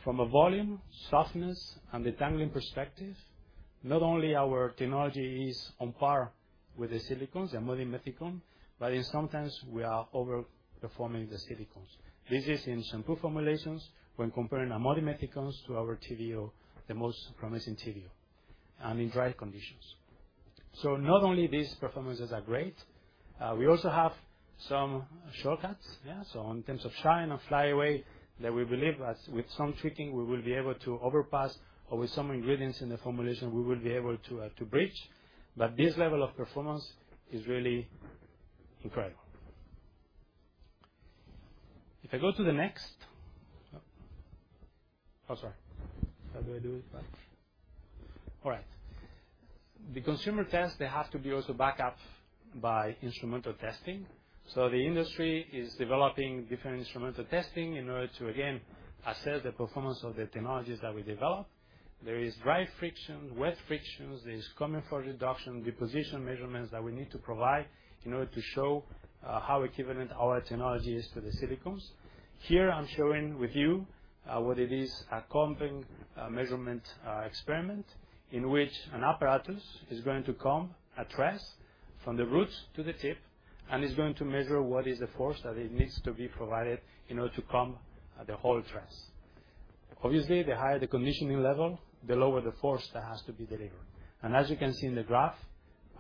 From a volume, softness, and detangling perspective, not only our technology is on par with the silicones, the amodimethicone, but in some sense, we are overperforming the silicones. This is in shampoo formulations when comparing amodimethicones to our TVO, the most promising TVO, and in dry conditions. Not only are these performances great, we also have some shortcuts. In terms of shine and flyaway, we believe that with some tweaking, we will be able to overpass, or with some ingredients in the formulation, we will be able to bridge. This level of performance is really incredible. If I go to the next, oh, sorry. How do I do it? All right. The consumer tends, they have to be also backed up by instrumental testing. The industry is developing different instrumental testing in order to, again, assess the performance of the technologies that we develop. There is dry friction, wet friction. There is combing for the tress and deposition measurements that we need to provide in order to show how equivalent our technology is to the silicones. Here, I am showing with you what it is, a combing measurement experiment in which an apparatus is going to comb a tress from the roots to the tip, and it is going to measure what is the force that needs to be provided in order to comb the whole tress. Obviously, the higher the conditioning level, the lower the force that has to be delivered. As you can see in the graph,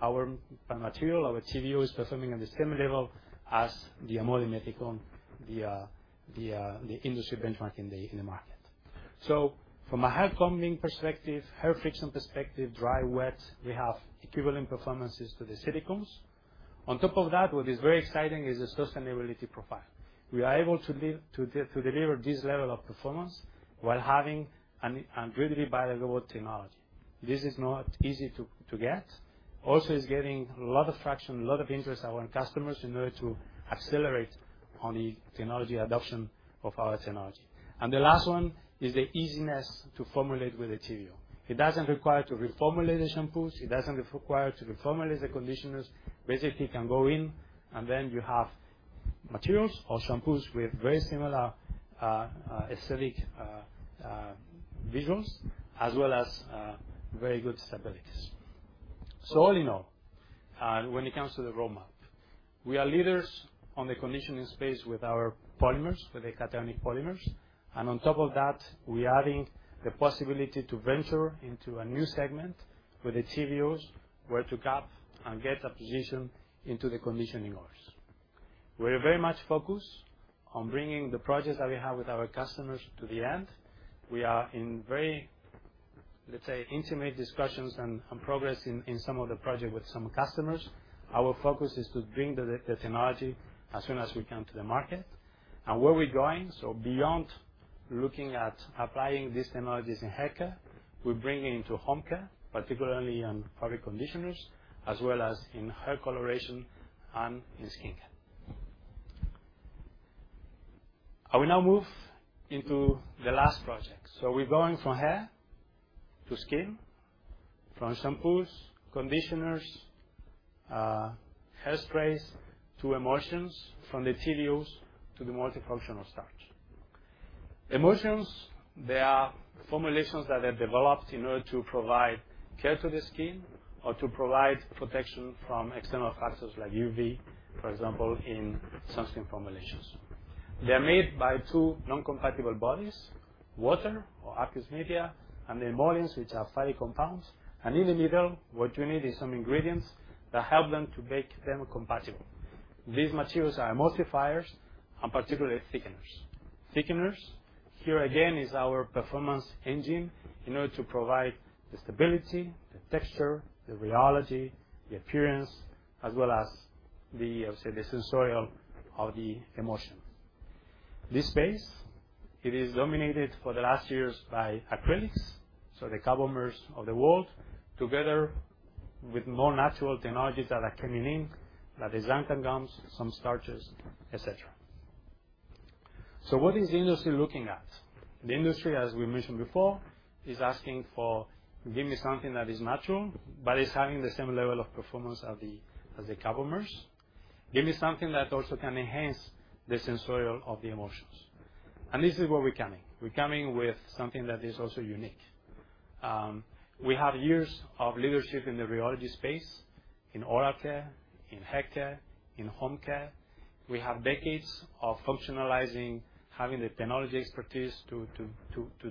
our material, our TVO, is performing at the same level as the amodimethicone, the industry benchmark in the market. From a hair combing perspective, hair friction perspective, dry, wet, we have equivalent performances to the silicones. On top of that, what is very exciting is the sustainability profile. We are able to deliver this level of performance while having an embedded biodegradable technology. This is not easy to get. Also, it is getting a lot of traction, a lot of interest from our customers in order to accelerate on the technology adoption of our technology. The last one is the easiness to formulate with the TVO. It does not require to reformulate the shampoos. It does not require to reformulate the conditioners. Basically, you can go in, and then you have materials or shampoos with very similar aesthetic visuals, as well as very good stabilities. All in all, when it comes to the roadmap, we are leaders on the conditioning space with our polymers, with the cationic polymers. On top of that, we are adding the possibility to venture into a new segment with the TVOs where to gap and get a position into the conditioning oils. We are very much focused on bringing the projects that we have with our customers to the end. We are in very, let's say, intimate discussions and progress in some of the projects with some customers. Our focus is to bring the technology as soon as we can to the market. Where we're going, beyond looking at applying these technologies in hair care, we're bringing into home care, particularly on fabric conditioners, as well as in hair coloration and in skincare. I will now move into the last project. We are going from hair to skin, from shampoos, conditioners, hair sprays to emulsions, from the TVOs to the multifunctional starch. Emulsions, they are formulations that are developed in order to provide care to the skin or to provide protection from external factors like UV, for example, in sunscreen formulations. They are made by two non-compatible bodies, water or aqueous media, and the emollients, which are fatty compounds. In the middle, what you need is some ingredients that help them to make them compatible. These materials are emulsifiers and particularly thickeners. Thickeners, here again, is our performance engine in order to provide the stability, the texture, the rheology, the appearance, as well as the, I would say, the sensorial of the emulsion. This space, it is dominated for the last years by acrylics, so the carbomers of the world, together with more natural technologies that are coming in, like the xanthan gums, some starches, etc. What is the industry looking at? The industry, as we mentioned before, is asking for, give me something that is natural, but is having the same level of performance as the carbomers. Give me something that also can enhance the sensorial of the emulsions. This is where we're coming. We're coming with something that is also unique. We have years of leadership in the rheology space, in oil care, in hair care, in home care. We have decades of functionalizing, having the technology expertise to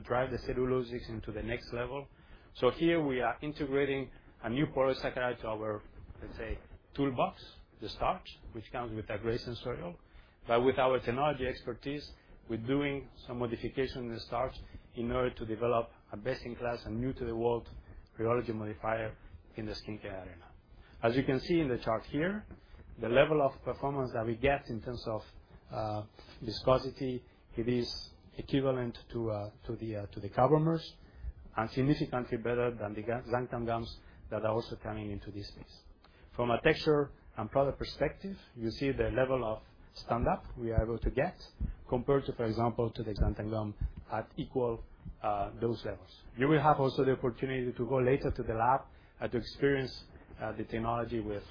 drive the cellulosics into the next level. Here, we are integrating a new product saccharide to our, let's say, toolbox, the starch, which comes with a great sensorial. With our technology expertise, we're doing some modification in the starch in order to develop a best-in-class and new-to-the-world rheology modifier in the skincare arena. As you can see in the chart here, the level of performance that we get in terms of viscosity, it is equivalent to the carbomers and significantly better than the xanthan gums that are also coming into this space. From a texture and product perspective, you see the level of sand dust we are able to get compared to, for example, to the xanthan gum at equal dose levels. You will have also the opportunity to go later to the lab and to experience the technology with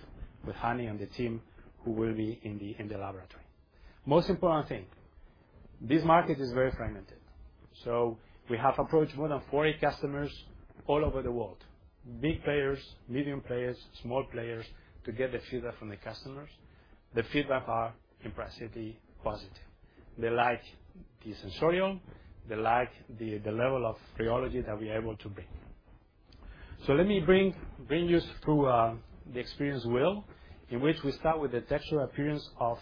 Hani and the team who will be in the laboratory. Most important thing, this market is very fragmented. We have approached more than 40 customers all over the world, big players, medium players, small players to get the feedback from the customers. The feedback are impressively positive. They like the sensorial, they like the level of rheology that we are able to bring. Let me bring you through the experience wheel in which we start with the texture appearance of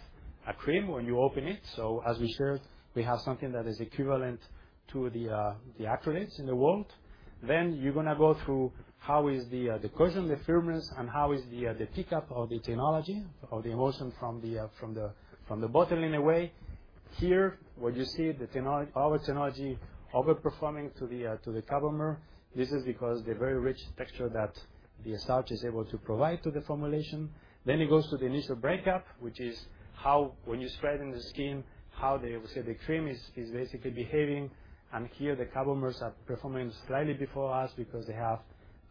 a cream when you open it. As we shared, we have something that is equivalent to the acrylics in the world. You are going to go through how is the cushion, the firmness, and how is the pickup of the technology of the emulsion from the bottle in a way. Here, what you see, our technology overperforming to the carbomer. This is because the very rich texture that the starch is able to provide to the formulation. It goes to the initial breakup, which is how, when you spread it on the skin, how the cream is basically behaving. Here, the carbomers are performing slightly before us because they have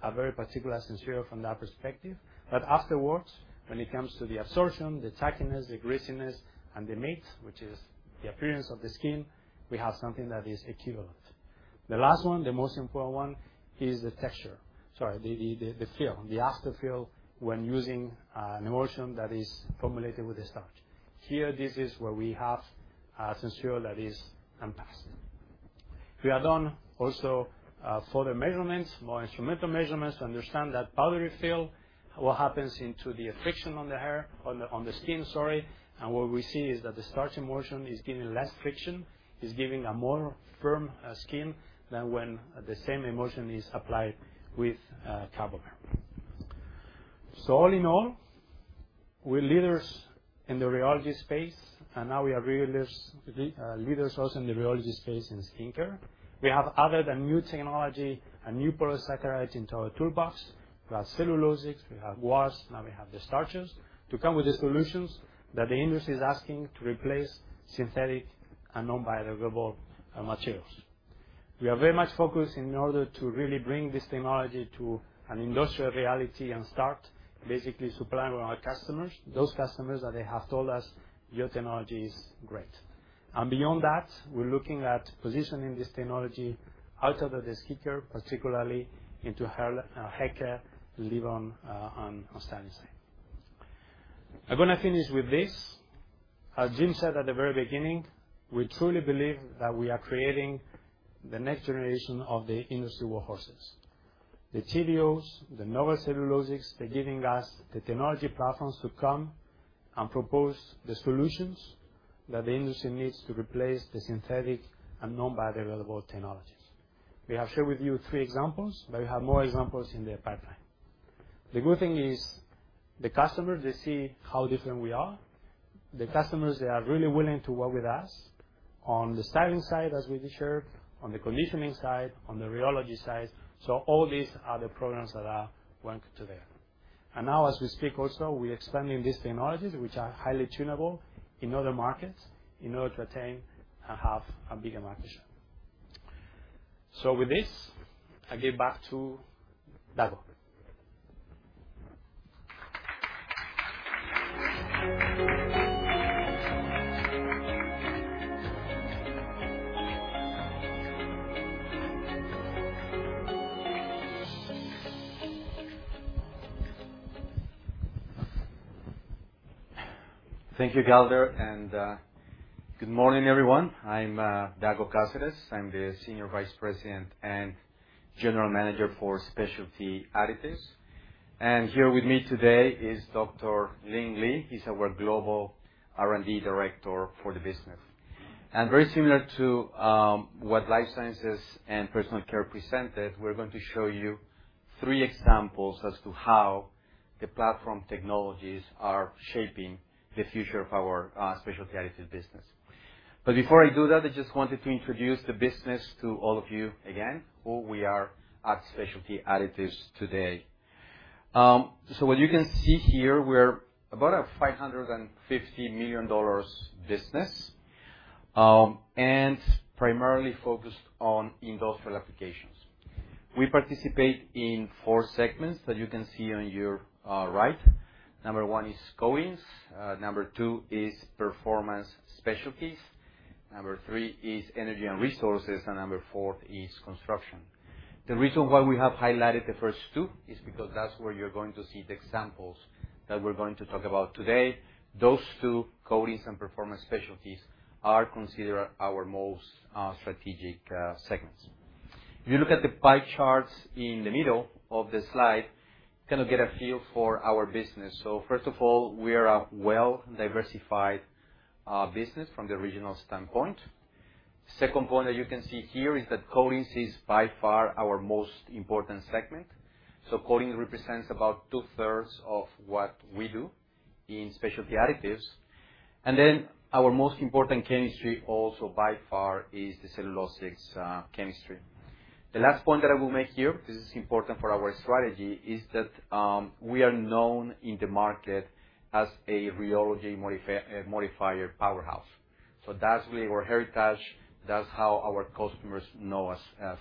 a very particular sensorial from that perspective. Afterwards, when it comes to the absorption, the tackiness, the greasiness, and the mate, which is the appearance of the skin, we have something that is equivalent. The last one, the most important one, is the texture, sorry, the feel, the after-feel when using an emulsion that is formulated with the starch. Here, this is where we have a sensorial that is unpassed. We are done also for the measurements, more instrumental measurements to understand that powdery feel, what happens into the friction on the hair, on the skin, sorry, and what we see is that the starch emulsion is giving less friction, is giving a more firm skin than when the same emulsion is applied with carbomer. All in all, we're leaders in the rheology space, and now we are leaders also in the rheology space in skincare. We have, other than new technology, a new product saccharide into our toolbox. We have cellulosics, we have wasps, now we have the starches to come with the solutions that the industry is asking to replace synthetic and non-biodegradable materials. We are very much focused in order to really bring this technology to an industrial reality and start basically supplying our customers, those customers that they have told us, your technology is great. Beyond that, we're looking at positioning this technology outside of the skincare, particularly into hair care, leave on and salicylate. I'm going to finish with this. As Jim said at the very beginning, we truly believe that we are creating the next generation of the industry warhorses. The TVOs, the novel cellulosics, they're giving us the technology platforms to come and propose the solution that the industry needs to replace the synthetic and non-biodegradable technologies. We have shared with you three examples, but we have more examples in the pipeline. The good thing is the customers, they see how different we are. The customers, they are really willing to work with us on the styling side, as we shared, on the conditioning side, on the rheology side. All these are the programs that are going to there. Now, as we speak also, we're expanding these technologies, which are highly tunable in other markets in order to attain and have a bigger market share. With this, I give back to Doug. Thank you, Galder. Good morning, everyone. I'm Dago Caceres. I'm the Senior Vice President and General Manager for Specialty Additives. Here with me today is Dr. Ling Li. He's our Global R&D Director for the business. Very similar to what Life Sciences and Personal Care presented, we're going to show you three examples as to how the platform technologies are shaping the future of our specialty additive business. Before I do that, I just wanted to introduce the business to all of you again, who we are at Specialty Additives today. What you can see here, we're about a $550 million business and primarily focused on industrial applications. We participate in four segments that you can see on your right. Number one is coatings. Number two is performance specialties. Number three is energy and resources, and number four is construction. The reason why we have highlighted the first two is because that's where you're going to see the examples that we're going to talk about today. Those two coatings and performance specialties are considered our most strategic segments. If you look at the pie charts in the middle of the slide, you kind of get a feel for our business. First of all, we are a well-diversified business from the regional standpoint. The second point that you can see here is that coatings is by far our most important segment. Coatings represents about 2/3 of what we do in specialty additives. Our most important chemistry also by far is the cellulosics chemistry. The last point that I will make here, this is important for our strategy, is that we are known in the market as a rheology modifier powerhouse. That is really our heritage. That is how our customers know us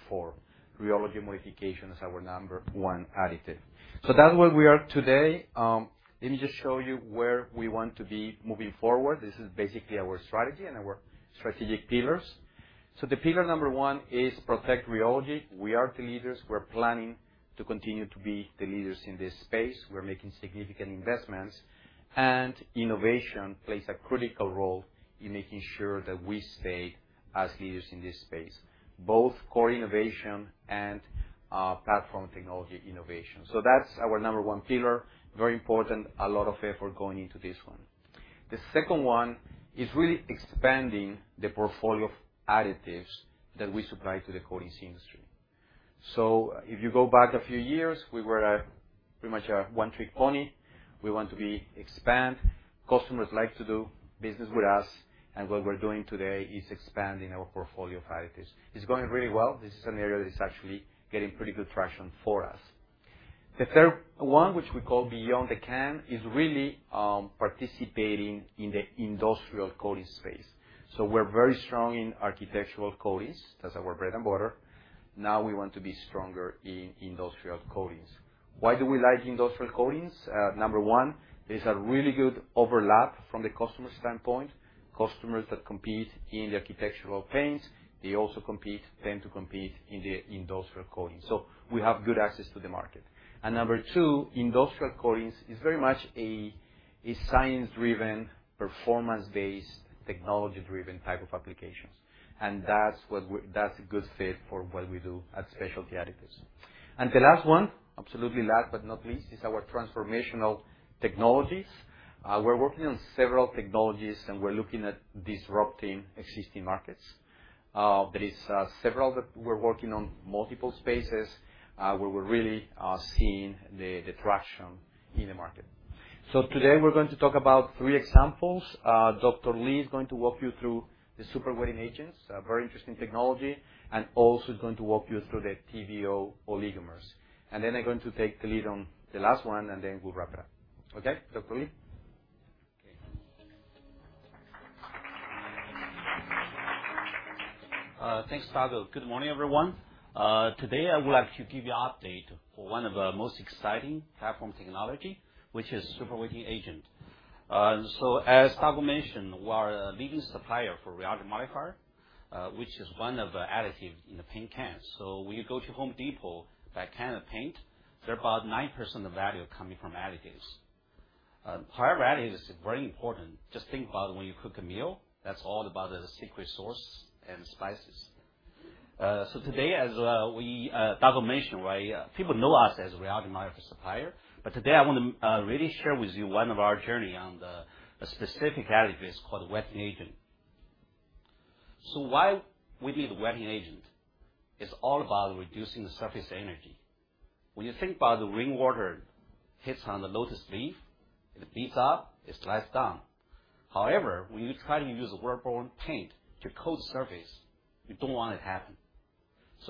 for rheology modification as our number one additive. That is where we are today. Let me just show you where we want to be moving forward. This is basically our strategy and our strategic pillars. The pillar number one is protect rheology. We are the leaders. We're planning to continue to be the leaders in this space. We're making significant investments. Innovation plays a critical role in making sure that we stay as leaders in this space, both core innovation and platform technology innovation. That's our number one pillar, very important, a lot of effort going into this one. The second one is really expanding the portfolio of additives that we supply to the coatings industry. If you go back a few years, we were pretty much a one-trick pony. We want to be expand. Customers like to do business with us. What we're doing today is expanding our portfolio of additives. It's going really well. This is an area that is actually getting pretty good traction for us. The third one, which we call beyond the can, is really participating in the industrial coating space. We are very strong in architectural coatings. That is our bread and butter. Now we want to be stronger in industrial coatings. Why do we like industrial coatings? Number one, there is a really good overlap from the customer standpoint. Customers that compete in the architectural paints, they also compete, tend to compete in the industrial coatings. We have good access to the market. Number two, industrial coatings is very much a science-driven, performance-based, technology-driven type of application. That is a good fit for what we do at Specialty Additives. The last one, absolutely last but not least, is our transformational technologies. We are working on several technologies, and we are looking at disrupting existing markets. There are several that we're working on, multiple spaces where we're really seeing the traction in the market. Today we're going to talk about three examples. Dr. Lee is going to walk you through the super wetting agents, a very interesting technology, and also is going to walk you through the TVO oligomers. I'm going to take the lead on the last one, and then we'll wrap it up. Okay, Dr. Lee? Okay. Thanks, Dago. Good morning, everyone. Today, I would like to give you an update for one of the most exciting platform technologies, which is super wetting agents. As Dago mentioned, we are a leading supplier for rheological modifier, which is one of the additives in the paint cans. When you go to Home Depot, that can of paint, there are about 9% of value coming from additives. Rheological additives are very important. Just think about when you cook a meal, that's all about the secret sauce and spices. As Doug mentioned, people know us as a rheological modifier supplier, but today I want to really share with you one of our journeys on the specific additive called wetting agent. Why do we need a wetting agent? It's all about reducing the surface energy. When you think about the rainwater hitting on the lotus leaf, it beads up, it dries down. However, when you try to use a whirlpool paint to coat the surface, you don't want it to happen.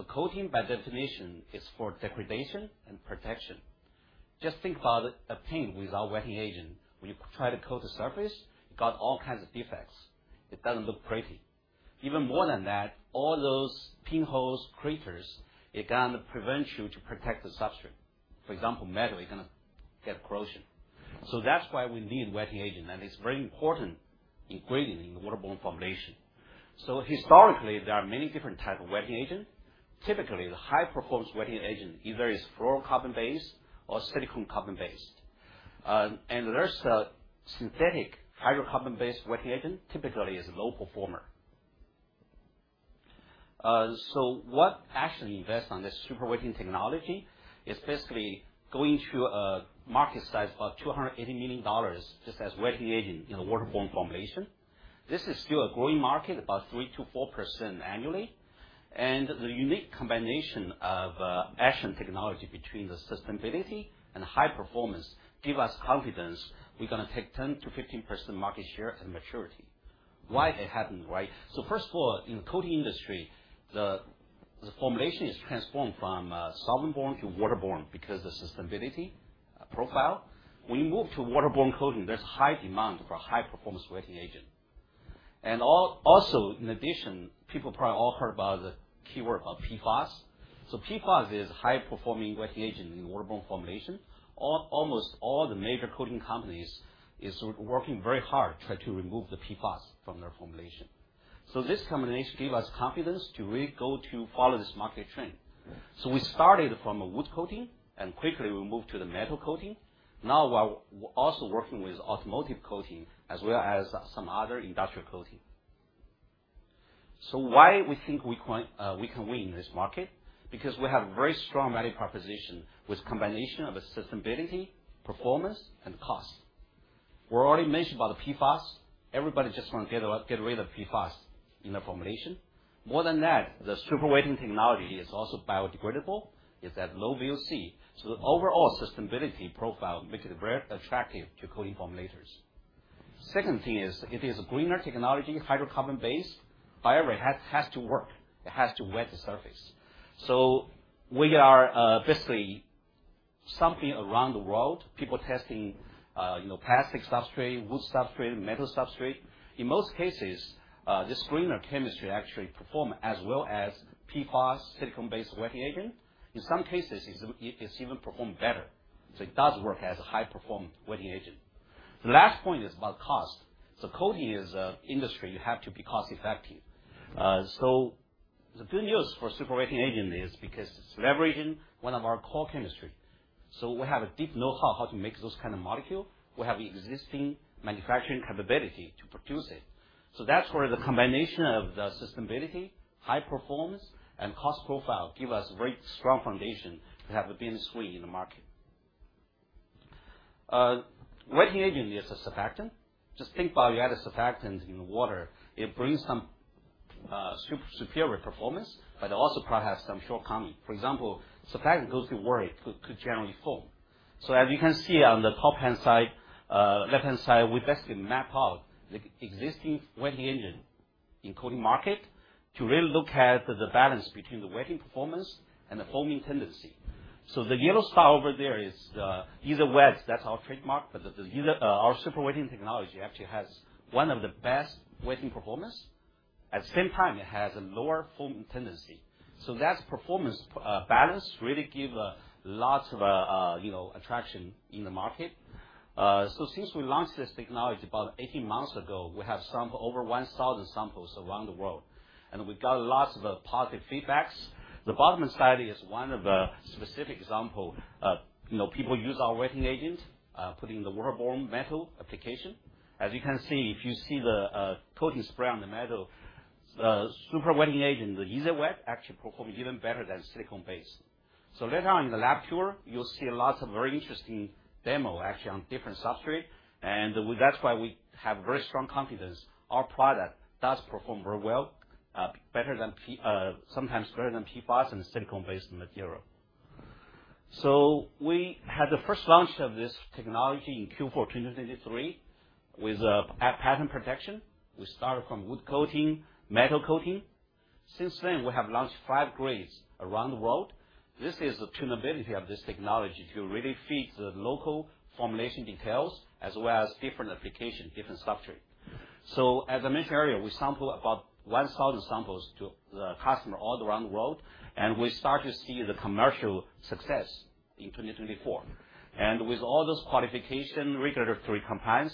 Coating, by definition, is for degradation and protection. Just think about a paint without wetting agent. When you try to coat the surface, it got all kinds of defects. It doesn't look pretty. Even more than that, all those pinhole craters, it's going to prevent you from protecting the substrate. For example, metal is going to get corrosion. That's why we need wetting agents, and it's a very important ingredient in the waterborne formulation. Historically, there are many different types of wetting agents. Typically, the high-performance wetting agent either is fluorocarbon-based or silicone-carbon-based. There's a synthetic hydrocarbon-based wetting agent, typically a low performer. What Ashland invests on this super wetting technology is basically going to a market size of $280 million just as wetting agent in a waterborne formulation. This is still a growing market, about 3%-4% annually. The unique combination of Ashland technology between the sustainability and the high performance gives us confidence we're going to take 10%-15% market share at maturity. Why it happened, right? First of all, in the coating industry, the formulation is transformed from solvent-borne to waterborne because of the sustainability profile. We moved to waterborne coating. There is high demand for high-performance wetting agents. In addition, people probably all heard about the keyword called PFAS. PFAS is a high-performing wetting agent in waterborne formulation. Almost all the major coating companies are working very hard to try to remove the PFAS from their formulation. This combination gave us confidence to really go to follow this market trend. We started from a wood coating, and quickly we moved to the metal coating. Now we are also working with automotive coating, as well as some other industrial coating. Why do we think we can win in this market? We have a very strong value proposition with a combination of sustainability, performance, and cost. We already mentioned about the PFAS. Everybody just wants to get rid of PFAS in their formulation. More than that, the super wetting technology is also biodegradable. It's at low VOC. The overall sustainability profile makes it very attractive to coating formulators. The second thing is it is a greener technology, hydrocarbon-based. However, it has to work. It has to wet the surface. We are basically something around the world, people testing plastic substrate, wood substrate, metal substrate. In most cases, this greener chemistry actually performs as well as PFAS, silicone-based wetting agent. In some cases, it's even performed better. It does work as a high-perform wetting agent. The last point is about cost. Coating is an industry you have to be cost-effective. The good news for super wetting agent is because it's leveraging one of our core chemistries. We have a deep know-how how to make those kinds of molecules. We have existing manufacturing capability to produce it. That is where the combination of the sustainability, high performance, and cost profile gives us a very strong foundation to have a business win in the market. Wetting agent is a surfactant. Just think about you add a surfactant in water. It brings some superior performance, but it also probably has some shortcomings. For example, surfactant goes too worried, could generally foam. As you can see on the top hand side, left-hand side, we basically map out the existing wetting agent in the coating market to really look at the balance between the wetting performance and the foaming tendency. The yellow star over there is the Ethernets. That is our trademark. Our super wetting technology actually has one of the best wetting performance. At the same time, it has a lower foaming tendency. That performance balance really gives lots of attraction in the market. Since we launched this technology about 18 months ago, we have sampled over 1,000 samples around the world. We got lots of positive feedback. The bottom study is one of the specific examples. People use our wetting agent, putting the waterborne metal application. As you can see, if you see the coating spray on the metal, super wetting agent, the Ethernet actually performs even better than silicone-based. Later on in the lab tour, you'll see lots of very interesting demos actually on different substrates. That is why we have very strong confidence our product does perform very well, sometimes better than PFAS and silicone-based material. We had the first launch of this technology in Q4 2023 with patent protection. We started from wood coating, metal coating. Since then, we have launched five grades around the world. This is the tunability of this technology to really feed the local formulation details as well as different applications, different substrates. As I mentioned earlier, we sampled about 1,000 samples to customers all around the world. We started to see the commercial success in 2024. With all those qualifications, regulatory compliance,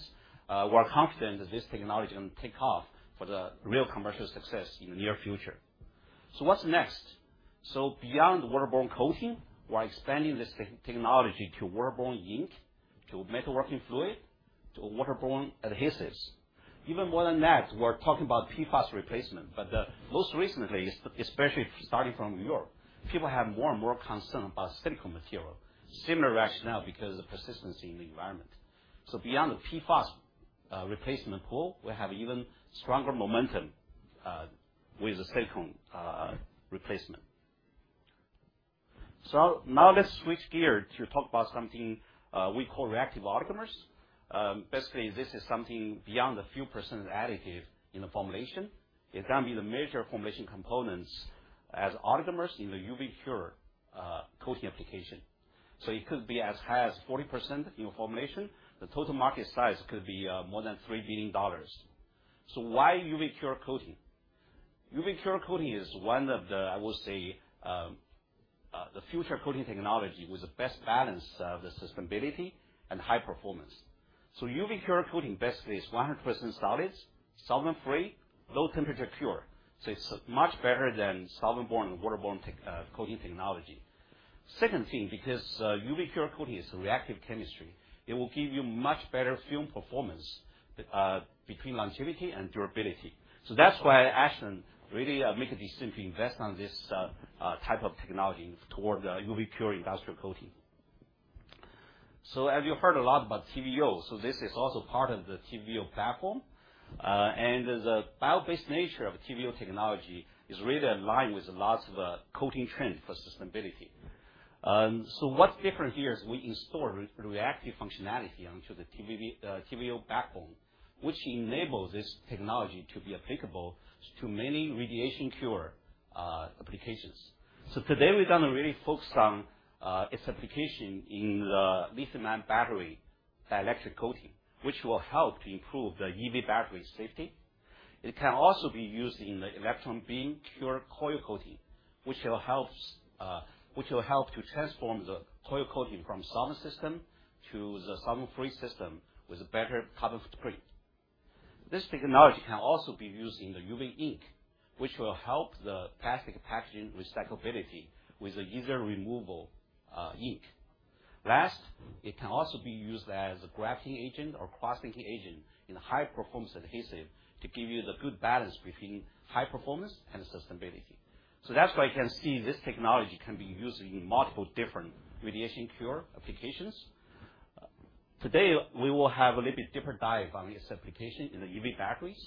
we're confident that this technology is going to take off for the real commercial success in the near future. What's next? Beyond waterborne coating, we're expanding this technology to waterborne ink, to metalworking fluid, to waterborne adhesives. Even more than that, we're talking about PFAS replacement. Most recently, especially starting from New York, people have more and more concern about silicone material. Similar reaction now because of the persistency in the environment. Beyond the PFAS replacement pool, we have even stronger momentum with the silicone replacement. Now let's switch gears to talk about something we call reactive oligomers. Basically, this is something beyond a few percent additive in the formulation. It can be the major formulation components as oligomers in the UV cure coating application. It could be as high as 40% in your formulation. The total market size could be more than $3 billion. Why UV cure coating? UV cure coating is one of the, I would say, the future coating technology with the best balance of sustainability and high performance. UV cure coating basically is 100% solids, solvent-free, low-temperature cure. It is much better than solvent-borne and waterborne coating technology. Second thing, because UV cure coating is a reactive chemistry, it will give you much better film performance between longevity and durability. That's why Ashland really made the decision to invest in this type of technology toward the UV cure industrial coating. As you've heard a lot about TVO, this is also part of the TVO platform. The bio-based nature of TVO technology is really aligned with lots of coating trends for sustainability. What's different here is we install reactive functionality onto the TVO backbone, which enables this technology to be applicable to many radiation cure applications. Today, we're going to really focus on its application in the lithium-ion battery dielectric coating, which will help to improve the EV battery safety. It can also be used in the electron beam cure coil coating, which will help to transform the coil coating from solvent system to the solvent-free system with a better carbon footprint. This technology can also be used in the UV ink, which will help the plastic packaging recyclability with the easier removal ink. Last, it can also be used as a grafting agent or cross-linking agent in a high-performance adhesive to give you the good balance between high performance and sustainability. That is why you can see this technology can be used in multiple different radiation cure applications. Today, we will have a little bit deeper dive on its application in the EV batteries.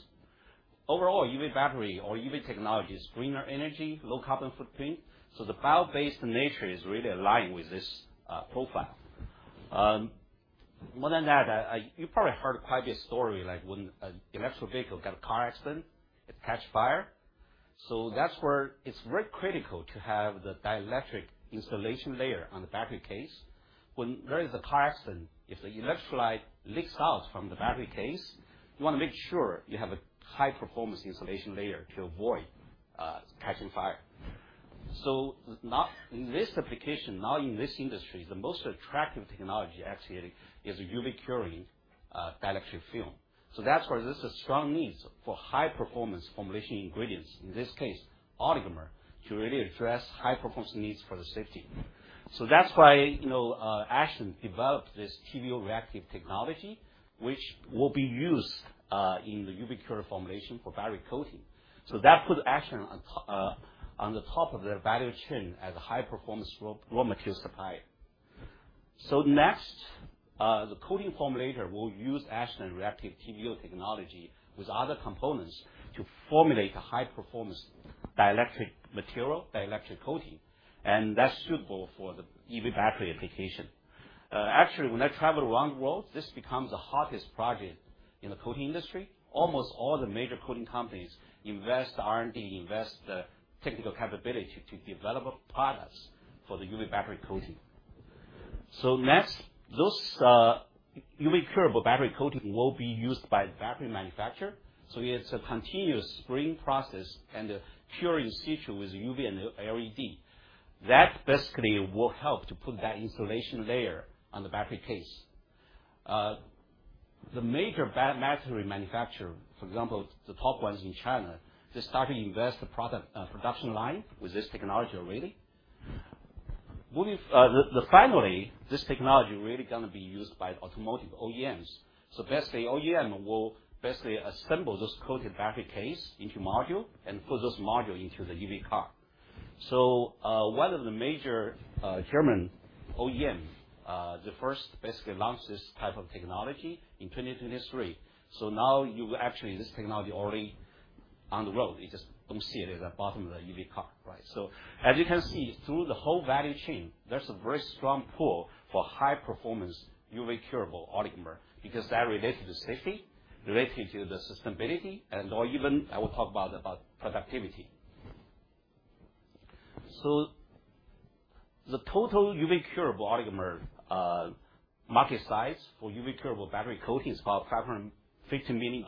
Overall, EV battery or EV technology is greener energy, low carbon footprint. The bio-based nature is really aligned with this profile. More than that, you probably heard quite a bit of stories like when an electric vehicle got a car accident, it caught fire. That is where it is very critical to have the dielectric insulation layer on the battery case. When there is a car accident, if the electrolyte leaks out from the battery case, you want to make sure you have a high-performance insulation layer to avoid catching fire. In this application, now in this industry, the most attractive technology actually is UV curing dielectric film. That is why there is a strong need for high-performance formulation ingredients, in this case, oligomer, to really address high-performance needs for the safety. That is why Ashland developed this TVO reactive technology, which will be used in the UV cure formulation for battery coating. That puts Ashland on the top of their value chain as a high-performance raw material supplier. Next, the coating formulator will use Ashland and reactive TVO technology with other components to formulate a high-performance dielectric material, dielectric coating. That is suitable for the EV battery application. Actually, when I travel around the world, this becomes the hottest project in the coating industry. Almost all the major coating companies invest the R&D, invest the technical capability to develop products for the UV battery coating. Next, this UV curable battery coating will be used by the battery manufacturer. It is a continuous spring process and a curing system with UV and LED. That basically will help to put that insulation layer on the battery case. The major battery manufacturers, for example, the top ones in China, they started to invest in the production line with this technology already. Finally, this technology is really going to be used by automotive OEMs. Basically, OEM will assemble those coated battery case into modules and put those modules into the EV car. One of the major German OEMs, the first, basically launched this type of technology in 2023. You actually have this technology already on the road. You just do not see it at the bottom of the EV car, right? As you can see, through the whole value chain, there is a very strong pull for high-performance UV curable oligomer because they are related to safety, related to sustainability, and/or even I will talk about productivity. The total UV curable oligomer market size for UV curable battery coating is about $550 million.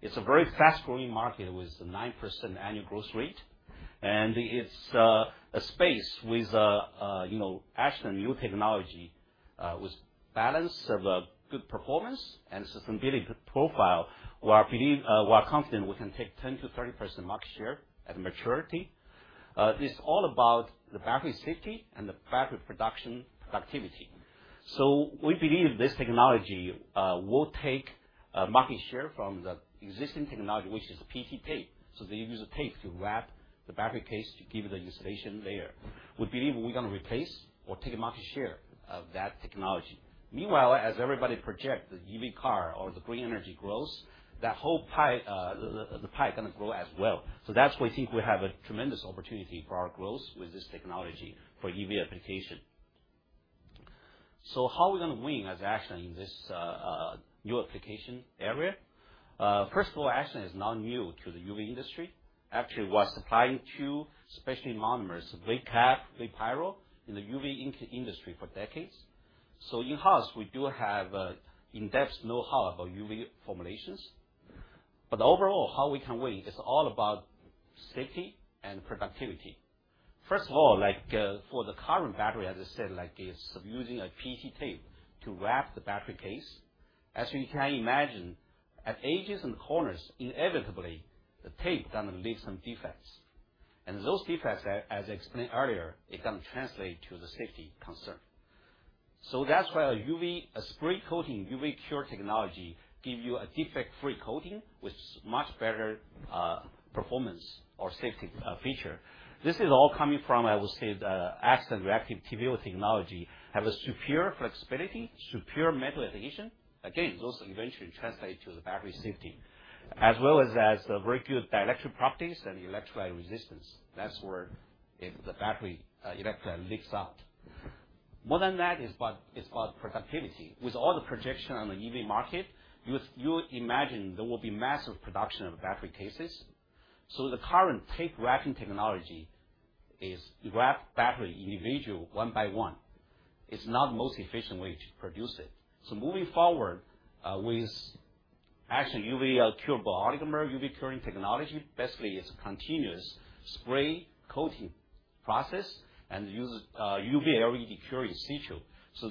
It is a very fast-growing market with a 9% annual growth rate. It is a space with action and UV technology with balance of good performance and sustainability profile. We are confident we can take 10%-30% market share at maturity. It is all about the battery safety and the battery production productivity. We believe this technology will take market share from the existing technology, which is PT tape. They use tape to wrap the battery case to give the insulation layer. We believe we're going to replace or take market share of that technology. Meanwhile, as everybody projects the EV car or the green energy growth, the pie is going to grow as well. That's why I think we have a tremendous opportunity for our growth with this technology for EV application. How are we going to win as Ashland in this new application area? First of all, Ashland is not new to the UV industry. Actually, we're supplying specialty monomers, VCAP, VPyrol in the UV industry for decades. In-house, we do have in-depth know-how about UV formulations. Overall, how we can win is all about safety and productivity. First of all, for the current battery, as I said, it's using a PT tape to wrap the battery case. As you can imagine, at edges and corners, inevitably, the tape is going to leave some defects. Those defects, as I explained earlier, are going to translate to the safety concern. That is why a spray-coating UV cure technology gives you a defect-free coating with much better performance or safety feature. This is all coming from, I would say, the action reactive TVO technology has superior flexibility, superior metal adhesion. Again, those eventually translate to the battery safety, as well as very good dielectric properties and electrolyte resistance. That is where the battery electrolyte leaks out. More than that, it is about productivity. With all the projection on the EV market, you imagine there will be massive production of battery cases. The current tape wrapping technology is to wrap battery individually one by one. It is not the most efficient way to produce it. Moving forward with Action UV curable oligomer, UV curing technology basically is a continuous spray-coating process and uses a UV LED curing system.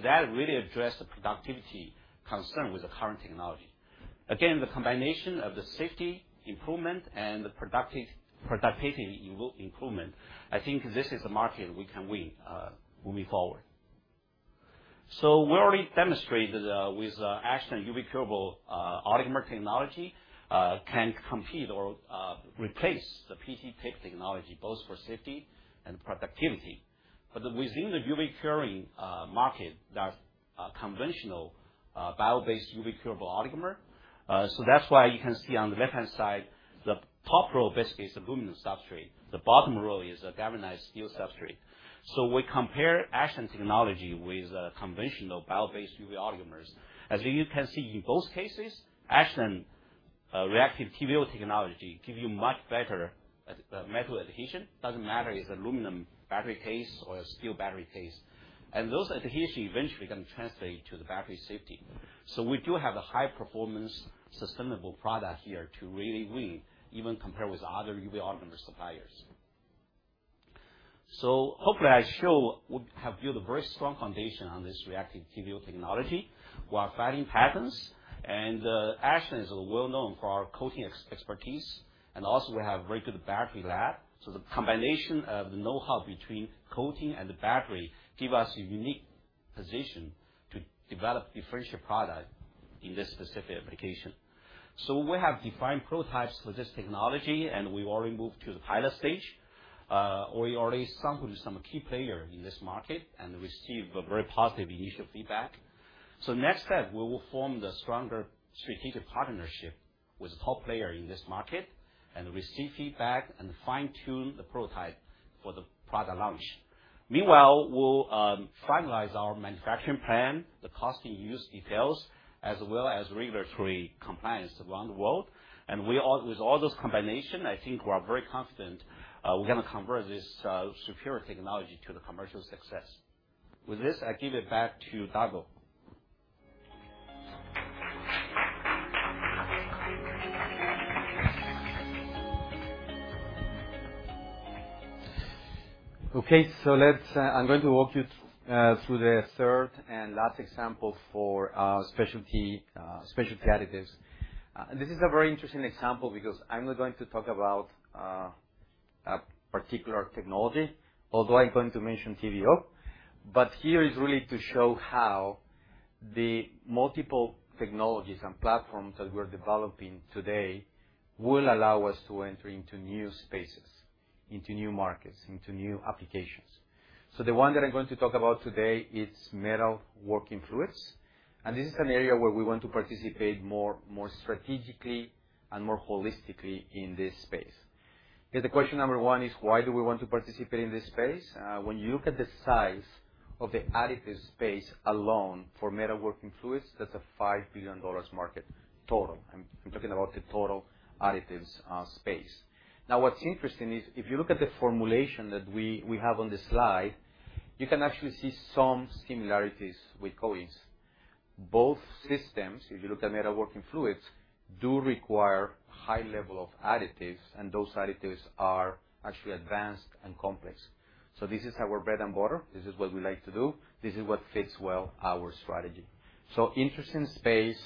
That really addressed the productivity concern with the current technology. Again, the combination of the safety improvement and the productivity improvement, I think this is the market we can win moving forward. We already demonstrated with Action UV curable oligomer technology it can compete or replace the PT tape technology both for safety and productivity. Within the UV curing market, there is conventional bio-based UV curable oligomer. That is why you can see on the left-hand side, the top row basically is aluminum substrate. The bottom row is a galvanized steel substrate. We compare Action technology with conventional bio-based UV oligomers. As you can see in both cases, Action reactive TVO technology gives you much better metal adhesion. It does not matter if it is an aluminum battery case or a steel battery case. Those adhesions eventually are going to translate to the battery safety. We do have a high-performance sustainable product here to really win, even compared with other UV oligomer suppliers. Hopefully, I show we have built a very strong foundation on this reactive TVO technology. We are filing patents, and Ashland is well-known for our coating expertise. We also have a very good battery lab. The combination of the know-how between coating and the battery gives us a unique position to develop differential products in this specific application. We have defined prototypes for this technology, and we have already moved to the pilot stage. We already sampled some key players in this market and received very positive initial feedback. Next step, we will form the stronger strategic partnership with a top player in this market and receive feedback and fine-tune the prototype for the product launch. Meanwhile, we'll finalize our manufacturing plan, the cost and use details, as well as regulatory compliance around the world. With all those combinations, I think we're very confident we're going to convert this superior technology to the commercial success. With this, I give it back to Dago. Okay, I'm going to walk you through the third and last example for specialty additives. This is a very interesting example because I'm not going to talk about a particular technology, although I'm going to mention TVO. Here is really to show how the multiple technologies and platforms that we're developing today will allow us to enter into new spaces, into new markets, into new applications. The one that I'm going to talk about today is metal working fluids. This is an area where we want to participate more strategically and more holistically in this space. The question number one is, why do we want to participate in this space? When you look at the size of the additive space alone for metal working fluids, that's a $5 billion market total. I'm talking about the total additives space. Now, what's interesting is if you look at the formulation that we have on the slide, you can actually see some similarities with coatings. Both systems, if you look at metal working fluids, do require a high level of additives, and those additives are actually advanced and complex. This is our bread and butter. This is what we like to do. This is what fits well with our strategy. Interesting space,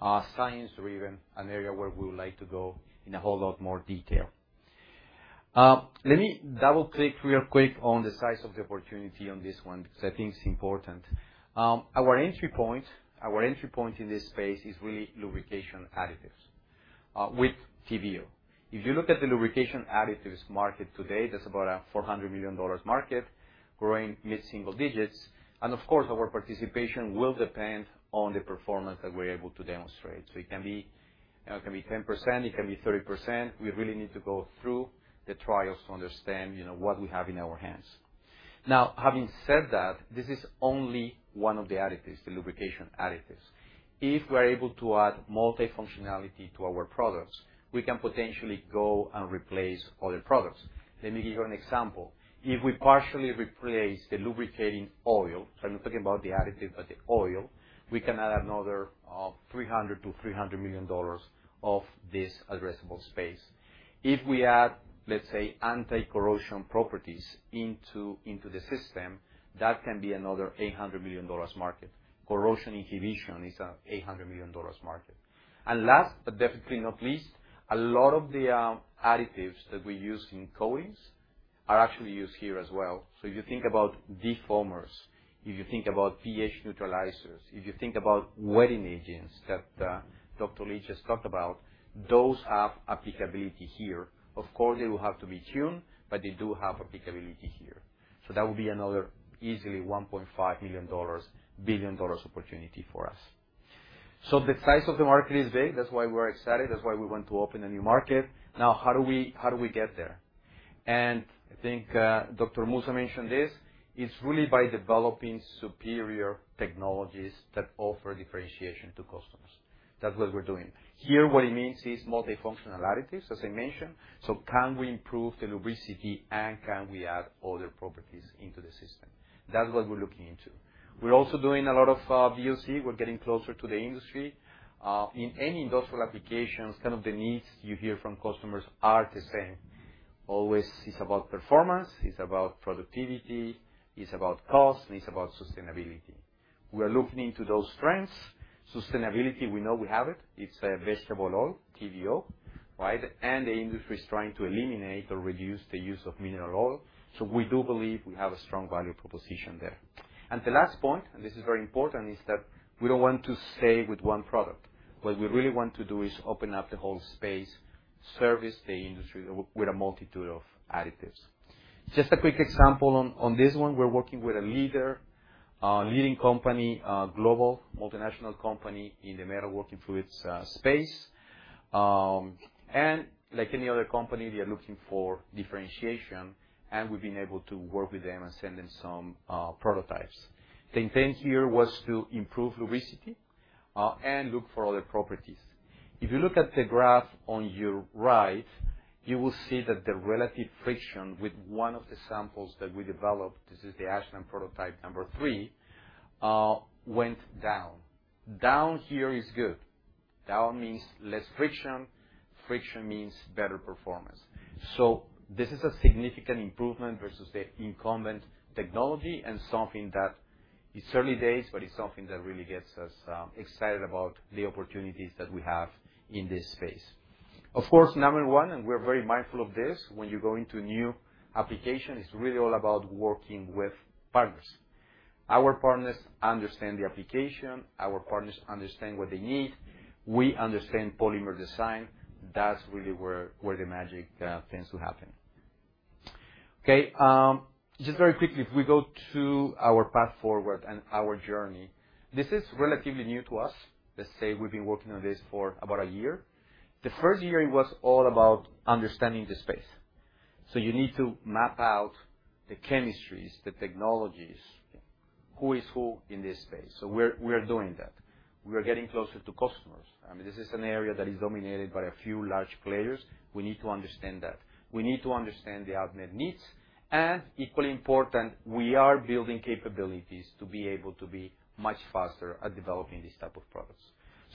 science-driven, an area where we would like to go in a whole lot more detail. Let me double-click real quick on the size of the opportunity on this one because I think it's important. Our entry point in this space is really lubrication additives with TVO. If you look at the lubrication additives market today, that's about a $400 million market, growing mid-single digits. Of course, our participation will depend on the performance that we're able to demonstrate. It can be 10%. It can be 30%. We really need to go through the trials to understand what we have in our hands. Now, having said that, this is only one of the additives, the lubrication additives. If we're able to add multi-functionality to our products, we can potentially go and replace other products. Let me give you an example. If we partially replace the lubricating oil, I'm not talking about the additive, but the oil, we can add another $300 million to $300 million of this addressable space. If we add, let's say, anti-corrosion properties into the system, that can be another $800 million market. Corrosion inhibition is an $800 million market. Last, but definitely not least, a lot of the additives that we use in coatings are actually used here as well. If you think about deformers, if you think about pH neutralizers, if you think about wetting agents that Dr. Lee just talked about, those have applicability here. Of course, they will have to be tuned, but they do have applicability here. That would be another easily $1.5 billion opportunity for us. The size of the market is big. That's why we're excited. That's why we want to open a new market. Now, how do we get there? I think Dr. Musa mentioned this. It's really by developing superior technologies that offer differentiation to customers. That's what we're doing. Here, what it means is multi-functional additives, as I mentioned. Can we improve the lubricity, and can we add other properties into the system? That's what we're looking into. We're also doing a lot of VOC. We're getting closer to the industry. In any industrial applications, the needs you hear from customers are the same. Always it's about performance. It's about productivity. It's about cost, and it's about sustainability. We are looking into those trends. Sustainability, we know we have it. It's a vegetable oil, TVO, right? The industry is trying to eliminate or reduce the use of mineral oil. We do believe we have a strong value proposition there. The last point, and this is very important, is that we do not want to save with one product. What we really want to do is open up the whole space, service the industry with a multitude of additives. Just a quick example on this one. We are working with a leading company, a global multinational company in the metal working fluids space. Like any other company, they are looking for differentiation. We have been able to work with them and send them some prototypes. The intent here was to improve lubricity and look for other properties. If you look at the graph on your right, you will see that the relative friction with one of the samples that we developed, this is the Action prototype number three, went down. Down here is good. Down means less friction. Friction means better performance. This is a significant improvement versus the incumbent technology and something that is early days, but it's something that really gets us excited about the opportunities that we have in this space. Of course, number one, and we're very mindful of this when you go into new applications, it's really all about working with partners. Our partners understand the application. Our partners understand what they need. We understand polymer design. That's really where the magic tends to happen. Okay, just very quickly, if we go to our path forward and our journey, this is relatively new to us. Let's say we've been working on this for about a year. The first year, it was all about understanding the space. You need to map out the chemistries, the technologies, who is who in this space. We're doing that. We're getting closer to customers. I mean, this is an area that is dominated by a few large players. We need to understand that. We need to understand the outnet needs. Equally important, we are building capabilities to be able to be much faster at developing these types of products.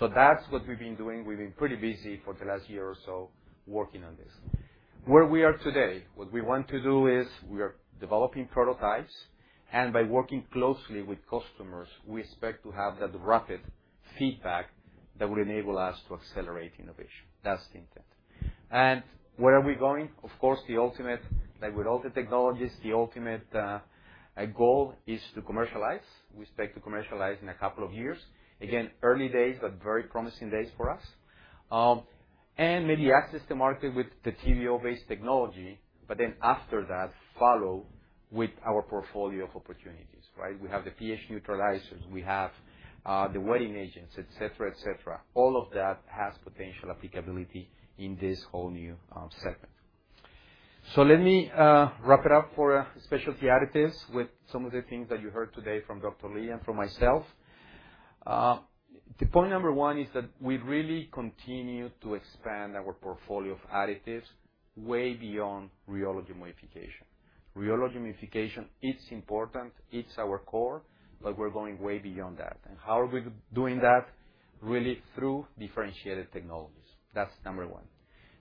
That is what we have been doing. We have been pretty busy for the last year or so working on this. Where we are today, what we want to do is we are developing prototypes. By working closely with customers, we expect to have that rapid feedback that will enable us to accelerate innovation. That is the intent. Where are we going? Of course, the ultimate, like with all the technologies, the ultimate goal is to commercialize. We expect to commercialize in a couple of years. Again, early days, but very promising days for us. Maybe access the market with the TVO-based technology, but then after that, follow with our portfolio of opportunities, right? We have the pH neutralizers. We have the wetting agents, et cetera, et cetera. All of that has potential applicability in this whole new segment. Let me wrap it up for specialty additives with some of the things that you heard today from Dr. Li and from myself. The point number one is that we really continue to expand our portfolio of additives way beyond rheology modification. Rheology modification, it's important. It's our core, but we're going way beyond that. How are we doing that? Really through differentiated technologies. That's number one.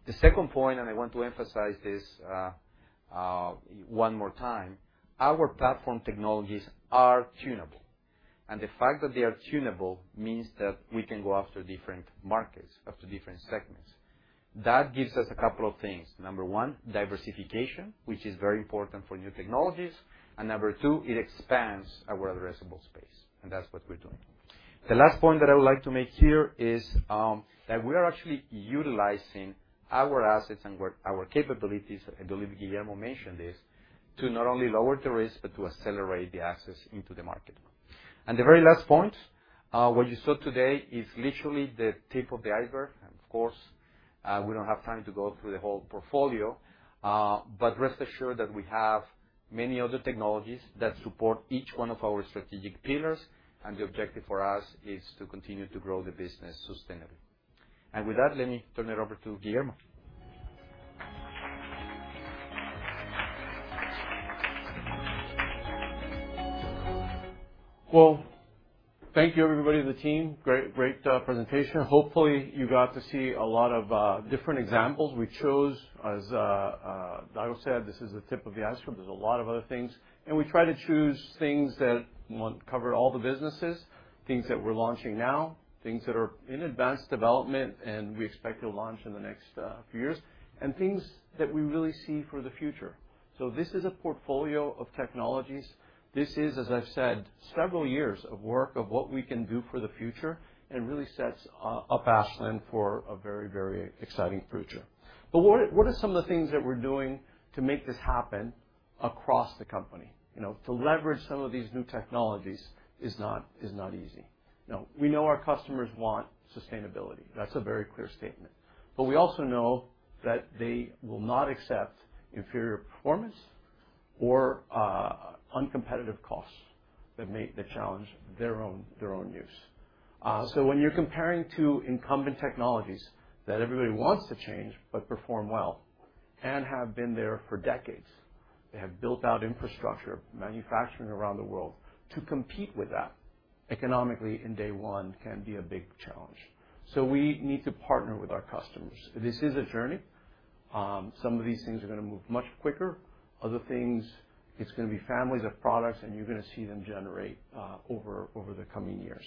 The second point, and I want to emphasize this one more time, our platform technologies are tunable. The fact that they are tunable means that we can go after different markets, after different segments. That gives us a couple of things. Number one, diversification, which is very important for new technologies. Number two, it expands our addressable space. That is what we are doing. The last point that I would like to make here is that we are actually utilizing our assets and our capabilities. I believe Guillermo mentioned this to not only lower the risk, but to accelerate the assets into the market. The very last point, what you saw today is literally the tip of the iceberg. Of course, we do not have time to go through the whole portfolio, but rest assured that we have many other technologies that support each one of our strategic pillars. The objective for us is to continue to grow the business sustainably. With that, let me turn it over to Guillermo. Thank you, everybody, to the team. Great presentation. Hopefully, you got to see a lot of different examples. We chose, as Dago said, this is the tip of the iceberg. There are a lot of other things. We try to choose things that cover all the businesses, things that we're launching now, things that are in advanced development, and we expect to launch in the next few years, and things that we really see for the future. This is a portfolio of technologies. This is, as I've said, several years of work of what we can do for the future and really sets up Ashland for a very, very exciting future. What are some of the things that we're doing to make this happen across the company? To leverage some of these new technologies is not easy. We know our customers want sustainability. That's a very clear statement. We also know that they will not accept inferior performance or uncompetitive costs that challenge their own use. When you're comparing to incumbent technologies that everybody wants to change, but perform well and have been there for decades, they have built out infrastructure, manufacturing around the world. To compete with that economically in day one can be a big challenge. We need to partner with our customers. This is a journey. Some of these things are going to move much quicker. Other things, it's going to be families of products, and you're going to see them generate over the coming years.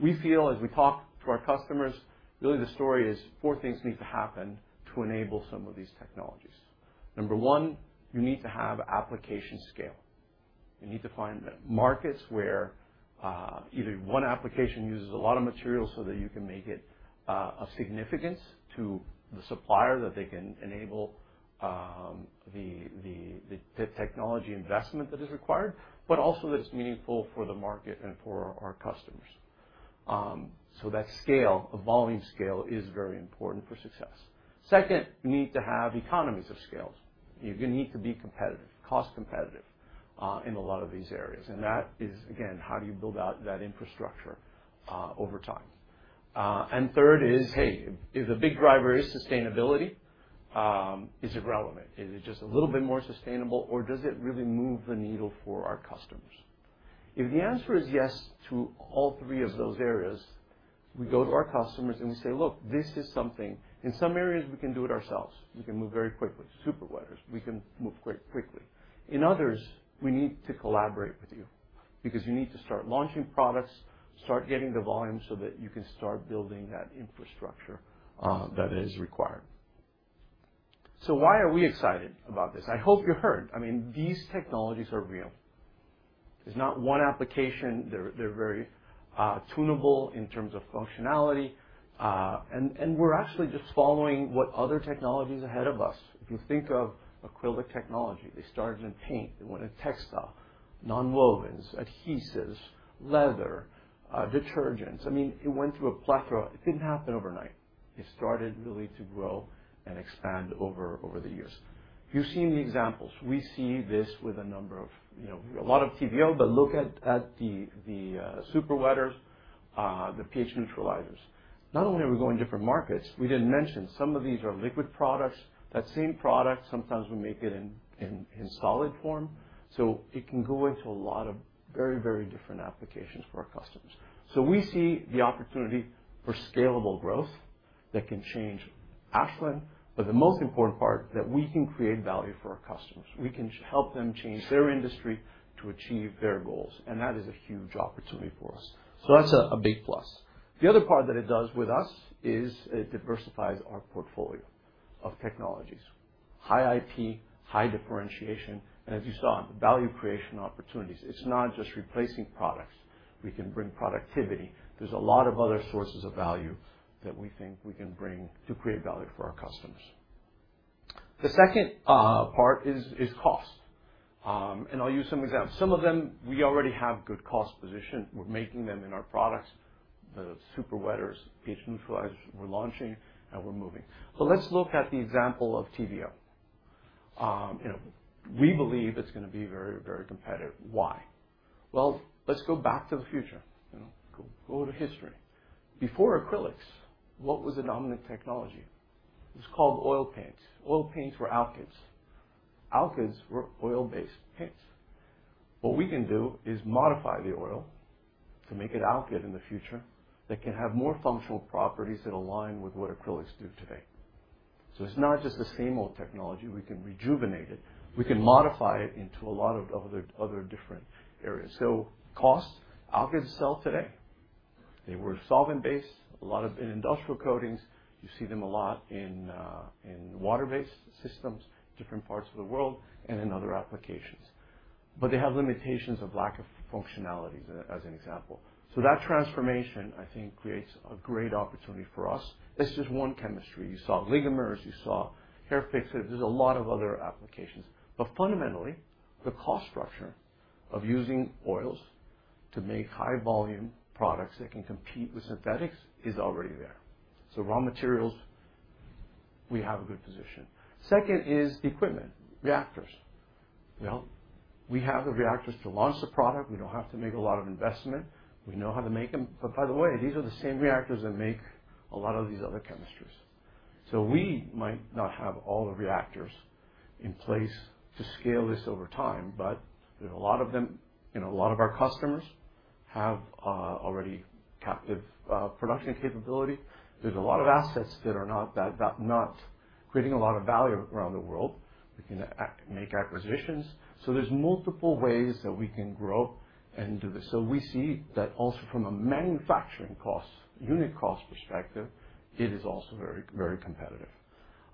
We feel, as we talk to our customers, really the story is four things need to happen to enable some of these technologies. Number one, you need to have application scale. You need to find markets where either one application uses a lot of material so that you can make it of significance to the supplier that they can enable the technology investment that is required, but also that it is meaningful for the market and for our customers. That scale, a volume scale, is very important for success. Second, you need to have economies of scale. You need to be competitive, cost competitive in a lot of these areas. That is, again, how do you build out that infrastructure over time? Third is, hey, if the big driver is sustainability, is it relevant? Is it just a little bit more sustainable, or does it really move the needle for our customers? If the answer is yes to all three of those areas, we go to our customers and we say, "Look, this is something. In some areas, we can do it ourselves. We can move very quickly. Super wetters, we can move quite quickly. In others, we need to collaborate with you because you need to start launching products, start getting the volume so that you can start building that infrastructure that is required. Why are we excited about this? I hope you heard. I mean, these technologies are real. There is not one application. They are very tunable in terms of functionality. We are actually just following what other technologies ahead of us did. If you think of acrylic technology, they started in paint. They went into textile, non-wovens, adhesives, leather, detergents. I mean, it went through a plethora. It did not happen overnight. It started really to grow and expand over the years. If you've seen the examples, we see this with a number of a lot of TVO, but look at the super wetters, the pH neutralizers. Not only are we going to different markets, we didn't mention some of these are liquid products. That same product, sometimes we make it in solid form. It can go into a lot of very, very different applications for our customers. We see the opportunity for scalable growth that can change Ashland, but the most important part is that we can create value for our customers. We can help them change their industry to achieve their goals. That is a huge opportunity for us. That's a big plus. The other part that it does with us is it diversifies our portfolio of technologies. High IP, high differentiation. As you saw, the value creation opportunities, it's not just replacing products. We can bring productivity. There are a lot of other sources of value that we think we can bring to create value for our customers. The second part is cost. I'll use some examples. Some of them, we already have good cost position. We're making them in our products, the super wetters, pH neutralizers. We're launching and we're moving. Let's look at the example of TVO. We believe it's going to be very, very competitive. Why? Let's go back to the future. Go to history. Before acrylics, what was a dominant technology? It's called oil paint. Oil paints were alkyds. Alkyds were oil-based paints. What we can do is modify the oil to make it alkyd in the future that can have more functional properties that align with what acrylics do today. It is not just the same old technology. We can rejuvenate it. We can modify it into a lot of other different areas. Cost, alkyds sell today. They were solvent-based, a lot of industrial coatings. You see them a lot in water-based systems, different parts of the world, and in other applications. They have limitations of lack of functionality, as an example. That transformation, I think, creates a great opportunity for us. That's just one chemistry. You saw oligomers. You saw hair fixatives. There's a lot of other applications. Fundamentally, the cost structure of using oils to make high-volume products that can compete with synthetics is already there. Raw materials, we have a good position. Second is equipment, reactors. We have the reactors to launch the product. We don't have to make a lot of investment. We know how to make them. By the way, these are the same reactors that make a lot of these other chemistries. We might not have all the reactors in place to scale this over time, but there's a lot of them. A lot of our customers have already captive production capability. There are a lot of assets that are not creating a lot of value around the world. We can make acquisitions. There are multiple ways that we can grow and do this. We see that also from a manufacturing cost, unit cost perspective, it is also very, very competitive.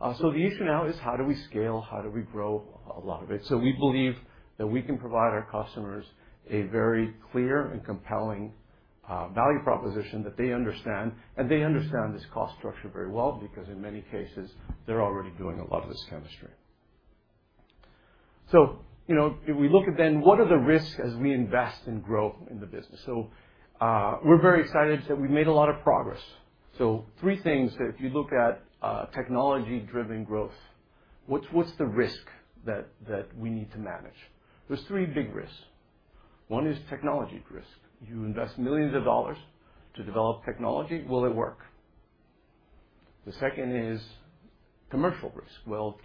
The issue now is how do we scale, how do we grow a lot of it? We believe that we can provide our customers a very clear and compelling value proposition that they understand. They understand this cost structure very well because in many cases, they're already doing a lot of this chemistry. If we look at what are the risks as we invest and grow in the business, we're very excited that we've made a lot of progress. Three things that, if you look at technology-driven growth, are the risks that we need to manage. There are three big risks. One is technology risk. You invest millions of dollars to develop technology. Will it work? The second is commercial risk.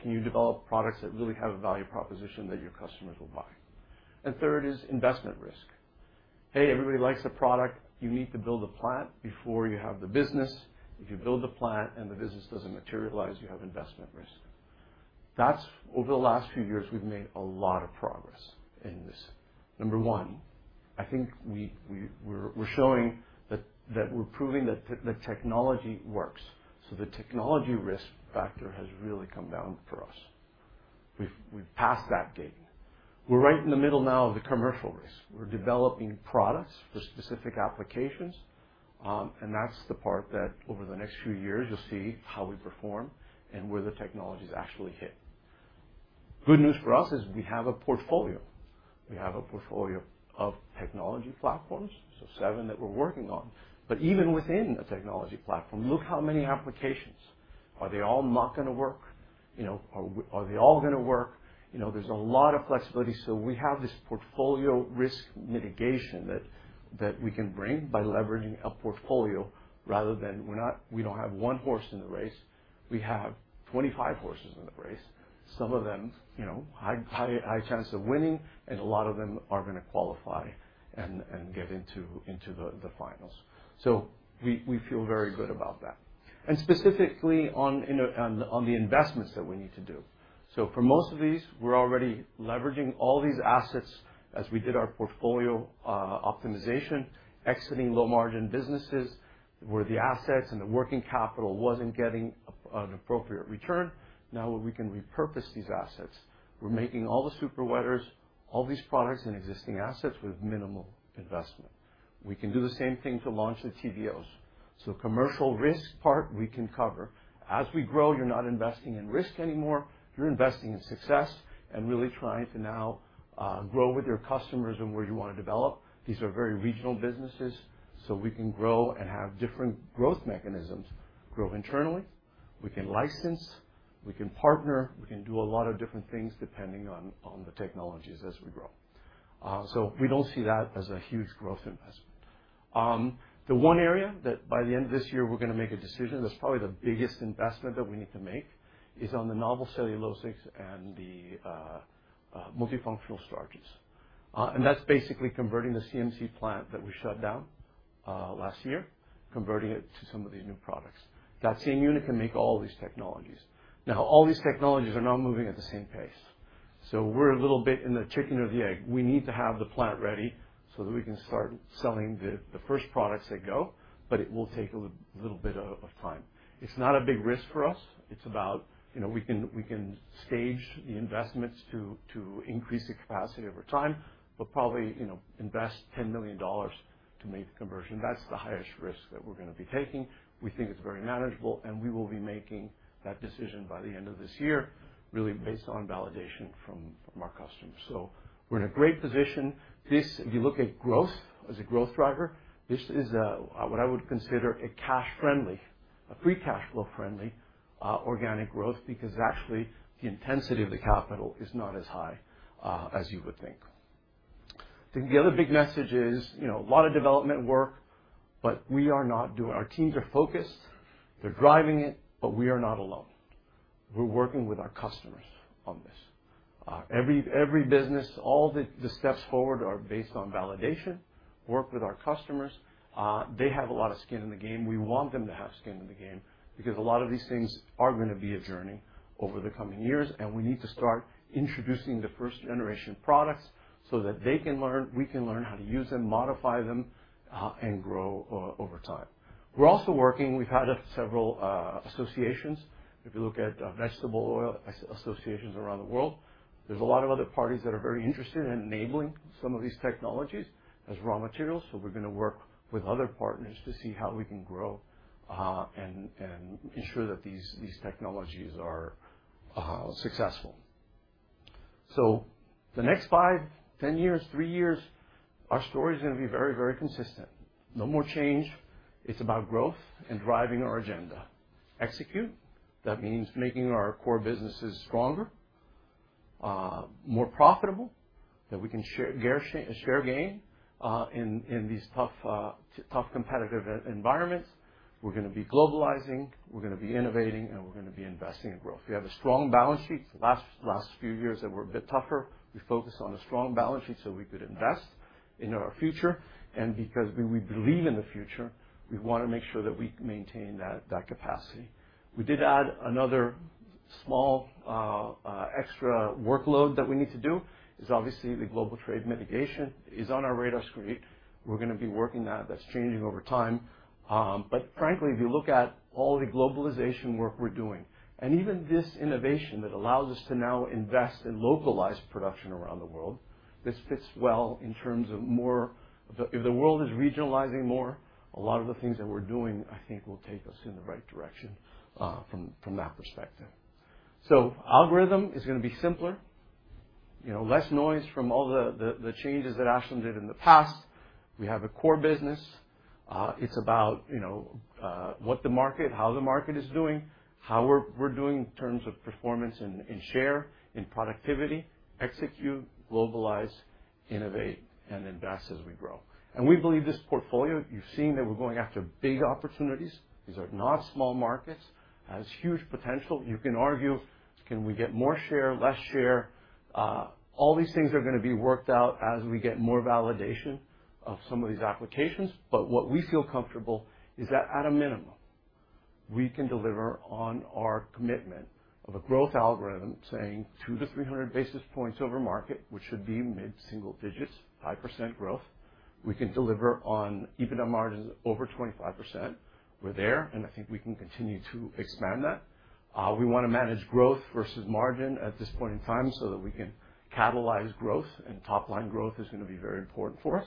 Can you develop products that really have a value proposition that your customers will buy? Third is investment risk. Everybody likes a product. You need to build a plant before you have the business. If you build the plant and the business does not materialize, you have investment risk. Over the last few years, we've made a lot of progress in this. Number one, I think we're showing that we're proving that the technology works. The technology risk factor has really come down for us. We've passed that gate. We're right in the middle now of the commercial risk. We're developing products for specific applications. That is the part that over the next few years, you'll see how we perform and where the technology is actually hit. Good news for us is we have a portfolio. We have a portfolio of technology platforms, seven that we're working on. Even within a technology platform, look how many applications. Are they all not going to work? Are they all going to work? There's a lot of flexibility. We have this portfolio risk mitigation that we can bring by leveraging a portfolio rather than we do not have one horse in the race. We have 25 horses in the race. Some of them, high chance of winning, and a lot of them are going to qualify and get into the finals. We feel very good about that. Specifically on the investments that we need to do. For most of these, we are already leveraging all these assets as we did our portfolio optimization, exiting low-margin businesses where the assets and the working capital were not getting an appropriate return. Now we can repurpose these assets. We are making all the super wetters, all these products and existing assets with minimal investment. We can do the same thing to launch the TVOs. The commercial risk part, we can cover. As we grow, you are not investing in risk anymore. You're investing in success and really trying to now grow with your customers and where you want to develop. These are very regional businesses. We can grow and have different growth mechanisms grow internally. We can license. We can partner. We can do a lot of different things depending on the technologies as we grow. We don't see that as a huge growth investment. The one area that by the end of this year, we're going to make a decision, that's probably the biggest investment that we need to make, is on the novel cellulosics and the multifunctional starches. That's basically converting the CMC plant that we shut down last year, converting it to some of these new products. That same unit can make all these technologies. Now, all these technologies are not moving at the same pace. We're a little bit in the chicken or the egg. We need to have the plant ready so that we can start selling the first products that go, but it will take a little bit of time. It's not a big risk for us. It's about we can stage the investments to increase the capacity over time, but probably invest $10 million to make the conversion. That's the highest risk that we're going to be taking. We think it's very manageable, and we will be making that decision by the end of this year, really based on validation from our customers. We're in a great position. If you look at growth as a growth driver, this is what I would consider a CAC-friendly, a free cash flow-friendly organic growth because actually the intensity of the capital is not as high as you would think. I think the other big message is a lot of development work, but we are not doing our team are focused. They're driving it, but we are not alone. We're working with our customers on this. Every business, all the steps forward are based on validation, work with our customers. They have a lot of skin in the game. We want them to have skin in the game because a lot of these things are going to be a journey over the coming years, and we need to start introducing the first generation products so that they can learn, we can learn how to use them, modify them, and grow over time. We're also working. We've had several associations. If you look at vegetable oil associations around the world, there's a lot of other parties that are very interested in enabling some of these technologies as raw materials. We're going to work with other partners to see how we can grow and ensure that these technologies are successful. The next five, ten years, three years, our story is going to be very, very consistent. No more change. It's about growth and driving our agenda. Execute. That means making our core businesses stronger, more profitable, that we can share gain in these tough competitive environments. We're going to be globalizing. We're going to be innovating, and we're going to be investing in growth. We have a strong balance sheet. Last few years, they were a bit tougher. We focused on a strong balance sheet so we could invest in our future. Because we believe in the future, we want to make sure that we maintain that capacity. We did add another small extra workload that we need to do. It's obviously the global trade mitigation is on our radar screen. We're going to be working that. That's changing over time. Frankly, if you look at all the globalization work we're doing, and even this innovation that allows us to now invest in localized production around the world, this fits well in terms of more if the world is regionalizing more, a lot of the things that we're doing, I think, will take us in the right direction from that perspective. The algorithm is going to be simpler. Less noise from all the changes that Ashland did in the past. We have a core business. It's about what the market, how the market is doing, how we're doing in terms of performance and share in productivity. Execute, globalize, innovate, and invest as we grow. We believe this portfolio, you've seen that we're going after big opportunities. These are not small markets. It has huge potential. You can argue, can we get more share, less share? All these things are going to be worked out as we get more validation of some of these applications. What we feel comfortable is that at a minimum, we can deliver on our commitment of a growth algorithm saying 200-300 basis points over market, which should be mid-single digits, 5% growth. We can deliver on EBITDA margins over 25%. We're there, and I think we can continue to expand that. We want to manage growth versus margin at this point in time so that we can catalyze growth, and top-line growth is going to be very important for us,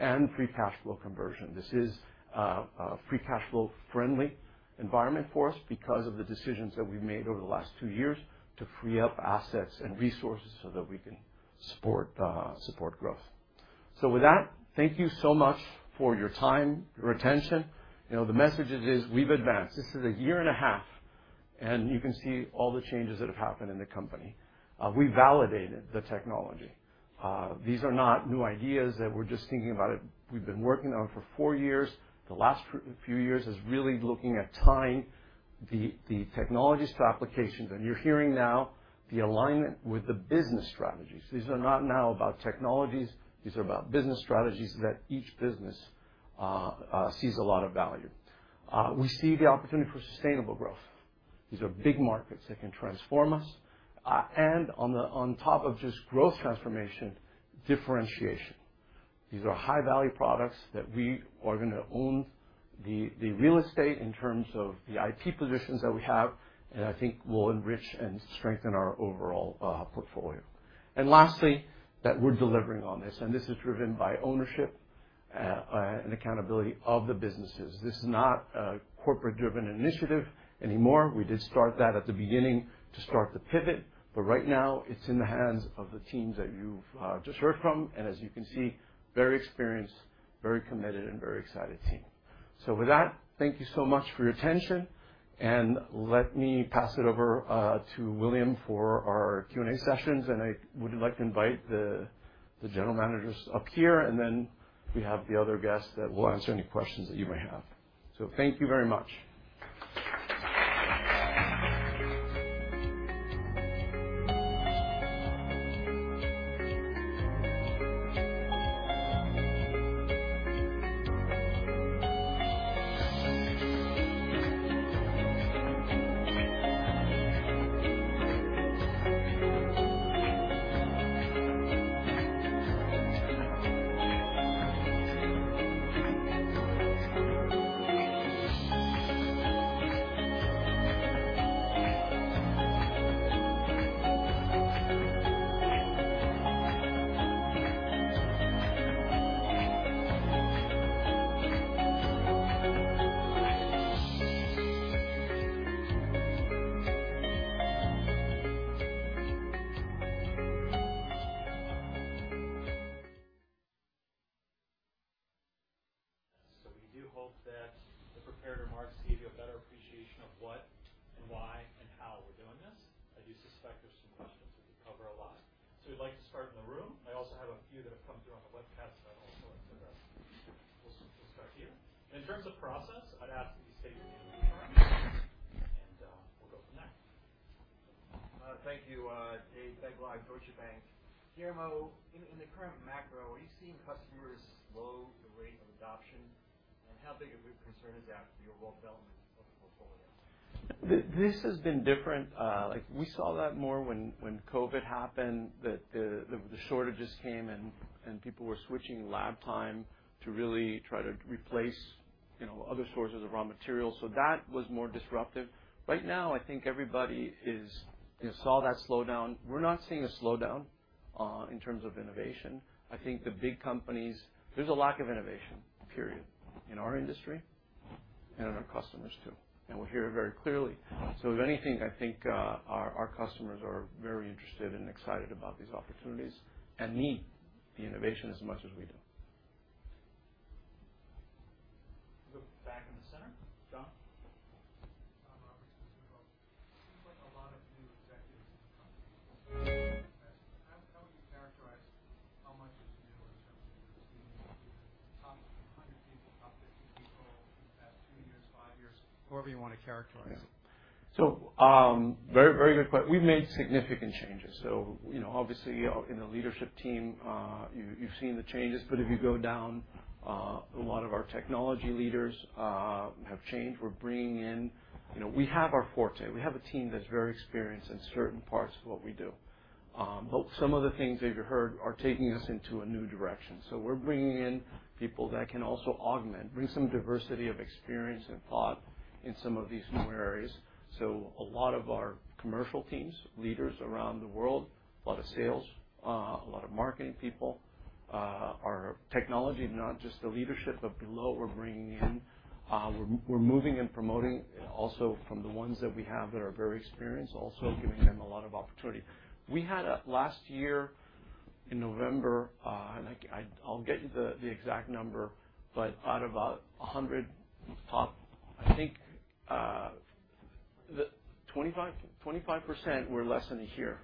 and free cash flow conversion. This is a free cash flow-friendly environment for us because of the decisions that we've made over the last two years to free up assets and resources so that we can support growth. Thank you so much for your time, your attention. The message is we've advanced. This is a year and a half, and you can see all the changes that have happened in the company. We validated the technology. These are not new ideas that we're just thinking about. We've been working on it for four years. The last few years is really looking at tying the technologies to applications. You're hearing now the alignment with the business strategies. These are not now about technologies. These are about business strategies that each business sees a lot of value. We see the opportunity for sustainable growth. These are big markets that can transform us. On top of just growth transformation, differentiation. These are high-value products that we are going to own the real estate in terms of the IT positions that we have, and I think will enrich and strengthen our overall portfolio. Lastly, that we are delivering on this, and this is driven by ownership and accountability of the businesses. This is not a corporate-driven initiative anymore. We did start that at the beginning to start the pivot, but right now it is in the hands of the teams that you have just heard from. As you can see, very experienced, very committed, and very excited team. Thank you so much for your attention. Let me pass it over to William for our Q&A sessions. I would like to invite the general managers up here, and then we have the other guests that will answer any questions that you may have. Thank you very much. We do hope that the prepared remarks give you a better appreciation of what, why, and how we're doing this. I do suspect there's some questions we can cover a lot. We'd like to start in the room. I also have a few that have come through on the webcast that also answer this. We'll switch this back here. In terms of process, I'd ask that you say your name and your current experience, and we'll go from there. Thank you, Dave. Thanks a lot. Go to your bank. Guillermo, in the current macro, are you seeing customers slow the rate of adoption? How big of a concern is that for your role development and public portfolios? This has been different. We saw that more when COVID happened, that the shortages came and people were switching lab time to really try to replace other sources of raw material. That was more disruptive. Right now, I think everybody saw that slowdown. We're not seeing a slowdown in terms of innovation. I think the big companies, there's a lack of innovation, period, in our industry and in our customers too. We hear it very clearly. If anything, I think our customers are very interested and excited about these opportunities and need the innovation as much as we do. Back in the center. John. How would you characterize how much is utilized? How many teams have come through? Just over the past two years, five years, however you want to characterize it. Very, very good question. We've made significant changes. Obviously, in the leadership team, you've seen the changes. If you go down, a lot of our technology leaders have changed. We're bringing in, we have our forte. We have a team that's very experienced in certain parts of what we do. Some of the things that you heard are taking us into a new direction. We're bringing in people that can also augment, bring some diversity of experience and thought in some of these newer areas. A lot of our commercial teams, leaders around the world, a lot of sales, a lot of marketing people, our technology, not just the leadership, but below, we're bringing in, we're moving and promoting also from the ones that we have that are very experienced, also giving them a lot of opportunity. We had last year in November, and I'll get you the exact number, but out of 100 top, I think 25% were less than a year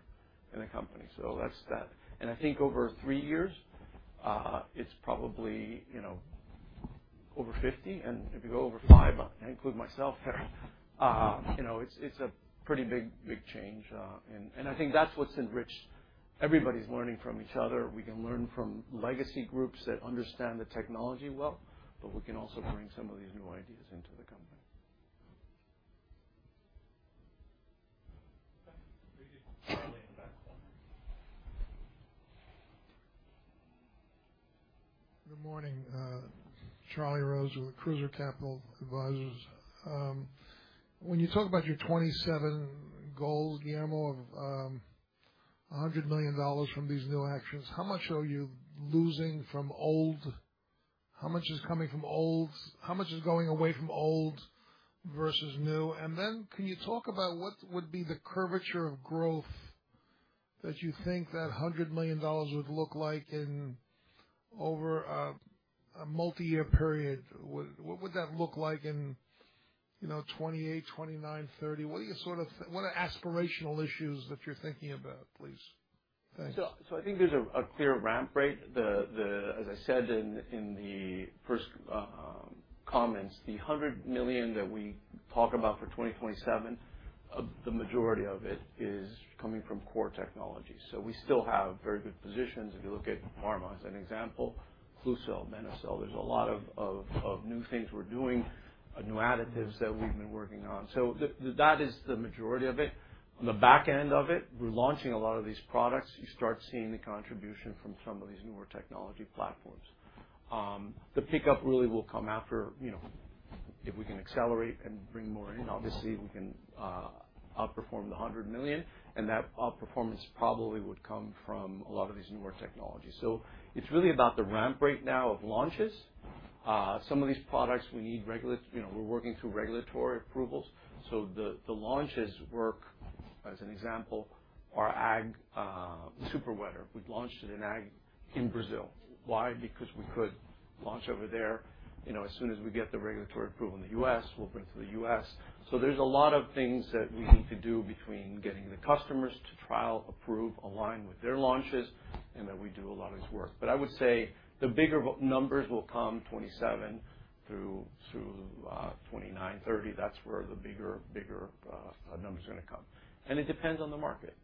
in the company. That is that. I think over three years, it's probably over 50. If you go over five, I include myself, it's a pretty big change. I think that's what's enriched. Everybody's learning from each other. We can learn from legacy groups that understand the technology well, but we can also bring some of these new ideas into the company. Good morning. Charlie Rose with Cruiser Capital Advisors. When you talk about your 27 goals, Guillermo, of $100 million from these new actions, how much are you losing from old? How much is coming from old? How much is going away from old versus new? Can you talk about what would be the curvature of growth that you think that $100 million would look like over a multi-year period? What would that look like in 2028, 2029, 2030? What are your sort of, what are aspirational issues that you're thinking about, please? I think there's a clear ramp rate. As I said in the first comments, the $100 million that we talk about for 2027, the majority of it is coming from core technologies. We still have very good positions. If you look at pharma as an example, Klucel, Benecel, there's a lot of new things we're doing, new additives that we've been working on. That is the majority of it. The back end of it, we're launching a lot of these products. You start seeing the contribution from some of these newer technology platforms. The pickup really will come after if we can accelerate and bring more. Obviously, we can outperform the $100 million. That outperformance probably would come from a lot of these newer technologies. It is really about the ramp right now of launches. Some of these products we need, we're working through regulatory approvals. The launches work, as an example, our ag super wetter. We launched it in ag in Brazil. Why? Because we could launch over there. As soon as we get the regulatory approval in the U.S., we'll bring it to the U.S. There are a lot of things that we need to do between getting the customers to trial, approve, align with their launches, and we do a lot of this work. I would say the bigger numbers will come 2027 through 2029, 2030. That is where the bigger numbers are going to come. It depends on the market.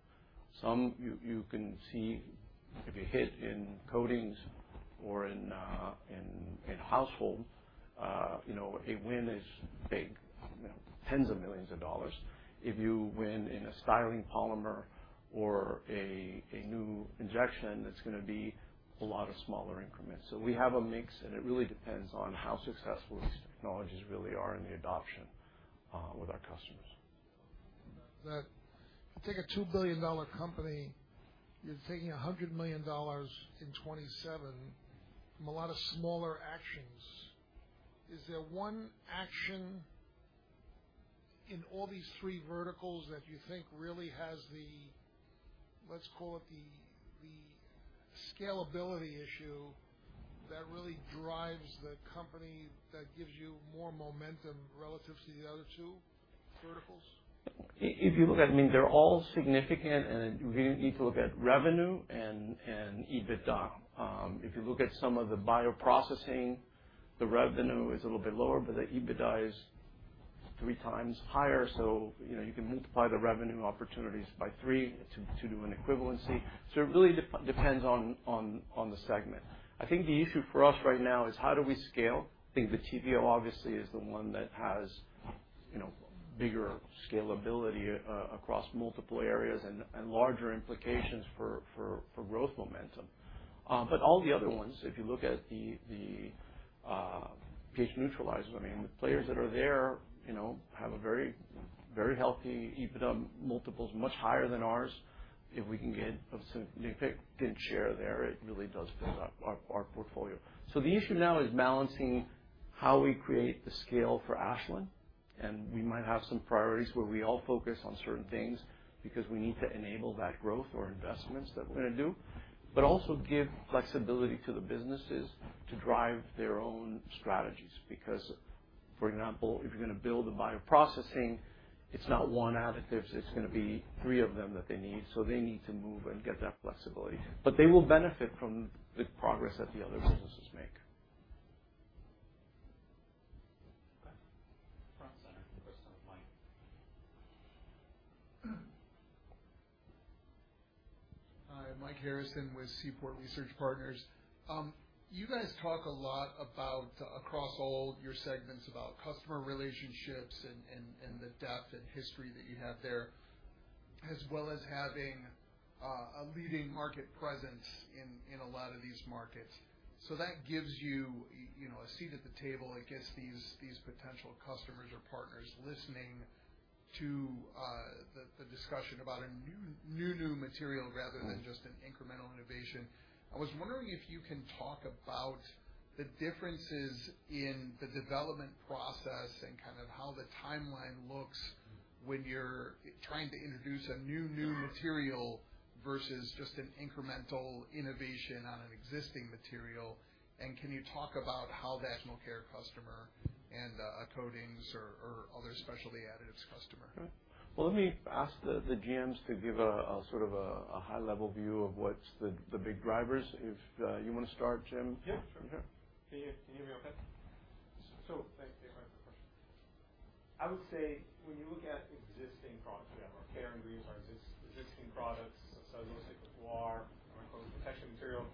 Some you can see if you hit in coatings or in household, a win is big, tens of millions of dollars. If you win in a styling polymer or a new injection, it is going to be a lot of smaller increments. We have a mix, and it really depends on how successful these technologies really are in the adoption with our customers. You take a $2 billion company. You're taking $100 million in 2027, a lot of smaller actions. Is there one action in all these three verticals that you think really has the, let's call it the scalability issue that really drives the company that gives you more momentum relative to the other two verticals? If you look at, I mean, they're all significant, and we need to look at revenue and EBITDA. If you look at some of the bioprocessing, the revenue is a little bit lower, but the EBITDA is three times higher. So you can multiply the revenue opportunities by three to do an equivalency. It really depends on the segment. I think the issue for us right now is how do we scale? I think the TVO obviously is the one that has bigger scalability across multiple areas and larger implications for growth momentum. All the other ones, if you look at the pH neutralizers, I mean, the players that are there have a very healthy EBITDA multiple, much higher than ours. If we can get a significant share there, it really does pivot our portfolio. The issue now is balancing how we create the scale for ACILIN. We might have some priorities where we all focus on certain things because we need to enable that growth or investments that we're going to do, but also give flexibility to the businesses to drive their own strategies. For example, if you're going to build a bioprocessing, it's not one additive. It's going to be three of them that they need. They need to move and get that flexibility. They will benefit from the progress that the other businesses make. Okay. Processing. Hi, Mike Harrison with Seaport Research Partners. You guys talk a lot across all your segments about customer relationships and the depth and history that you have there, as well as having a leading market presence in a lot of these markets. That gives you a seat at the table. It gets these potential customers or partners listening to the discussion about a new, new, new material rather than just an incremental innovation. I was wondering if you can talk about the differences in the development process and kind of how the timeline looks when you're trying to introduce a new, new material versus just an incremental innovation on an existing material. Can you talk about how that national care customer and a coatings or other specialty additives customer? Let me ask the GMs to give a sort of a high-level view of what's the big drivers. If you want to start, Jim. Yeah. Can you hear me okay? Thanks for your question. I would say when you look at existing products, we have our care and green existing products, so those like the guar, our detection material.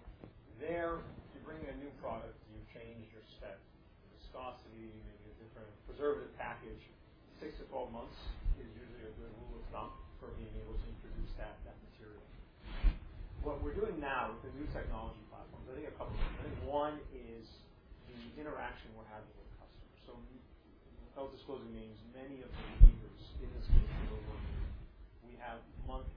There, if you bring in a new product, you're changing your steps. Viscosity, maybe a different preservative package, six to twelve months is usually a good slot for being able to introduce that material. What we're doing now with the new technology platform, I think one is the interaction we're having with customers. I'll just go to names, many of them leaders. Business being available, we have monthly experiences set up with them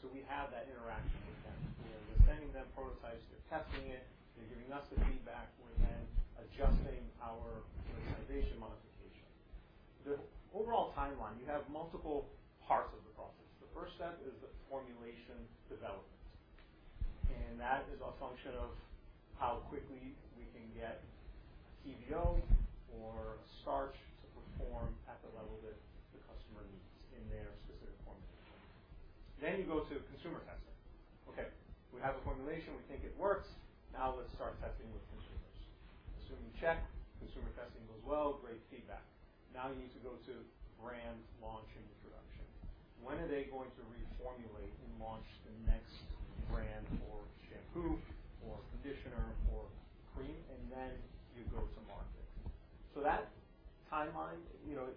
on specific projects. They're driving our roadmap with their roadmap. They're looking to change a certain ingredient in a shampoo or in a hairspray or in a skin cream. We have that interaction with them. We're sending them prototypes, they're testing it, they're giving us the feedback, we're then adjusting our modification. The overall timeline, you have multiple parts of the process. The first step is the formulation development. That is a function of how quickly we can get TVO or starch to perform at the level that the customer needs in their specific formulation. You go to consumer testing. Okay, we have a formulation, we think it works. Now let's start testing with consumers. Assuming check, consumer testing goes well, great feedback. You need to go to brand launch and production. When are they going to reformulate and launch the next brand or shampoo or conditioner or cream? You go to market. That timeline,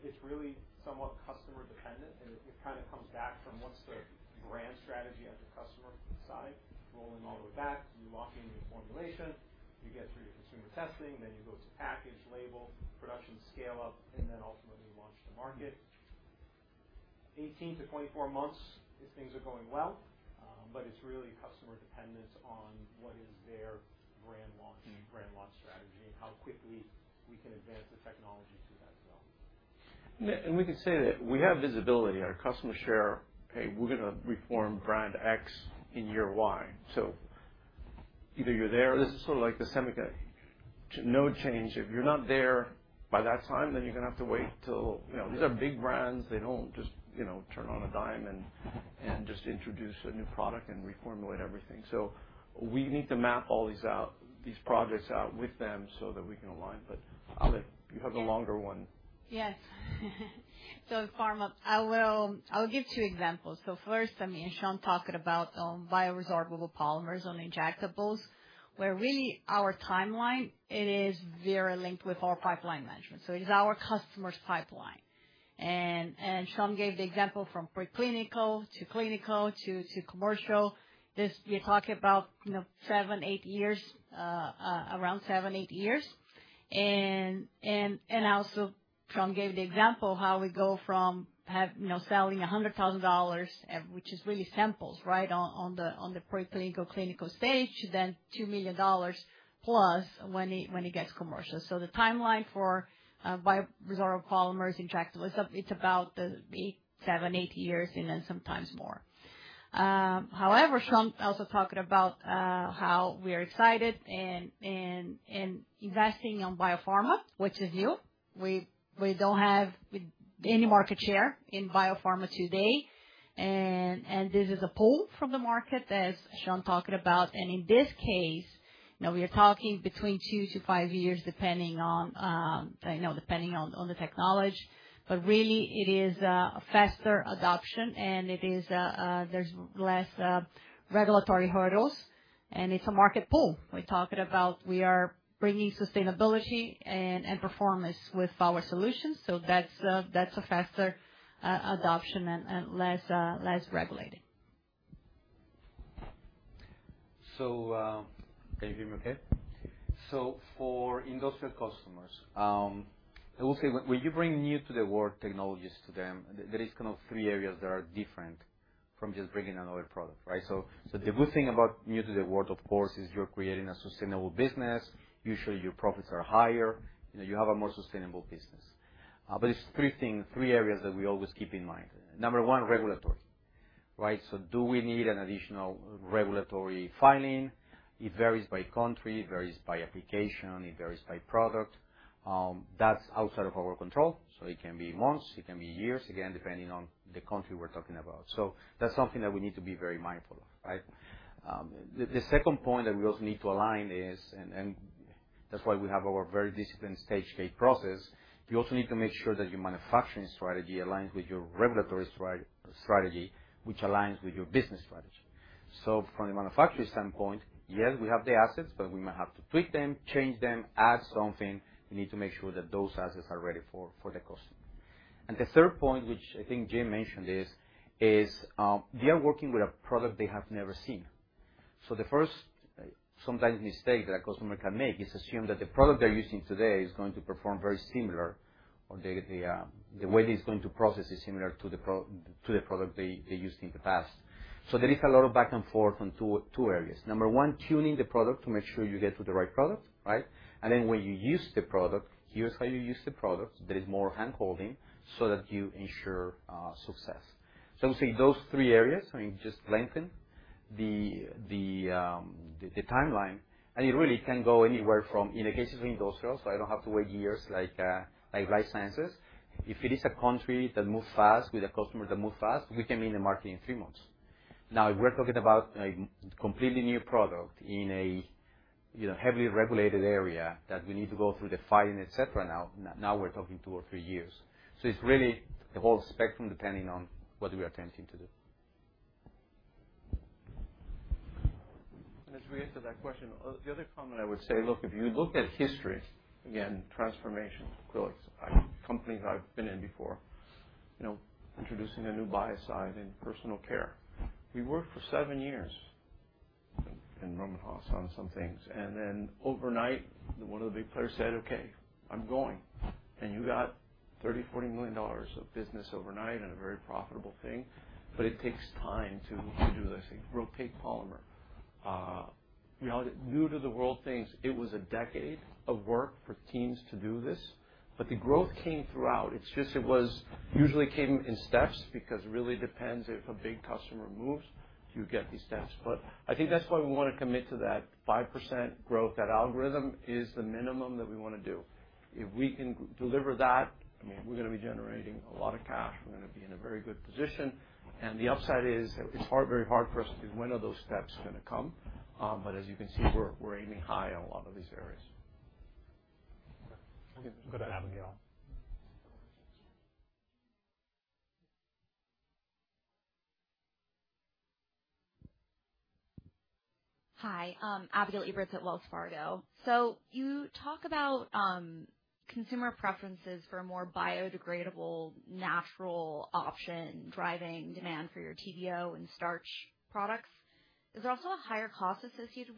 it's really somewhat customer-dependent, and it kind of comes back from what's the brand strategy at the customer side. Rolling all the way back, you walk in the formulation, you get through your consumer testing, then you go to package, label, production scale-up, and then ultimately launch to market. Eighteen to twenty-four months, these things are going well, but it's really customer-dependent on what is their brand launch and brand launch strategy and how quickly we can advance the technology to that. We can say that we have visibility. Our customers share, "Hey, we're going to reform brand X in year Y." Either you're there, this is sort of like a semi-no change. If you're not there by that time, you are going to have to wait till these are big brands. They do not just turn on a dime and just introduce a new product and reformulate everything. We need to map all these projects out with them so that we can align. Alessandra, you have the longer one. Yes. Pharma, I will give two examples. First, I mean, Sean talked about bioresorbable polymers on injectables, where our timeline, it is very linked with our pipeline management. It is our customer's pipeline. Sean gave the example from preclinical to clinical to commercial. You are talking about seven, eight years, around seven, eight years. Also, Sean gave the example of how we go from selling $100,000, which is really samples right on the preclinical clinical stage, then $2 million plus when it gets commercial. The timeline for bioresorbable polymers injectables, it is about seven, eight years, and then sometimes more. However, Sean also talked about how we are excited in investing in biopharma, which is you. We do not have any market share in biopharma today. This is a pull from the market, as Sean talked about. In this case, we are talking between two to five years, depending on the technology. Really, it is a faster adoption, and there's less regulatory hurdles. It is a market pull. We are bringing sustainability and performance with our solutions. That is a faster adoption and less regulated. Can you give me a case? For industrial customers, I will say when you bring new-to-the-world technologies to them, there are kind of three areas that are different from just bringing another product, right? The good thing about new-to-the-world, of course, is you're creating a sustainable business. Usually, your profits are higher. You have a more sustainable business. There are three things, three areas that we always keep in mind. Number one, regulatory, right? Do we need an additional regulatory filing? It varies by country. It varies by application. It varies by product. That's outside of our control. It can be months. It can be years, again, depending on the country we're talking about. That's something that we need to be very mindful of, right? The second point that we also need to align is, and that's why we have our very disciplined stage K process, you also need to make sure that your manufacturing strategy aligns with your regulatory strategy, which aligns with your business strategy. From the manufacturer's standpoint, yes, we have the assets, but we might have to tweak them, change them, add something. You need to make sure that those assets are ready for the customer. The third point, which I think Jim mentioned, is they are working with a product they have never seen. The first sometimes mistake that a customer can make is assume that the product they're using today is going to perform very similar or the way it's going to process is similar to the product they used in the past. There is a lot of back and forth on two areas. Number one, tuning the product to make sure you get to the right product, right? And then when you use the product, here's how you use the product. There is more handholding so that you ensure success. I would say those three areas, so in just lengthen the timeline, and it really can go anywhere from, in the case of industrial, I don't have to wait years like life sciences. If it is a country that moves fast with a customer that moves fast, we can be in the market in three months. Now, if we're talking about a completely new product in a heavily regulated area that we need to go through the filing, et cetera, now we're talking two or three years. It is really a whole spectrum depending on what we are attempting to do. As we answer that question, the other comment I would say, look, if you look at history, again, transformation, acrylics, companies I've been in before, introducing a new biocide in personal care. He worked for seven years in Rohm and Haas on some things. Then overnight, one of the big players said, "Okay, I'm going." You got $30 million-$40 million of business overnight and a very profitable thing. It takes time to do this. It is a rotating polymer. New-to-the-world things, it was a decade of work for teams to do this. The growth came throughout. It was usually came in steps because it really depends if a big customer moves, you get these steps. I think that's why we want to commit to that 5% growth. That algorithm is the minimum that we want to do. If we can deliver that, I mean, we're going to be generating a lot of cash. We're going to be in a very good position. The upside is it's very hard for us to say when are those steps going to come. As you can see, we're aiming high on a lot of these areas. Good to have you on. Hi, Abigail Eberts at Wells Fargo. You talk about consumer preferences for more biodegradable, natural options, driving demand for your TVO and starch products. Is there also a higher cost associated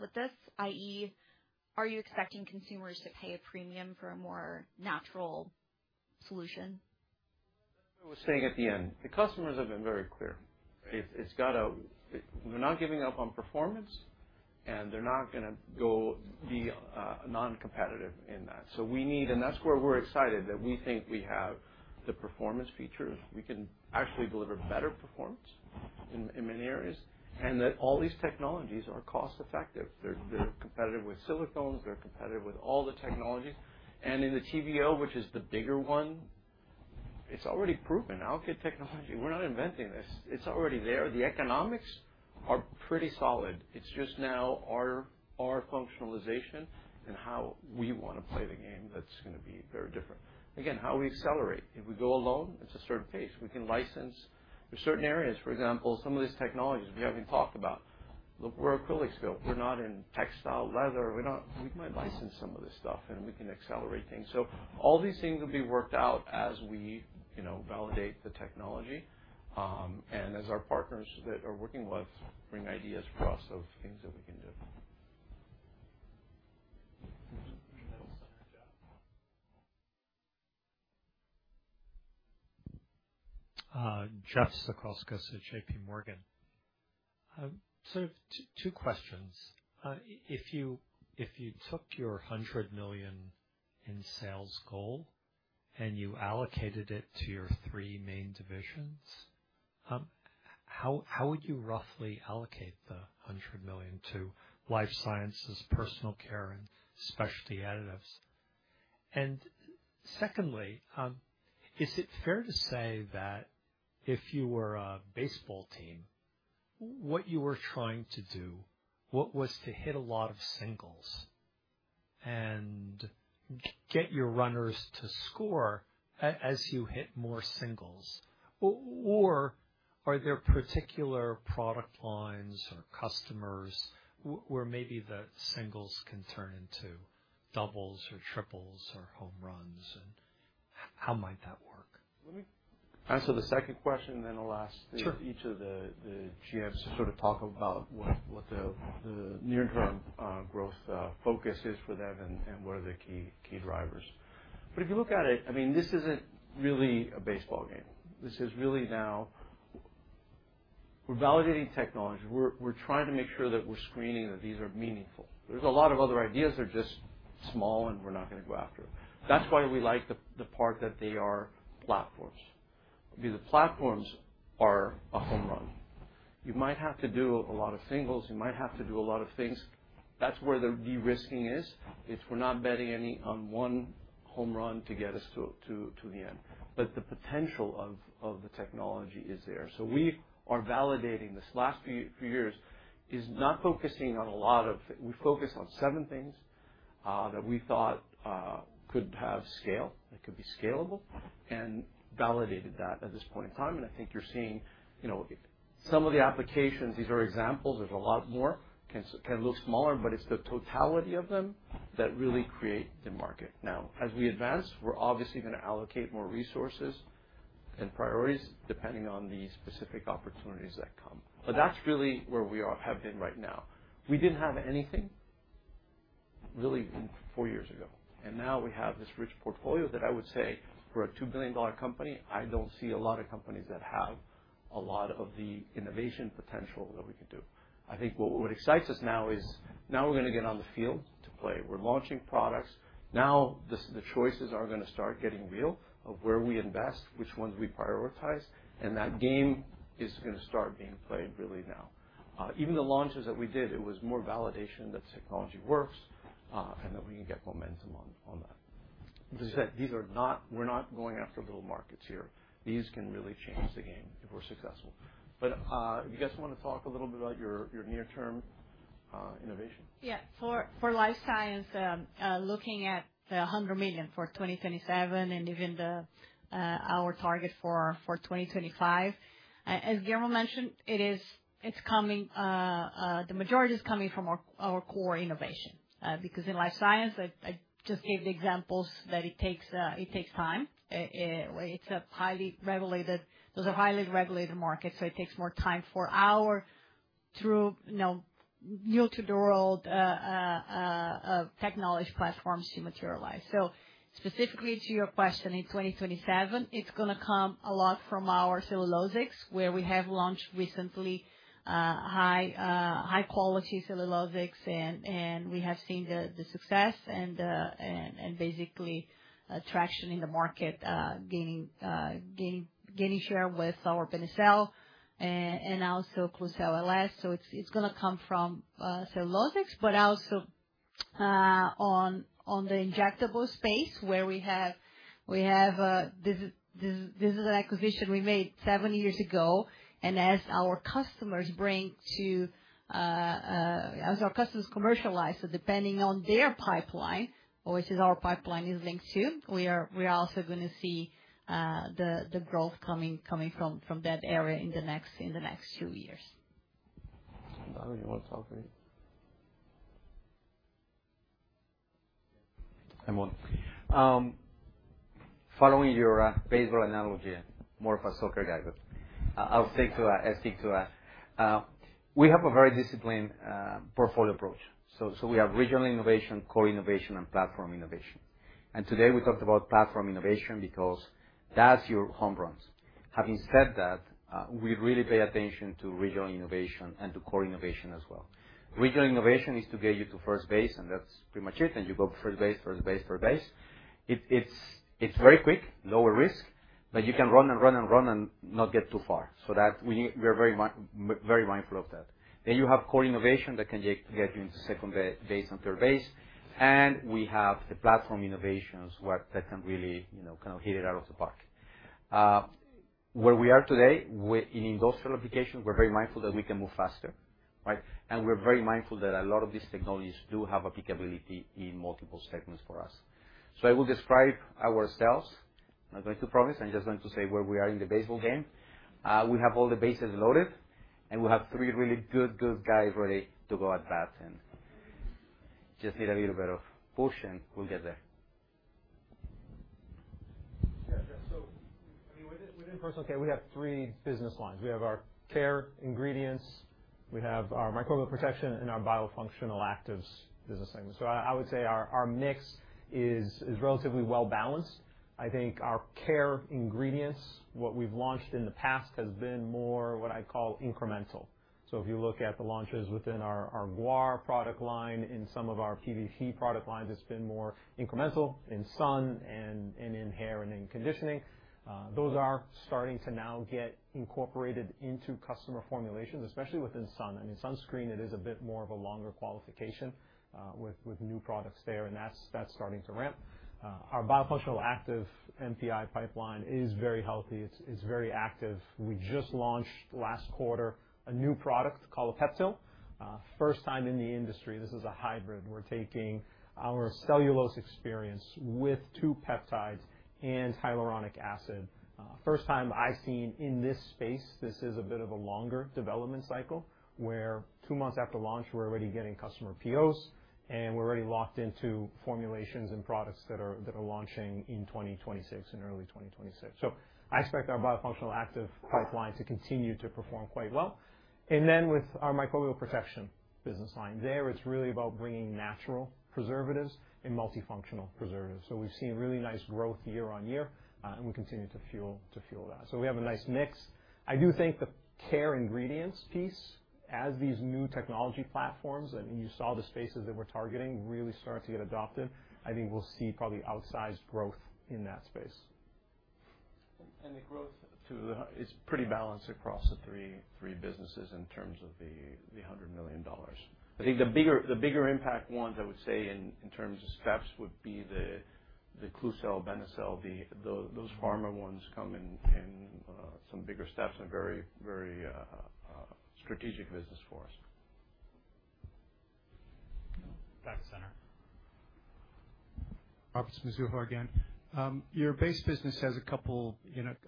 with this, i.e., are you expecting consumers to pay a premium for a more natural solution? I was saying at the end, the customers have been very clear. It's got a, we're not giving up on performance, and they're not going to go be non-competitive in that. We need, and that's where we're excited that we think we have the performance features. We can actually deliver better performance in many areas. All these technologies are cost-effective. They're competitive with silicones. They're competitive with all the technologies. In the TVO, which is the bigger one, it's already proven. Outfit technology, we're not inventing this. It's already there. The economics are pretty solid. It's just now our functionalization and how we want to play the game that's going to be very different. Again, how we accelerate. If we go alone, it's a certain pace. We can license certain areas. For example, some of these technologies we haven't talked about. Look, we're acrylics built. We're not in textile, leather. We might license some of this stuff, and we can accelerate things. All these things will be worked out as we validate the technology and as our partners that are working with us bring ideas for us of things that we can do. Jeff Zekauskas at JPMorgan. Two questions. If you took your $100 million in sales goal and you allocated it to your three main divisions, how would you roughly allocate the $100 million to life sciences, personal care, and specialty additives? Secondly, is it fair to say that if you were a baseball team, what you were trying to do was to hit a lot of singles and get your runners to score as you hit more singles? Or are there particular product lines or customers where maybe the singles can turn into doubles or triples or home runs? How might that work? Let me answer the second question, then I'll ask each of the GMs to sort of talk about what the near-term growth focus is for them and what are the key drivers. If you look at it, I mean, this isn't really a baseball game. This is really now we're validating technology. We're trying to make sure that we're screening that these are meaningful. There are a lot of other ideas that are just small and we're not going to go after. That's why we like the part that they are platforms. The platforms are a home run. You might have to do a lot of singles. You might have to do a lot of things. That's where the de-risking is. We're not betting any on one home run to get us to the end. The potential of the technology is there. What we are validating these last few years is not focusing on a lot of, we focus on seven things that we thought could have scale, that could be scalable, and validated that at this point in time. I think you're seeing some of the applications. These are examples. There's a lot more. It can look smaller, but it's the totality of them that really create the market. Now, as we advance, we're obviously going to allocate more resources and priorities depending on the specific opportunities that come. That is really where we have been right now. We did not have anything really four years ago. Now we have this rich portfolio that I would say for a $2 billion company, I do not see a lot of companies that have a lot of the innovation potential that we could do. I think what excites us now is now we are going to get on the field to play. We are launching products. Now the choices are going to start getting real of where we invest, which ones we prioritize. That game is going to start being played really now. Even the launches that we did, it was more validation that technology works and that we can get momentum on that. As I said, these are not we're not going after little markets here. These can really change the game if we're successful. If you guys want to talk a little bit about your near-term innovation. Yeah. For life science, looking at the $100 million for 2027 and even our targets for 2025, as Guillermo mentioned, it's coming the majority is coming from our core innovation. Because in life science, I just gave the examples that it takes time. It's a highly regulated those are highly regulated markets, so it takes more time for our through new-to-the-world technology platforms to materialize. Specifically to your question, in 2027, it's going to come a lot from our cellulosics, where we have launched recently high-quality cellulosics, and we have seen the success and basically traction in the market, gaining share with our Benecel and also Kl LS. It's going to come from cellulosics, but also on the injectable space, where we have this is an acquisition we made seven years ago. As our customers bring to, as our customers commercialize, so depending on their pipeline, which is our pipeline is linked to, we are also going to see the growth coming from that area in the next few years. I do not even want to talk for you. I am on. Following your baseball analogy, more of a soccer guy, but I'll stick to that. We have a very disciplined portfolio approach. We have regional innovation, core innovation, and platform innovation. Today we talked about platform innovation because that's your home runs. Having said that, we really pay attention to regional innovation and to core innovation as well. Regional innovation is to get you to first base, and that's pretty much it. You go first base, first base, first base. It's very quick, lower risk, but you can run and run and run and not get too far. We are very mindful of that. You have core innovation that can get you into second base and third base. We have the platform innovations that can really kind of hit it out of the park. Where we are today in industrial applications, we're very mindful that we can move faster, right? We are very mindful that a lot of these technologies do have applicability in multiple segments for us. I will describe ourselves. I'm not going to promise. I'm just going to say where we are in the baseball game. We have all the bases loaded, and we have three really good, good guys ready to go at bat. I just need a little bit of push, and we'll get there. Yeah, yeah. I mean, within personal care, we have three business lines. We have our care ingredients. We have our microbial protection and our biofunctional actives business segments. I would say our mix is relatively well-balanced. I think our care ingredients, what we've launched in the past, has been more what I call incremental. If you look at the launches within our Guar product line and some of our PVC product lines, it's been more incremental in sun and in hair and in conditioning. Those are starting to now get incorporated into customer formulations, especially within sun. I mean, sunscreen, it is a bit more of a longer qualification with new products there, and that's starting to ramp. Our biofunctional active MPI pipeline is very healthy. It's very active. We just launched last quarter a new product called Epepsil. First time in the industry, this is a hybrid. We're taking our cellulose experience with two peptides and hyaluronic acid. First time I've seen in this space, this is a bit of a longer development cycle where two months after launch, we're already getting customer POs, and we're already locked into formulations and products that are launching in 2026 and early 2026. I expect our biofunctional active pipeline to continue to perform quite well. With our microbial protection business line, there it's really about bringing natural preservatives and multifunctional preservatives. We have seen really nice growth year on year, and we continue to fuel that. We have a nice mix. I do think the care ingredients piece, as these new technology platforms and you saw the spaces that we're targeting really start to get adopted, I think we'll see probably outsized growth in that space. The growth too is pretty balanced across the three businesses in terms of the $100 million. I think the bigger impact ones, I would say in terms of steps, would be the Klucel, Benecel, those pharma ones come in some bigger steps and very strategic business for us. That's center. Robert, Mizuho again. Your base business has a couple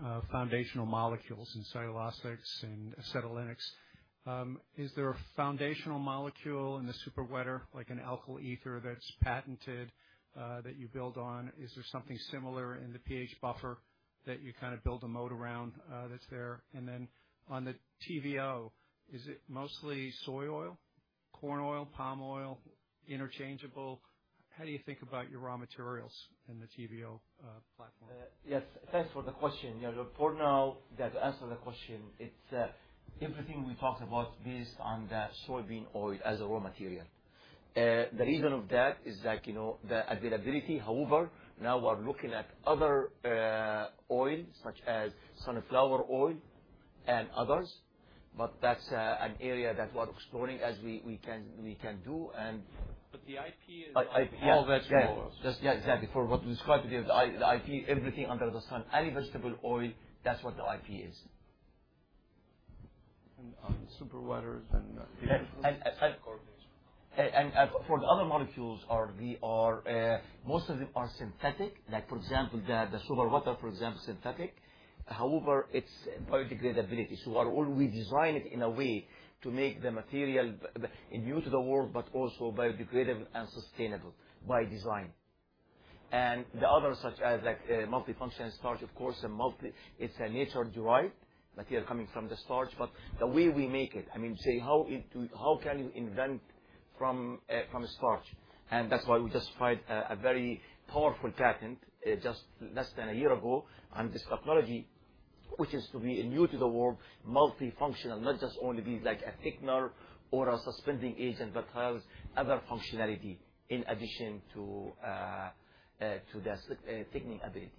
of foundational molecules in cellulose and acetylenics. Is there a foundational molecule in the super wetter, like an alkyl ether that's patented that you build on? Is there something similar in the pH buffer that you kind of build a moat around that's there? On the TVO, is it mostly soy oil, corn oil, palm oil, interchangeable? How do you think about your raw materials in the TVO platform? Yes, thanks for the question. You're important now that to answer the question. It's everything we talked about based on the soybean oil as a raw material. The reason of that is that the availability, however, now we're looking at other oils, such as sunflower oil and others. That's an area that we're exploring as we can do. The IP is all vegetable oil. Yeah, exactly. For what we described today, the IP, everything under the sun, any vegetable oil, that's what the IP is. On the super wetter, then you have the coordination. For the other molecules, most of them are synthetic. Like, for example, the super wetter, for example, synthetic. However, it's biodegradability. We design it in a way to make the material immune to the world, but also biodegradable and sustainable by design. The other, such as multifunctional starch, of course, is a nature-derived material coming from the starch. The way we make it, I mean, say, how can you invent from starch? That is why we just tried a very powerful patent just less than a year ago on this technology, which is to be new to the world, multifunctional, not just only be like a thickener or a suspending agent that has other functionality in addition to the thickening ability.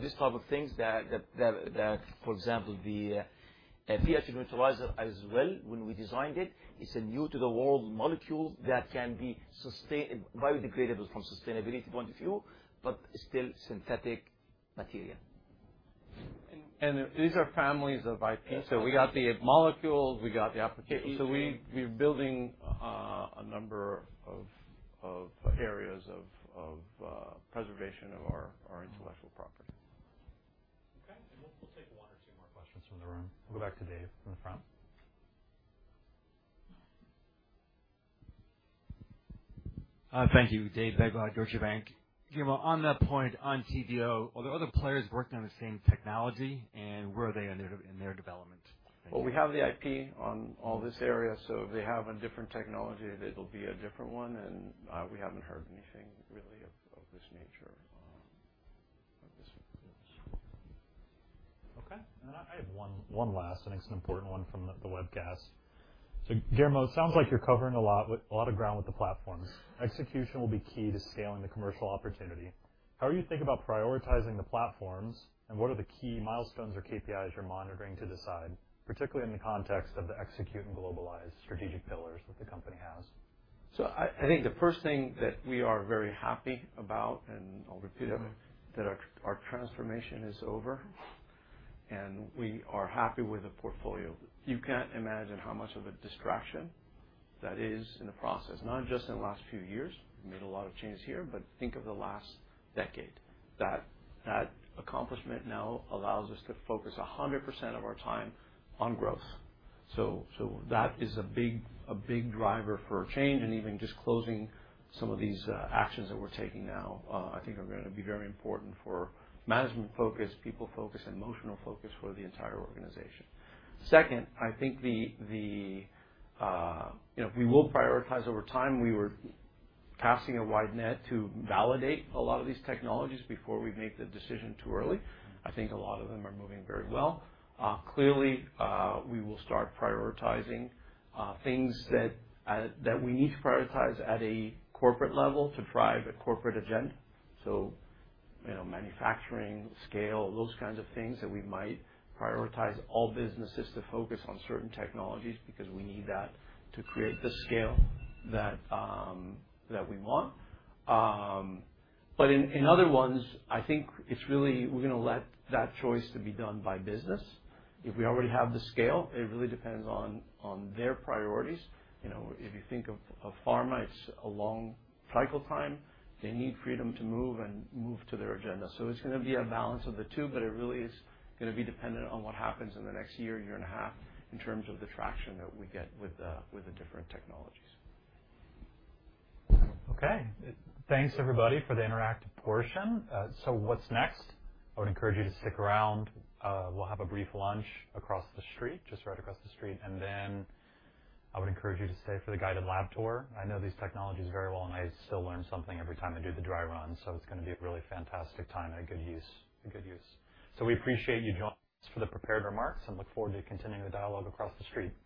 This type of thing, for example, the PFC neutralizer as well, when we designed it, is a new-to-the-world molecule that can be biodegradable from a sustainability point of view, but still synthetic material. These are families of IP. We got the molecules, we got the application. We're building a number of areas of preservation of our intellectual property. Okay. We'll take one or two more questions from the room. We'll go back to Dave from France. Thank you, Dave Begleiter at Deutsche Bank. Guillermo, on that point, on CDO, are there other players working on the same technology and where are they in their development? We have the IP on all this area. If they have a different technology, it'll be a different one. We haven't heard anything really of this nature. Okay. I have one last, and it's an important one from the webcast. Guillermo, it sounds like you're covering a lot of ground with the platform. Execution will be key to scaling the commercial opportunity. How do you think about prioritizing the platforms and what are the key milestones or KPIs you're monitoring to decide, particularly in the context of the execute and globalize strategic pillars that the company has? I think the first thing that we are very happy about, and I'll repeat it, that our transformation is over and we are happy with the portfolio. You can't imagine how much of a distraction that is in the process, not just in the last few years. We've made a lot of changes here, but think of the last decade. That accomplishment now allows us to focus 100% of our time on growth. That is a big driver for a change. Even just closing some of these actions that we're taking now, I think are going to be very important for management focus, people focus, and emotional focus for the entire organization. Second, I think we will prioritize over time. We were casting a wide net to validate a lot of these technologies before we make the decision too early. I think a lot of them are moving very well. Clearly, we will start prioritizing things that we need to prioritize at a corporate level to drive a corporate agenda. Manufacturing, scale, those kinds of things that we might prioritize all businesses to focus on certain technologies because we need that to create the scale that we want. In other ones, I think it is really we are going to let that choice be done by business. If we already have the scale, it really depends on their priorities. If you think of pharma, it is a long cycle time. They need freedom to move and move to their agenda. It is going to be a balance of the two, but it really is going to be dependent on what happens in the next year, year and a half, in terms of the traction that we get with the different technologies. Okay. Thanks, everybody, for the interactive portion. What is next? I would encourage you to stick around. We will have a brief lunch across the street, just right across the street. I would encourage you to stay for the guided lab tour. I know these technologies very well, and I still learn something every time I do the dry run. It is going to be a really fantastic time and a good use. We appreciate you joining us for the prepared remarks and look forward to continuing the dialogue across the street. Thanks.